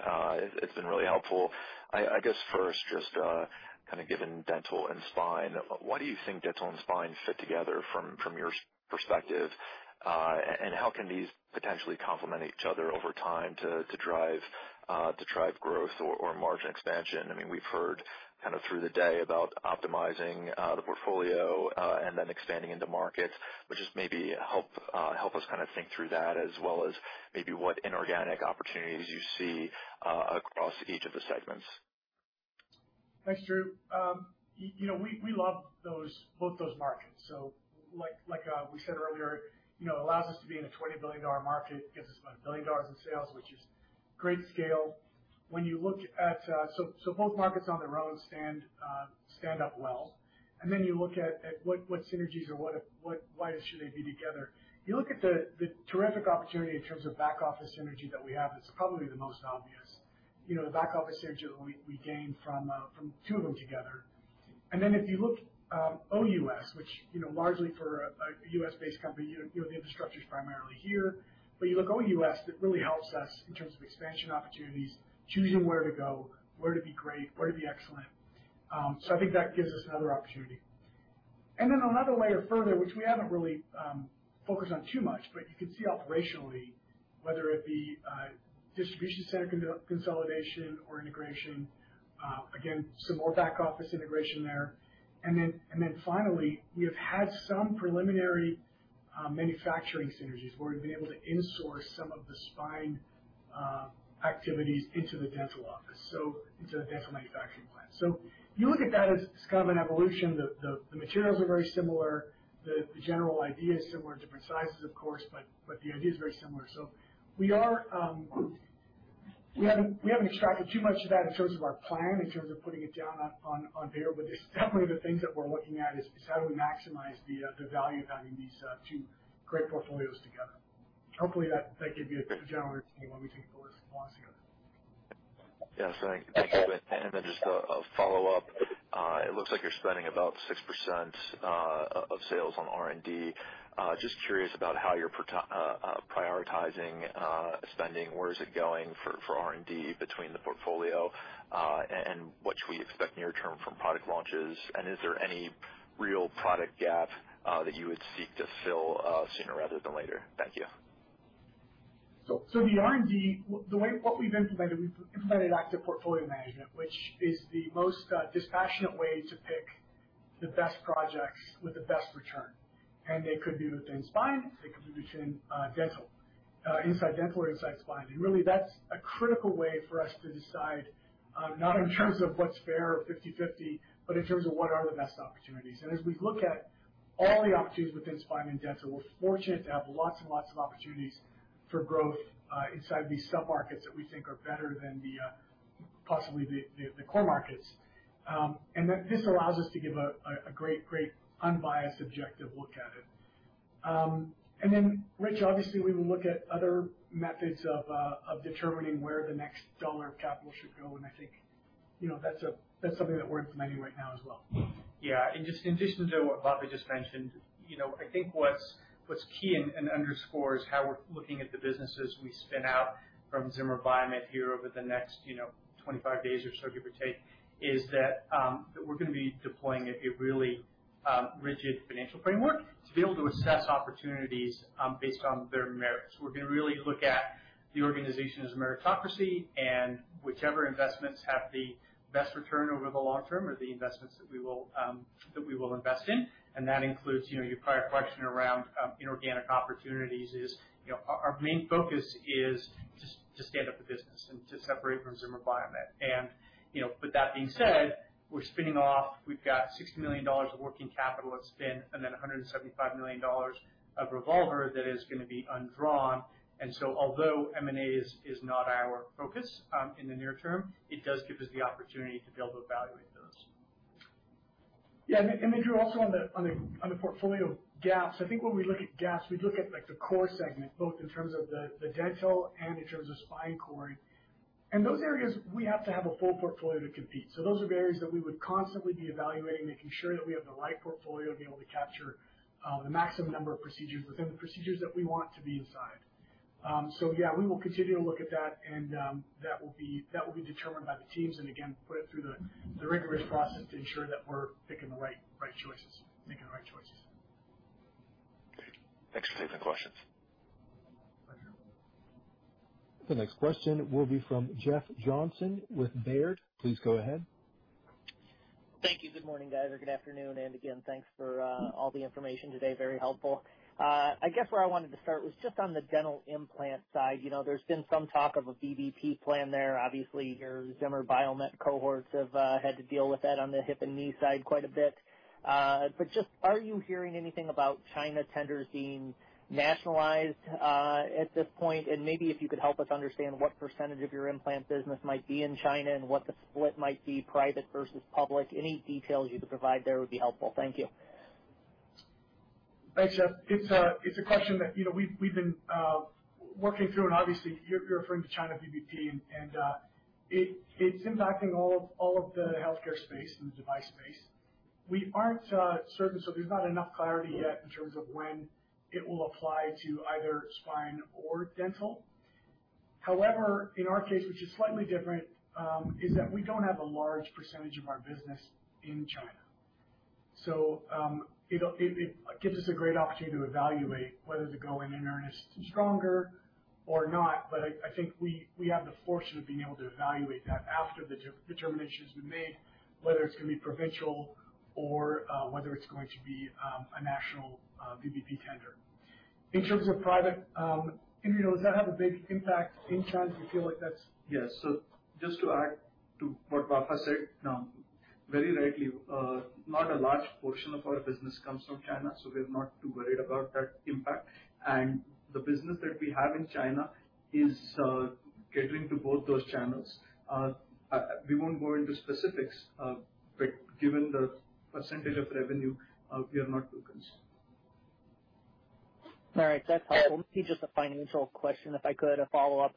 It’s been really helpful. I guess first just kind of given dental and spine, why do you think dental and spine fit together from your perspective? And how can these potentially complement each other over time to drive growth or margin expansion? I mean, we’ve heard kind of through the day about optimizing the portfolio and then expanding into markets. Just maybe help us kinda think through that as well as maybe what inorganic opportunities you see across each of the segments. Thanks, Drew. You know, we love both those markets. As we said earlier, you know, it allows us to be in a $20 billion market, gets us about $1 billion in sales, which is great scale. When you look at both markets on their own, they stand up well, and then you look at what synergies or why they should be together. You look at the terrific opportunity in terms of back office synergy that we have, which is probably the most obvious. You know, the back office synergy that we gain from two of them together. If you look at OUS, which you know largely for a U.S.-based company, you know, the infrastructure's primarily here. You look OUS, it really helps us in terms of expansion opportunities, choosing where to go, where to be great, where to be excellent. I think that gives us another opportunity. Then another layer further, which we haven't really focused on too much, but you can see operationally, whether it be distribution center consolidation or integration, again, some more back office integration there. Then finally, we have had some preliminary manufacturing synergies where we've been able to insource some of the spine activities into the dental office, so into the dental manufacturing plant. You look at that as kind of an evolution. The materials are very similar. The general idea is similar. Different sizes of course, but the idea is very similar. We haven't extracted too much of that in terms of our plan, in terms of putting it down on paper. It's definitely the things that we're looking at is how do we maximize the value of having these two great portfolios together. Hopefully that gave you a general overview on we think those belong together. Yes, thank you. Thank you. Just a follow-up. It looks like you're spending about 6% of sales on R&D. Just curious about how you're prioritizing spending. Where is it going for R&D between the portfolio? What should we expect near term from product launches? Is there any real product gap that you would seek to fill sooner rather than later? Thank you. The R&D—what we've implemented, we've implemented active portfolio management, which is the most dispassionate way to pick the best projects with the best return. They could be within spine, they could be within dental, inside dental or inside spine. Really, that's a critical way for us to decide, not in terms of what's fair or fifty-fifty, but in terms of what are the best opportunities. As we look at all the opportunities within spine and dental, we're fortunate to have lots and lots of opportunities for growth inside these submarkets that we think are better than possibly the core markets. This allows us to give a great unbiased, objective look at it. Then Rich, obviously we will look at other methods of determining where the next dollar of capital should go. I think, you know, that's something that we're implementing right now as well. Yeah. Just in addition to what Vafa just mentioned, you know, I think what's key and underscores how we're looking at the businesses we spin out from Zimmer Biomet here over the next, you know, 25 days or so, give or take, is that we're gonna be deploying a really rigid financial framework to be able to assess opportunities based on their merits. We're gonna really look at the organization as a meritocracy, and whichever investments have the best return over the long term are the investments that we will invest in. That includes, you know, your prior question around inorganic opportunities is, you know, our main focus is to stand up the business and to separate from Zimmer Biomet. You know, with that being said, we're spinning off. We've got $60 million of working capital at spin, and then $175 million of revolver that is gonna be undrawn. Although M&A is not our focus in the near term, it does give us the opportunity to be able to evaluate those. Yeah. Then Drew, also on the portfolio gaps, I think when we look at gaps, we look at like the core segment, both in terms of the dental and in terms of spine core. Those areas we have to have a full portfolio to compete. Those are the areas that we would constantly be evaluating, making sure that we have the right portfolio to be able to capture the maximum number of procedures within the procedures that we want to be inside. Yeah, we will continue to look at that and that will be determined by the teams, and again, put it through the rigorous process to ensure that we're picking the right choices, making the right choices. Thanks for taking the questions. Pleasure. The next question will be from Jeff Johnson with Baird. Please go ahead. Thank you. Good morning, guys, or good afternoon. Again, thanks for all the information today. Very helpful. I guess where I wanted to start was just on the dental implant side. You know, there's been some talk of a VBP plan there. Obviously, your Zimmer Biomet cohorts have had to deal with that on the hip and knee side quite a bit. Just are you hearing anything about China tenders being nationalized at this point? Maybe if you could help us understand what percentage of your implant business might be in China and what the split might be, private versus public. Any details you could provide there would be helpful. Thank you. Thanks, Jeff. It's a question that, you know, we've been working through, and obviously you're referring to China VBP, and it's impacting all of the healthcare space and the device space. We aren't certain, so there's not enough clarity yet in terms of when it will apply to either spine or dental. However, in our case, which is slightly different, is that we don't have a large percentage of our business in China. So, it gives us a great opportunity to evaluate whether to go in earnest stronger or not. I think we have the fortune of being able to evaluate that after the determination's been made, whether it's gonna be provincial or whether it's going to be a national VBP tender. In terms of private, Indraneel, does that have a big impact in China? Do you feel like that's- Yes. Just to add to what Vafa said, very rightly, not a large portion of our business comes from China, so we're not too worried about that impact. The business that we have in China is catering to both those channels. We won't go into specifics, but given the percentage of revenue, we are not too concerned. All right. That's helpful. Maybe just a financial question, if I could, a follow-up.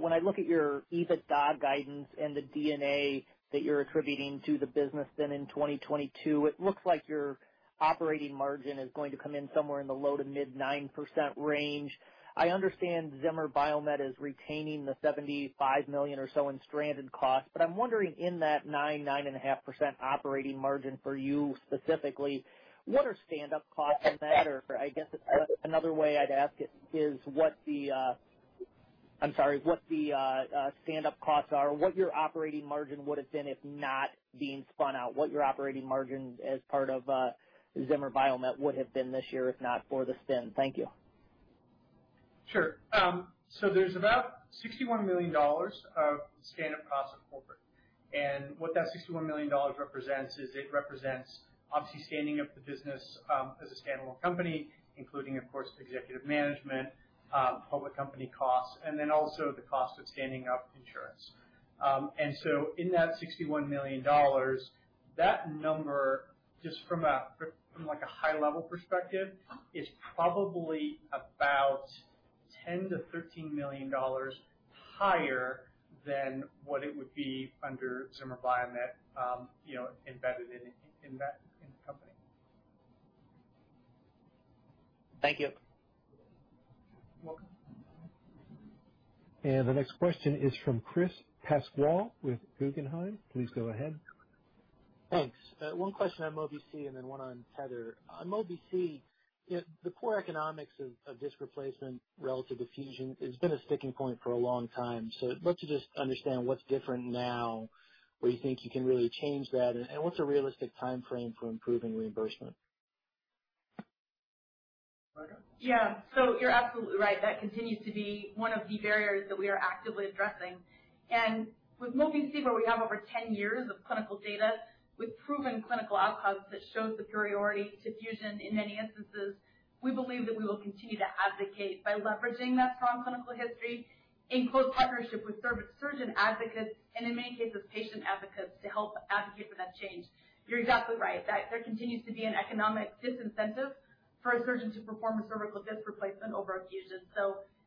When I look at your EBITDA guidance and the D&A that you're attributing to the business then in 2022, it looks like your operating margin is going to come in somewhere in the low- to mid-9% range. I understand Zimmer Biomet is retaining the $75 million or so in stranded costs, but I'm wondering in that 9%-9.5% operating margin for you specifically, what are standup costs in that? Or I guess it's another way I'd ask it is what the standup costs are or what your operating margin would have been if not being spun out, what your operating margin as part of Zimmer Biomet would have been this year if not for the spin. Thank you. Sure. There's about $61 million of standup costs in corporate. What that $61 million represents is obviously standing up the business as a stand-alone company, including of course executive management, public company costs, and then also the cost of standing up insurance. In that $61 million, that number just from, like, a high level perspective, is probably about $10-15 million higher than what it would be under Zimmer Biomet, you know, embedded in that company. Thank you. You're welcome. The next question is from Chris Pasquale with Guggenheim. Please go ahead. Thanks. One question on Mobi-C and then 1 on Tether. On Mobi-C, you know, the poor economics of disc replacement relative to fusion has been a sticking point for a long time. I'd love to just understand what's different now, where you think you can really change that, and what's a realistic timeframe for improving reimbursement? Rebecca? Yeah. You're absolutely right. That continues to be one of the barriers that we are actively addressing. With Mobi-C, where we have over 10 years of clinical data with proven clinical outcomes that shows the superiority to fusion in many instances, we believe that we will continue to advocate by leveraging that strong clinical history in close partnership with cervical surgeon advocates and in many cases, patient advocates to help advocate for that change. You're exactly right that there continues to be an economic disincentive for a surgeon to perform a cervical disc replacement over a fusion.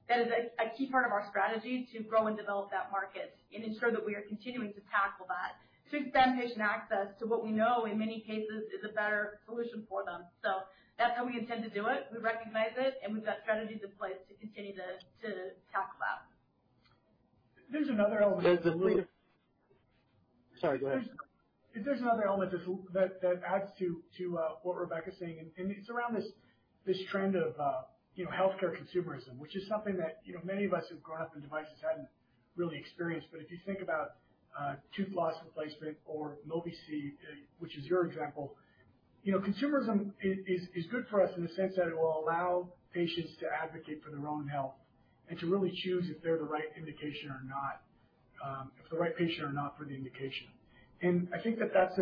That is a key part of our strategy to grow and develop that market and ensure that we are continuing to tackle that to expand patient access to what we know in many cases is a better solution for them. That's how we intend to do it. We recognize it, and we've got strategies in place to continue to tackle that. There's another element. Sorry, go ahead. There's another element that adds to what Rebecca's saying, and it's around this trend of, you know, healthcare consumerism, which is something that, you know, many of us who've grown up in devices hadn't really experienced. But if you think about tooth loss replacement or Mobi-C, which is your example, you know, consumerism is good for us in the sense that it will allow patients to advocate for their own health and to really choose if they're the right indication or not, if the right patient or not for the indication. I think that that's,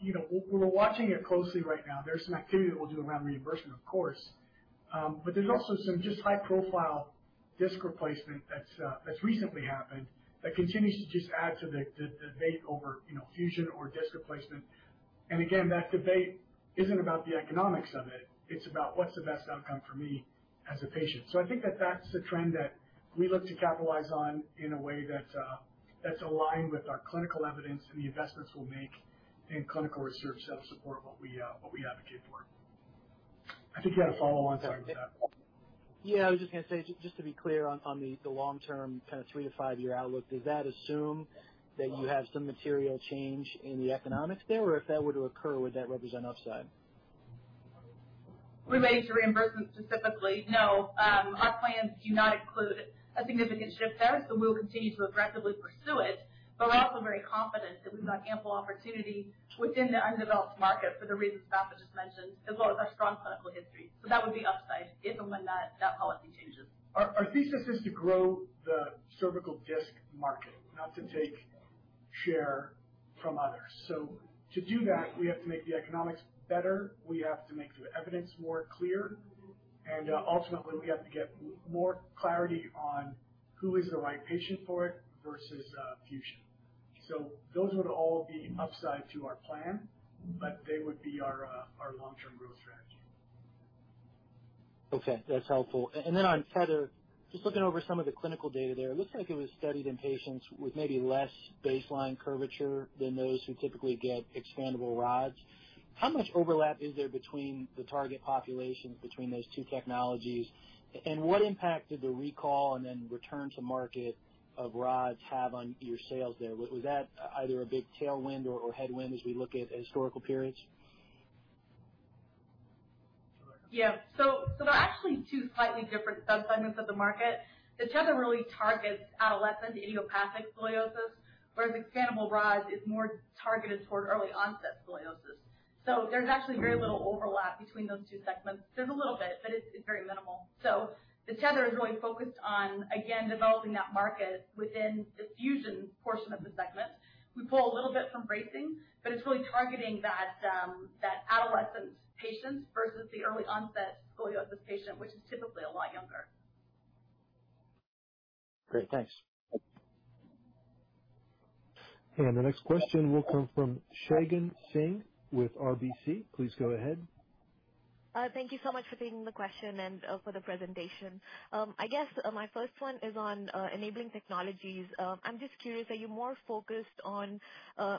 you know, we're watching it closely right now. There's some activity that we'll do around reimbursement of course. There's also some just high profile disc replacement that's recently happened that continues to just add to the debate over, you know, fusion or disc replacement. Again, that debate isn't about the economics of it's about what's the best outcome for me as a patient. I think that's a trend that we look to capitalize on in a way that's aligned with our clinical evidence and the investments we'll make in clinical research that'll support what we advocate for. I think you had a follow on, sorry, Chris. Yeah, I was just gonna say, just to be clear on the long term kinda three to five-year outlook, does that assume that you have some material change in the economics there, or if that were to occur, would that represent upside? Relating to reimbursement specifically, no, our plans do not include a significant shift there, so we will continue to aggressively pursue it, but we're also very confident that we've got ample opportunity within the undeveloped market for the reasons Vafa just mentioned, as well as our strong clinical history. That would be upside if and when that policy changes. Our thesis is to grow the cervical disc market, not to take share from others. To do that, we have to make the economics better, we have to make the evidence more clear, and ultimately, we have to get more clarity on who is the right patient for it versus fusion. Those would all be upside to our plan, but they would be our long-term growth strategy. Okay. That's helpful. On Tether, just looking over some of the clinical data there, it looks like it was studied in patients with maybe less baseline curvature than those who typically get expandable rods. How much overlap is there between the target populations between those two technologies? What impact did the recall and then return to market of rods have on your sales there? Was that either a big tailwind or headwind as we look at historical periods? There are actually two slightly different subsegments of the market. The Tether really targets adolescent idiopathic scoliosis, whereas expandable rods is more targeted toward early-onset scoliosis. There's actually very little overlap between those two segments. There's a little bit, but it's very minimal. The Tether is really focused on, again, developing that market within the fusion portion of the segment. We pull a little bit from bracing, but it's really targeting that adolescent patients versus the early-onset scoliosis patient, which is typically a lot younger. Great. Thanks. The next question will come from Shagun Singh with RBC. Please go ahead. Thank you so much for taking the question and for the presentation. I guess my first one is on enabling technologies. I'm just curious, are you more focused on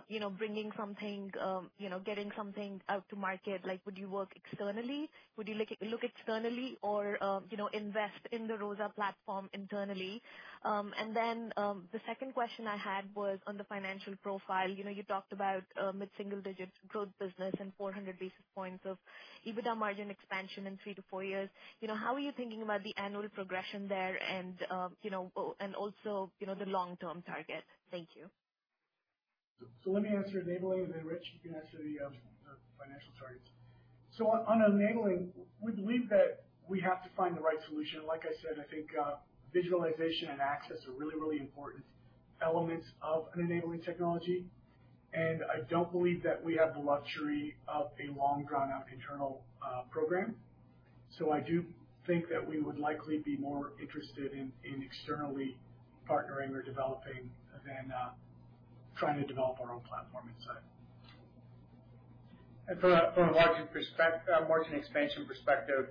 you know, bringing something you know, getting something out to market? Like, would you work externally? Would you look externally or you know, invest in the ROSA platform internally? The second question I had was on the financial profile. You know, you talked about mid-single digit growth business and 400 basis points of EBITDA margin expansion in three to four years. You know, how are you thinking about the annual progression there and you know, and also you know, the long-term target? Thank you. Let me answer enabling, and then Rich, you can answer the financial targets. On enabling, we believe that we have to find the right solution. Like I said, I think visualization and access are really important elements of an enabling technology. I don't believe that we have the luxury of a long drawn out internal program. I do think that we would likely be more interested in externally partnering or developing than trying to develop our own platform inside. From a margin expansion perspective,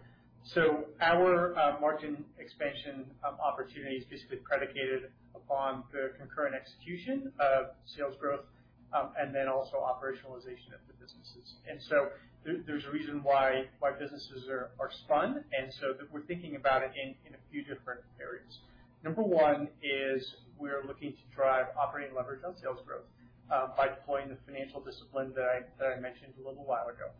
our margin expansion opportunity is basically predicated upon the concurrent execution of sales growth and then also operationalization of the businesses. There's a reason why businesses are spun so that we're thinking about it in a few different areas. Number one is we're looking to drive operating leverage on sales growth by deploying the financial discipline that I mentioned a little while ago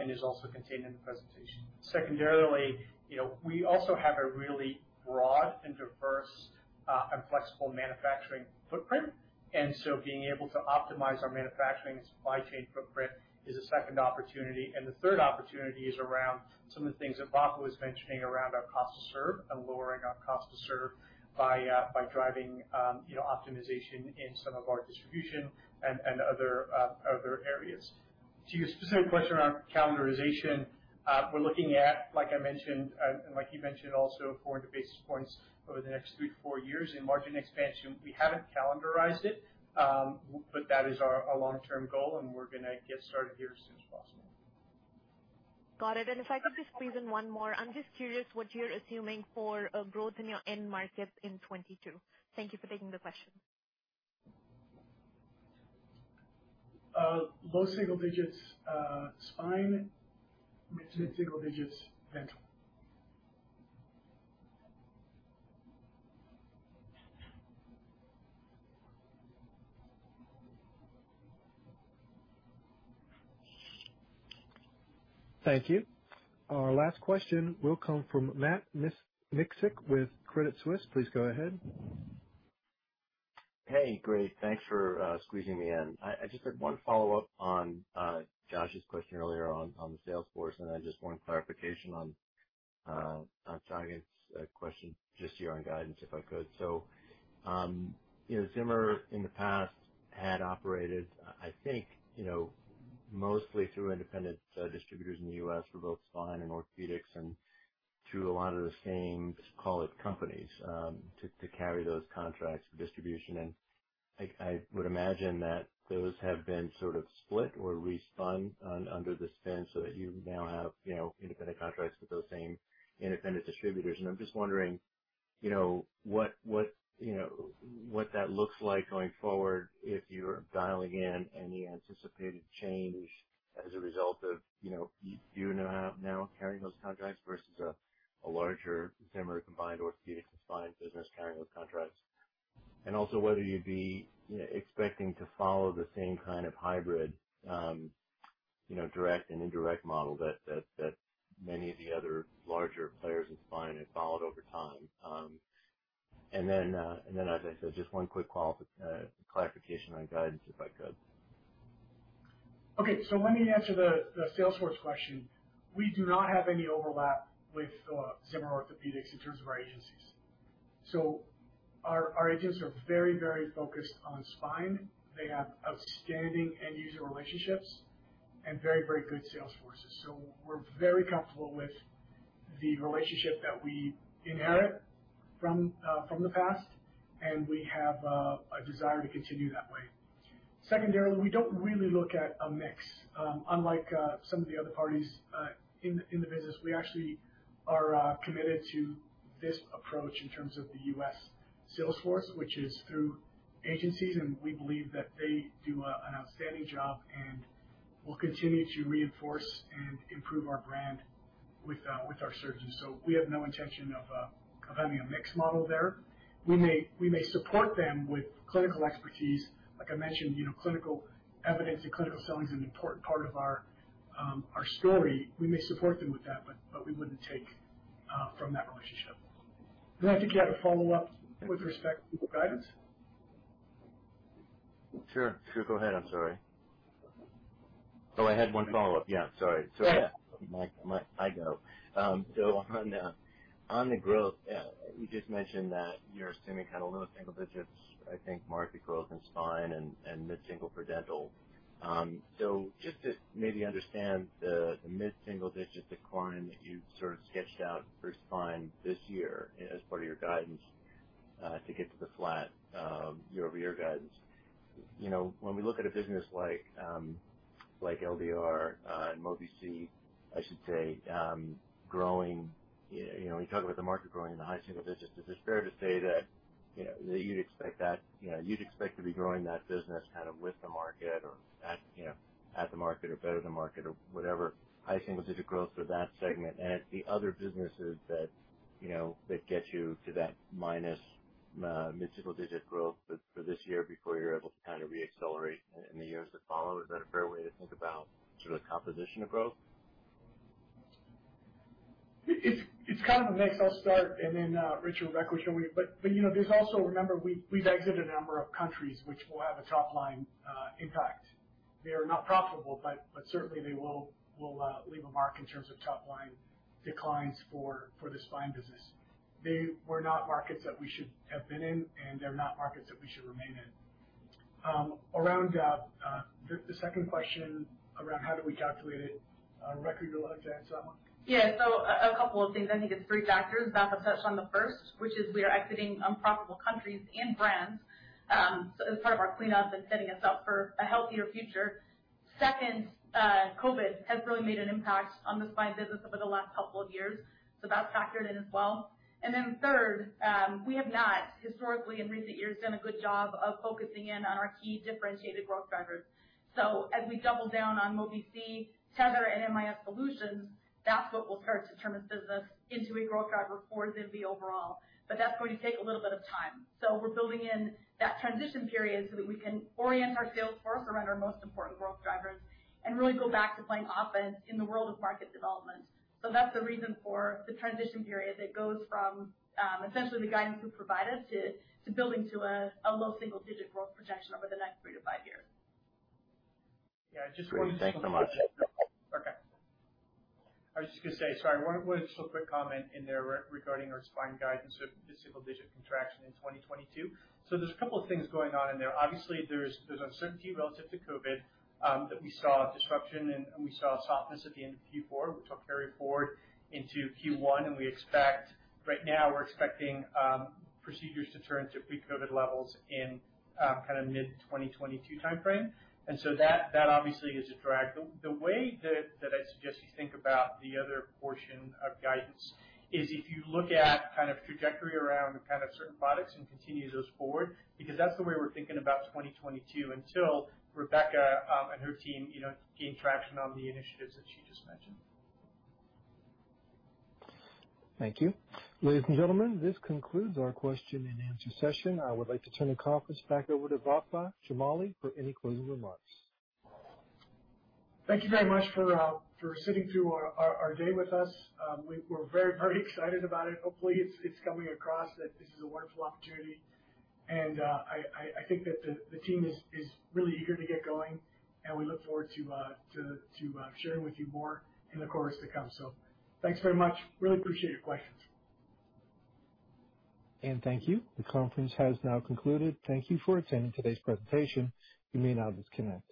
and is also contained in the presentation. Secondarily, you know, we also have a really broad and diverse and flexible manufacturing footprint, and so being able to optimize our manufacturing and supply chain footprint is a second opportunity. The third opportunity is around some of the things that Vafa was mentioning around our cost to serve and lowering our cost to serve by driving optimization in some of our distribution and other areas. To your specific question around calendarization, we're looking at, like I mentioned, and like you mentioned also, 400 basis points over the next three to four years in margin expansion. We haven't calendarized it, but that is our long-term goal, and we're gonna get started here as soon as possible. Got it. If I could just squeeze in one more. I'm just curious what you're assuming for growth in your end markets in 2022. Thank you for taking the question. Low single digits, spine, mid-single digits dental. Thank you. Our last question will come from Matt Miksic with Credit Suisse. Please go ahead. Hey. Great. Thanks for squeezing me in. I just had one follow-up on Josh's question earlier on the sales force, and then just one clarification on Shagun's question just here on guidance, if I could. You know, Zimmer in the past had operated, I think, you know, mostly through independent distributors in the U.S. for both spine and orthopedics and through a lot of the same, call it companies, to carry those contracts for distribution. I would imagine that those have been sort of split or re-spun under the spin so that you now have, you know, independent contracts with those same independent distributors. I'm just wondering, you know, what that looks like going forward if you're dialing in any anticipated change as a result of, you know, you now carrying those contracts versus a larger Zimmer combined orthopedic and spine business carrying those contracts. Also whether you'd be, you know, expecting to follow the same kind of hybrid, you know, direct and indirect model that many of the other larger players in spine have followed over time. And then as I said, just one quick clarification on guidance, if I could. Okay. Let me answer the sales force question. We do not have any overlap with Zimmer Orthopedics in terms of our agencies. Our agents are very, very focused on spine. They have outstanding end user relationships and very, very good sales forces. We're very comfortable with the relationship that we inherit from the past, and we have a desire to continue that way. Secondarily, we don't really look at a mix. Unlike some of the other parties in the business, we actually are committed to this approach in terms of the U.S. sales force, which is through agencies, and we believe that they do an outstanding job and will continue to reinforce and improve our brand with our surgeons. We have no intention of having a mixed model there. We may support them with clinical expertise. Like I mentioned, you know, clinical evidence and clinical selling is an important part of our story. We may support them with that, but we wouldn't take from that relationship. I think you had a follow-up with respect to guidance. Sure. Go ahead. I'm sorry. Oh, I had one follow-up. Yeah, sorry. Go ahead. On the growth, you just mentioned that you're assuming kind of low single digits. I think market growth in spine and mid-single for dental. Just to maybe understand the mid-single digit decline that you sort of sketched out for spine this year as part of your guidance to get to the flat year-over-year guidance. You know, when we look at a business like LDR and Mobi-C, I should say, growing, you know, when you talk about the market growing in the high single digits, is it fair to say that, you know, that you'd expect that, you know, you'd expect to be growing that business kind of with the market or at, you know, at the market or better than market or whatever high single digit growth for that segment, and it's the other businesses that, you know, that get you to that minus mid-single digit growth for this year before you're able to kind of re-accelerate in the years that follow. Is that a fair way to think about sort of the composition of growth? It's kind of a mix. I'll start and then Richard and Rebecca show me. You know, there's also. Remember we've exited a number of countries which will have a top line impact. They are not profitable, but certainly they will leave a mark in terms of top line declines for the spine business. They were not markets that we should have been in, and they're not markets that we should remain in. Around the second question around how do we calculate it, Rebecca you'll address that one. Yeah. A couple of things. I think it's three factors. Vafa touched on the first, which is we are exiting unprofitable countries and brands, so as part of our cleanup and setting us up for a healthier future. Second, COVID has really made an impact on the spine business over the last couple of years, so that's factored in as well. Third, we have not historically in recent years done a good job of focusing in on our key differentiated growth drivers. So as we double down on Mobi-C, Tether, and MIS solutions, that's what will start to turn the business into a growth driver for the overall. That's going to take a little bit of time. We're building in that transition period so that we can orient our sales force around our most important growth drivers and really go back to playing offense in the world of market development. That's the reason for the transition period that goes from essentially the guidance we've provided to building to a low single digit growth projection over the next three to five years. Yeah, just Great. Thanks so much. Okay. I was just gonna say, sorry, one just little quick comment in there regarding our spine guidance with the single digit contraction in 2022. There's a couple of things going on in there. Obviously, there's uncertainty relative to COVID that we saw disruption and we saw softness at the end of Q4, which will carry forward into Q1. Right now we're expecting procedures to turn to pre-COVID levels in kind of mid-2022 timeframe. That obviously is a drag. The way that I'd suggest you think about the other portion of guidance is if you look at kind of trajectory around kind of certain products and continue those forward, because that's the way we're thinking about 2022 until Rebecca and her team, you know, gain traction on the initiatives that she just mentioned. Thank you. Ladies and gentlemen, this concludes our question and answer session. I would like to turn the conference back over to Vafa Jamali for any closing remarks. Thank you very much for sitting through our day with us. We're very, very excited about it. Hopefully it's coming across that this is a wonderful opportunity and I think that the team is really eager to get going and we look forward to sharing with you more in the quarters to come. Thanks very much. Really appreciate your questions. Thank you. The conference has now concluded. Thank you for attending today's presentation. You may now disconnect.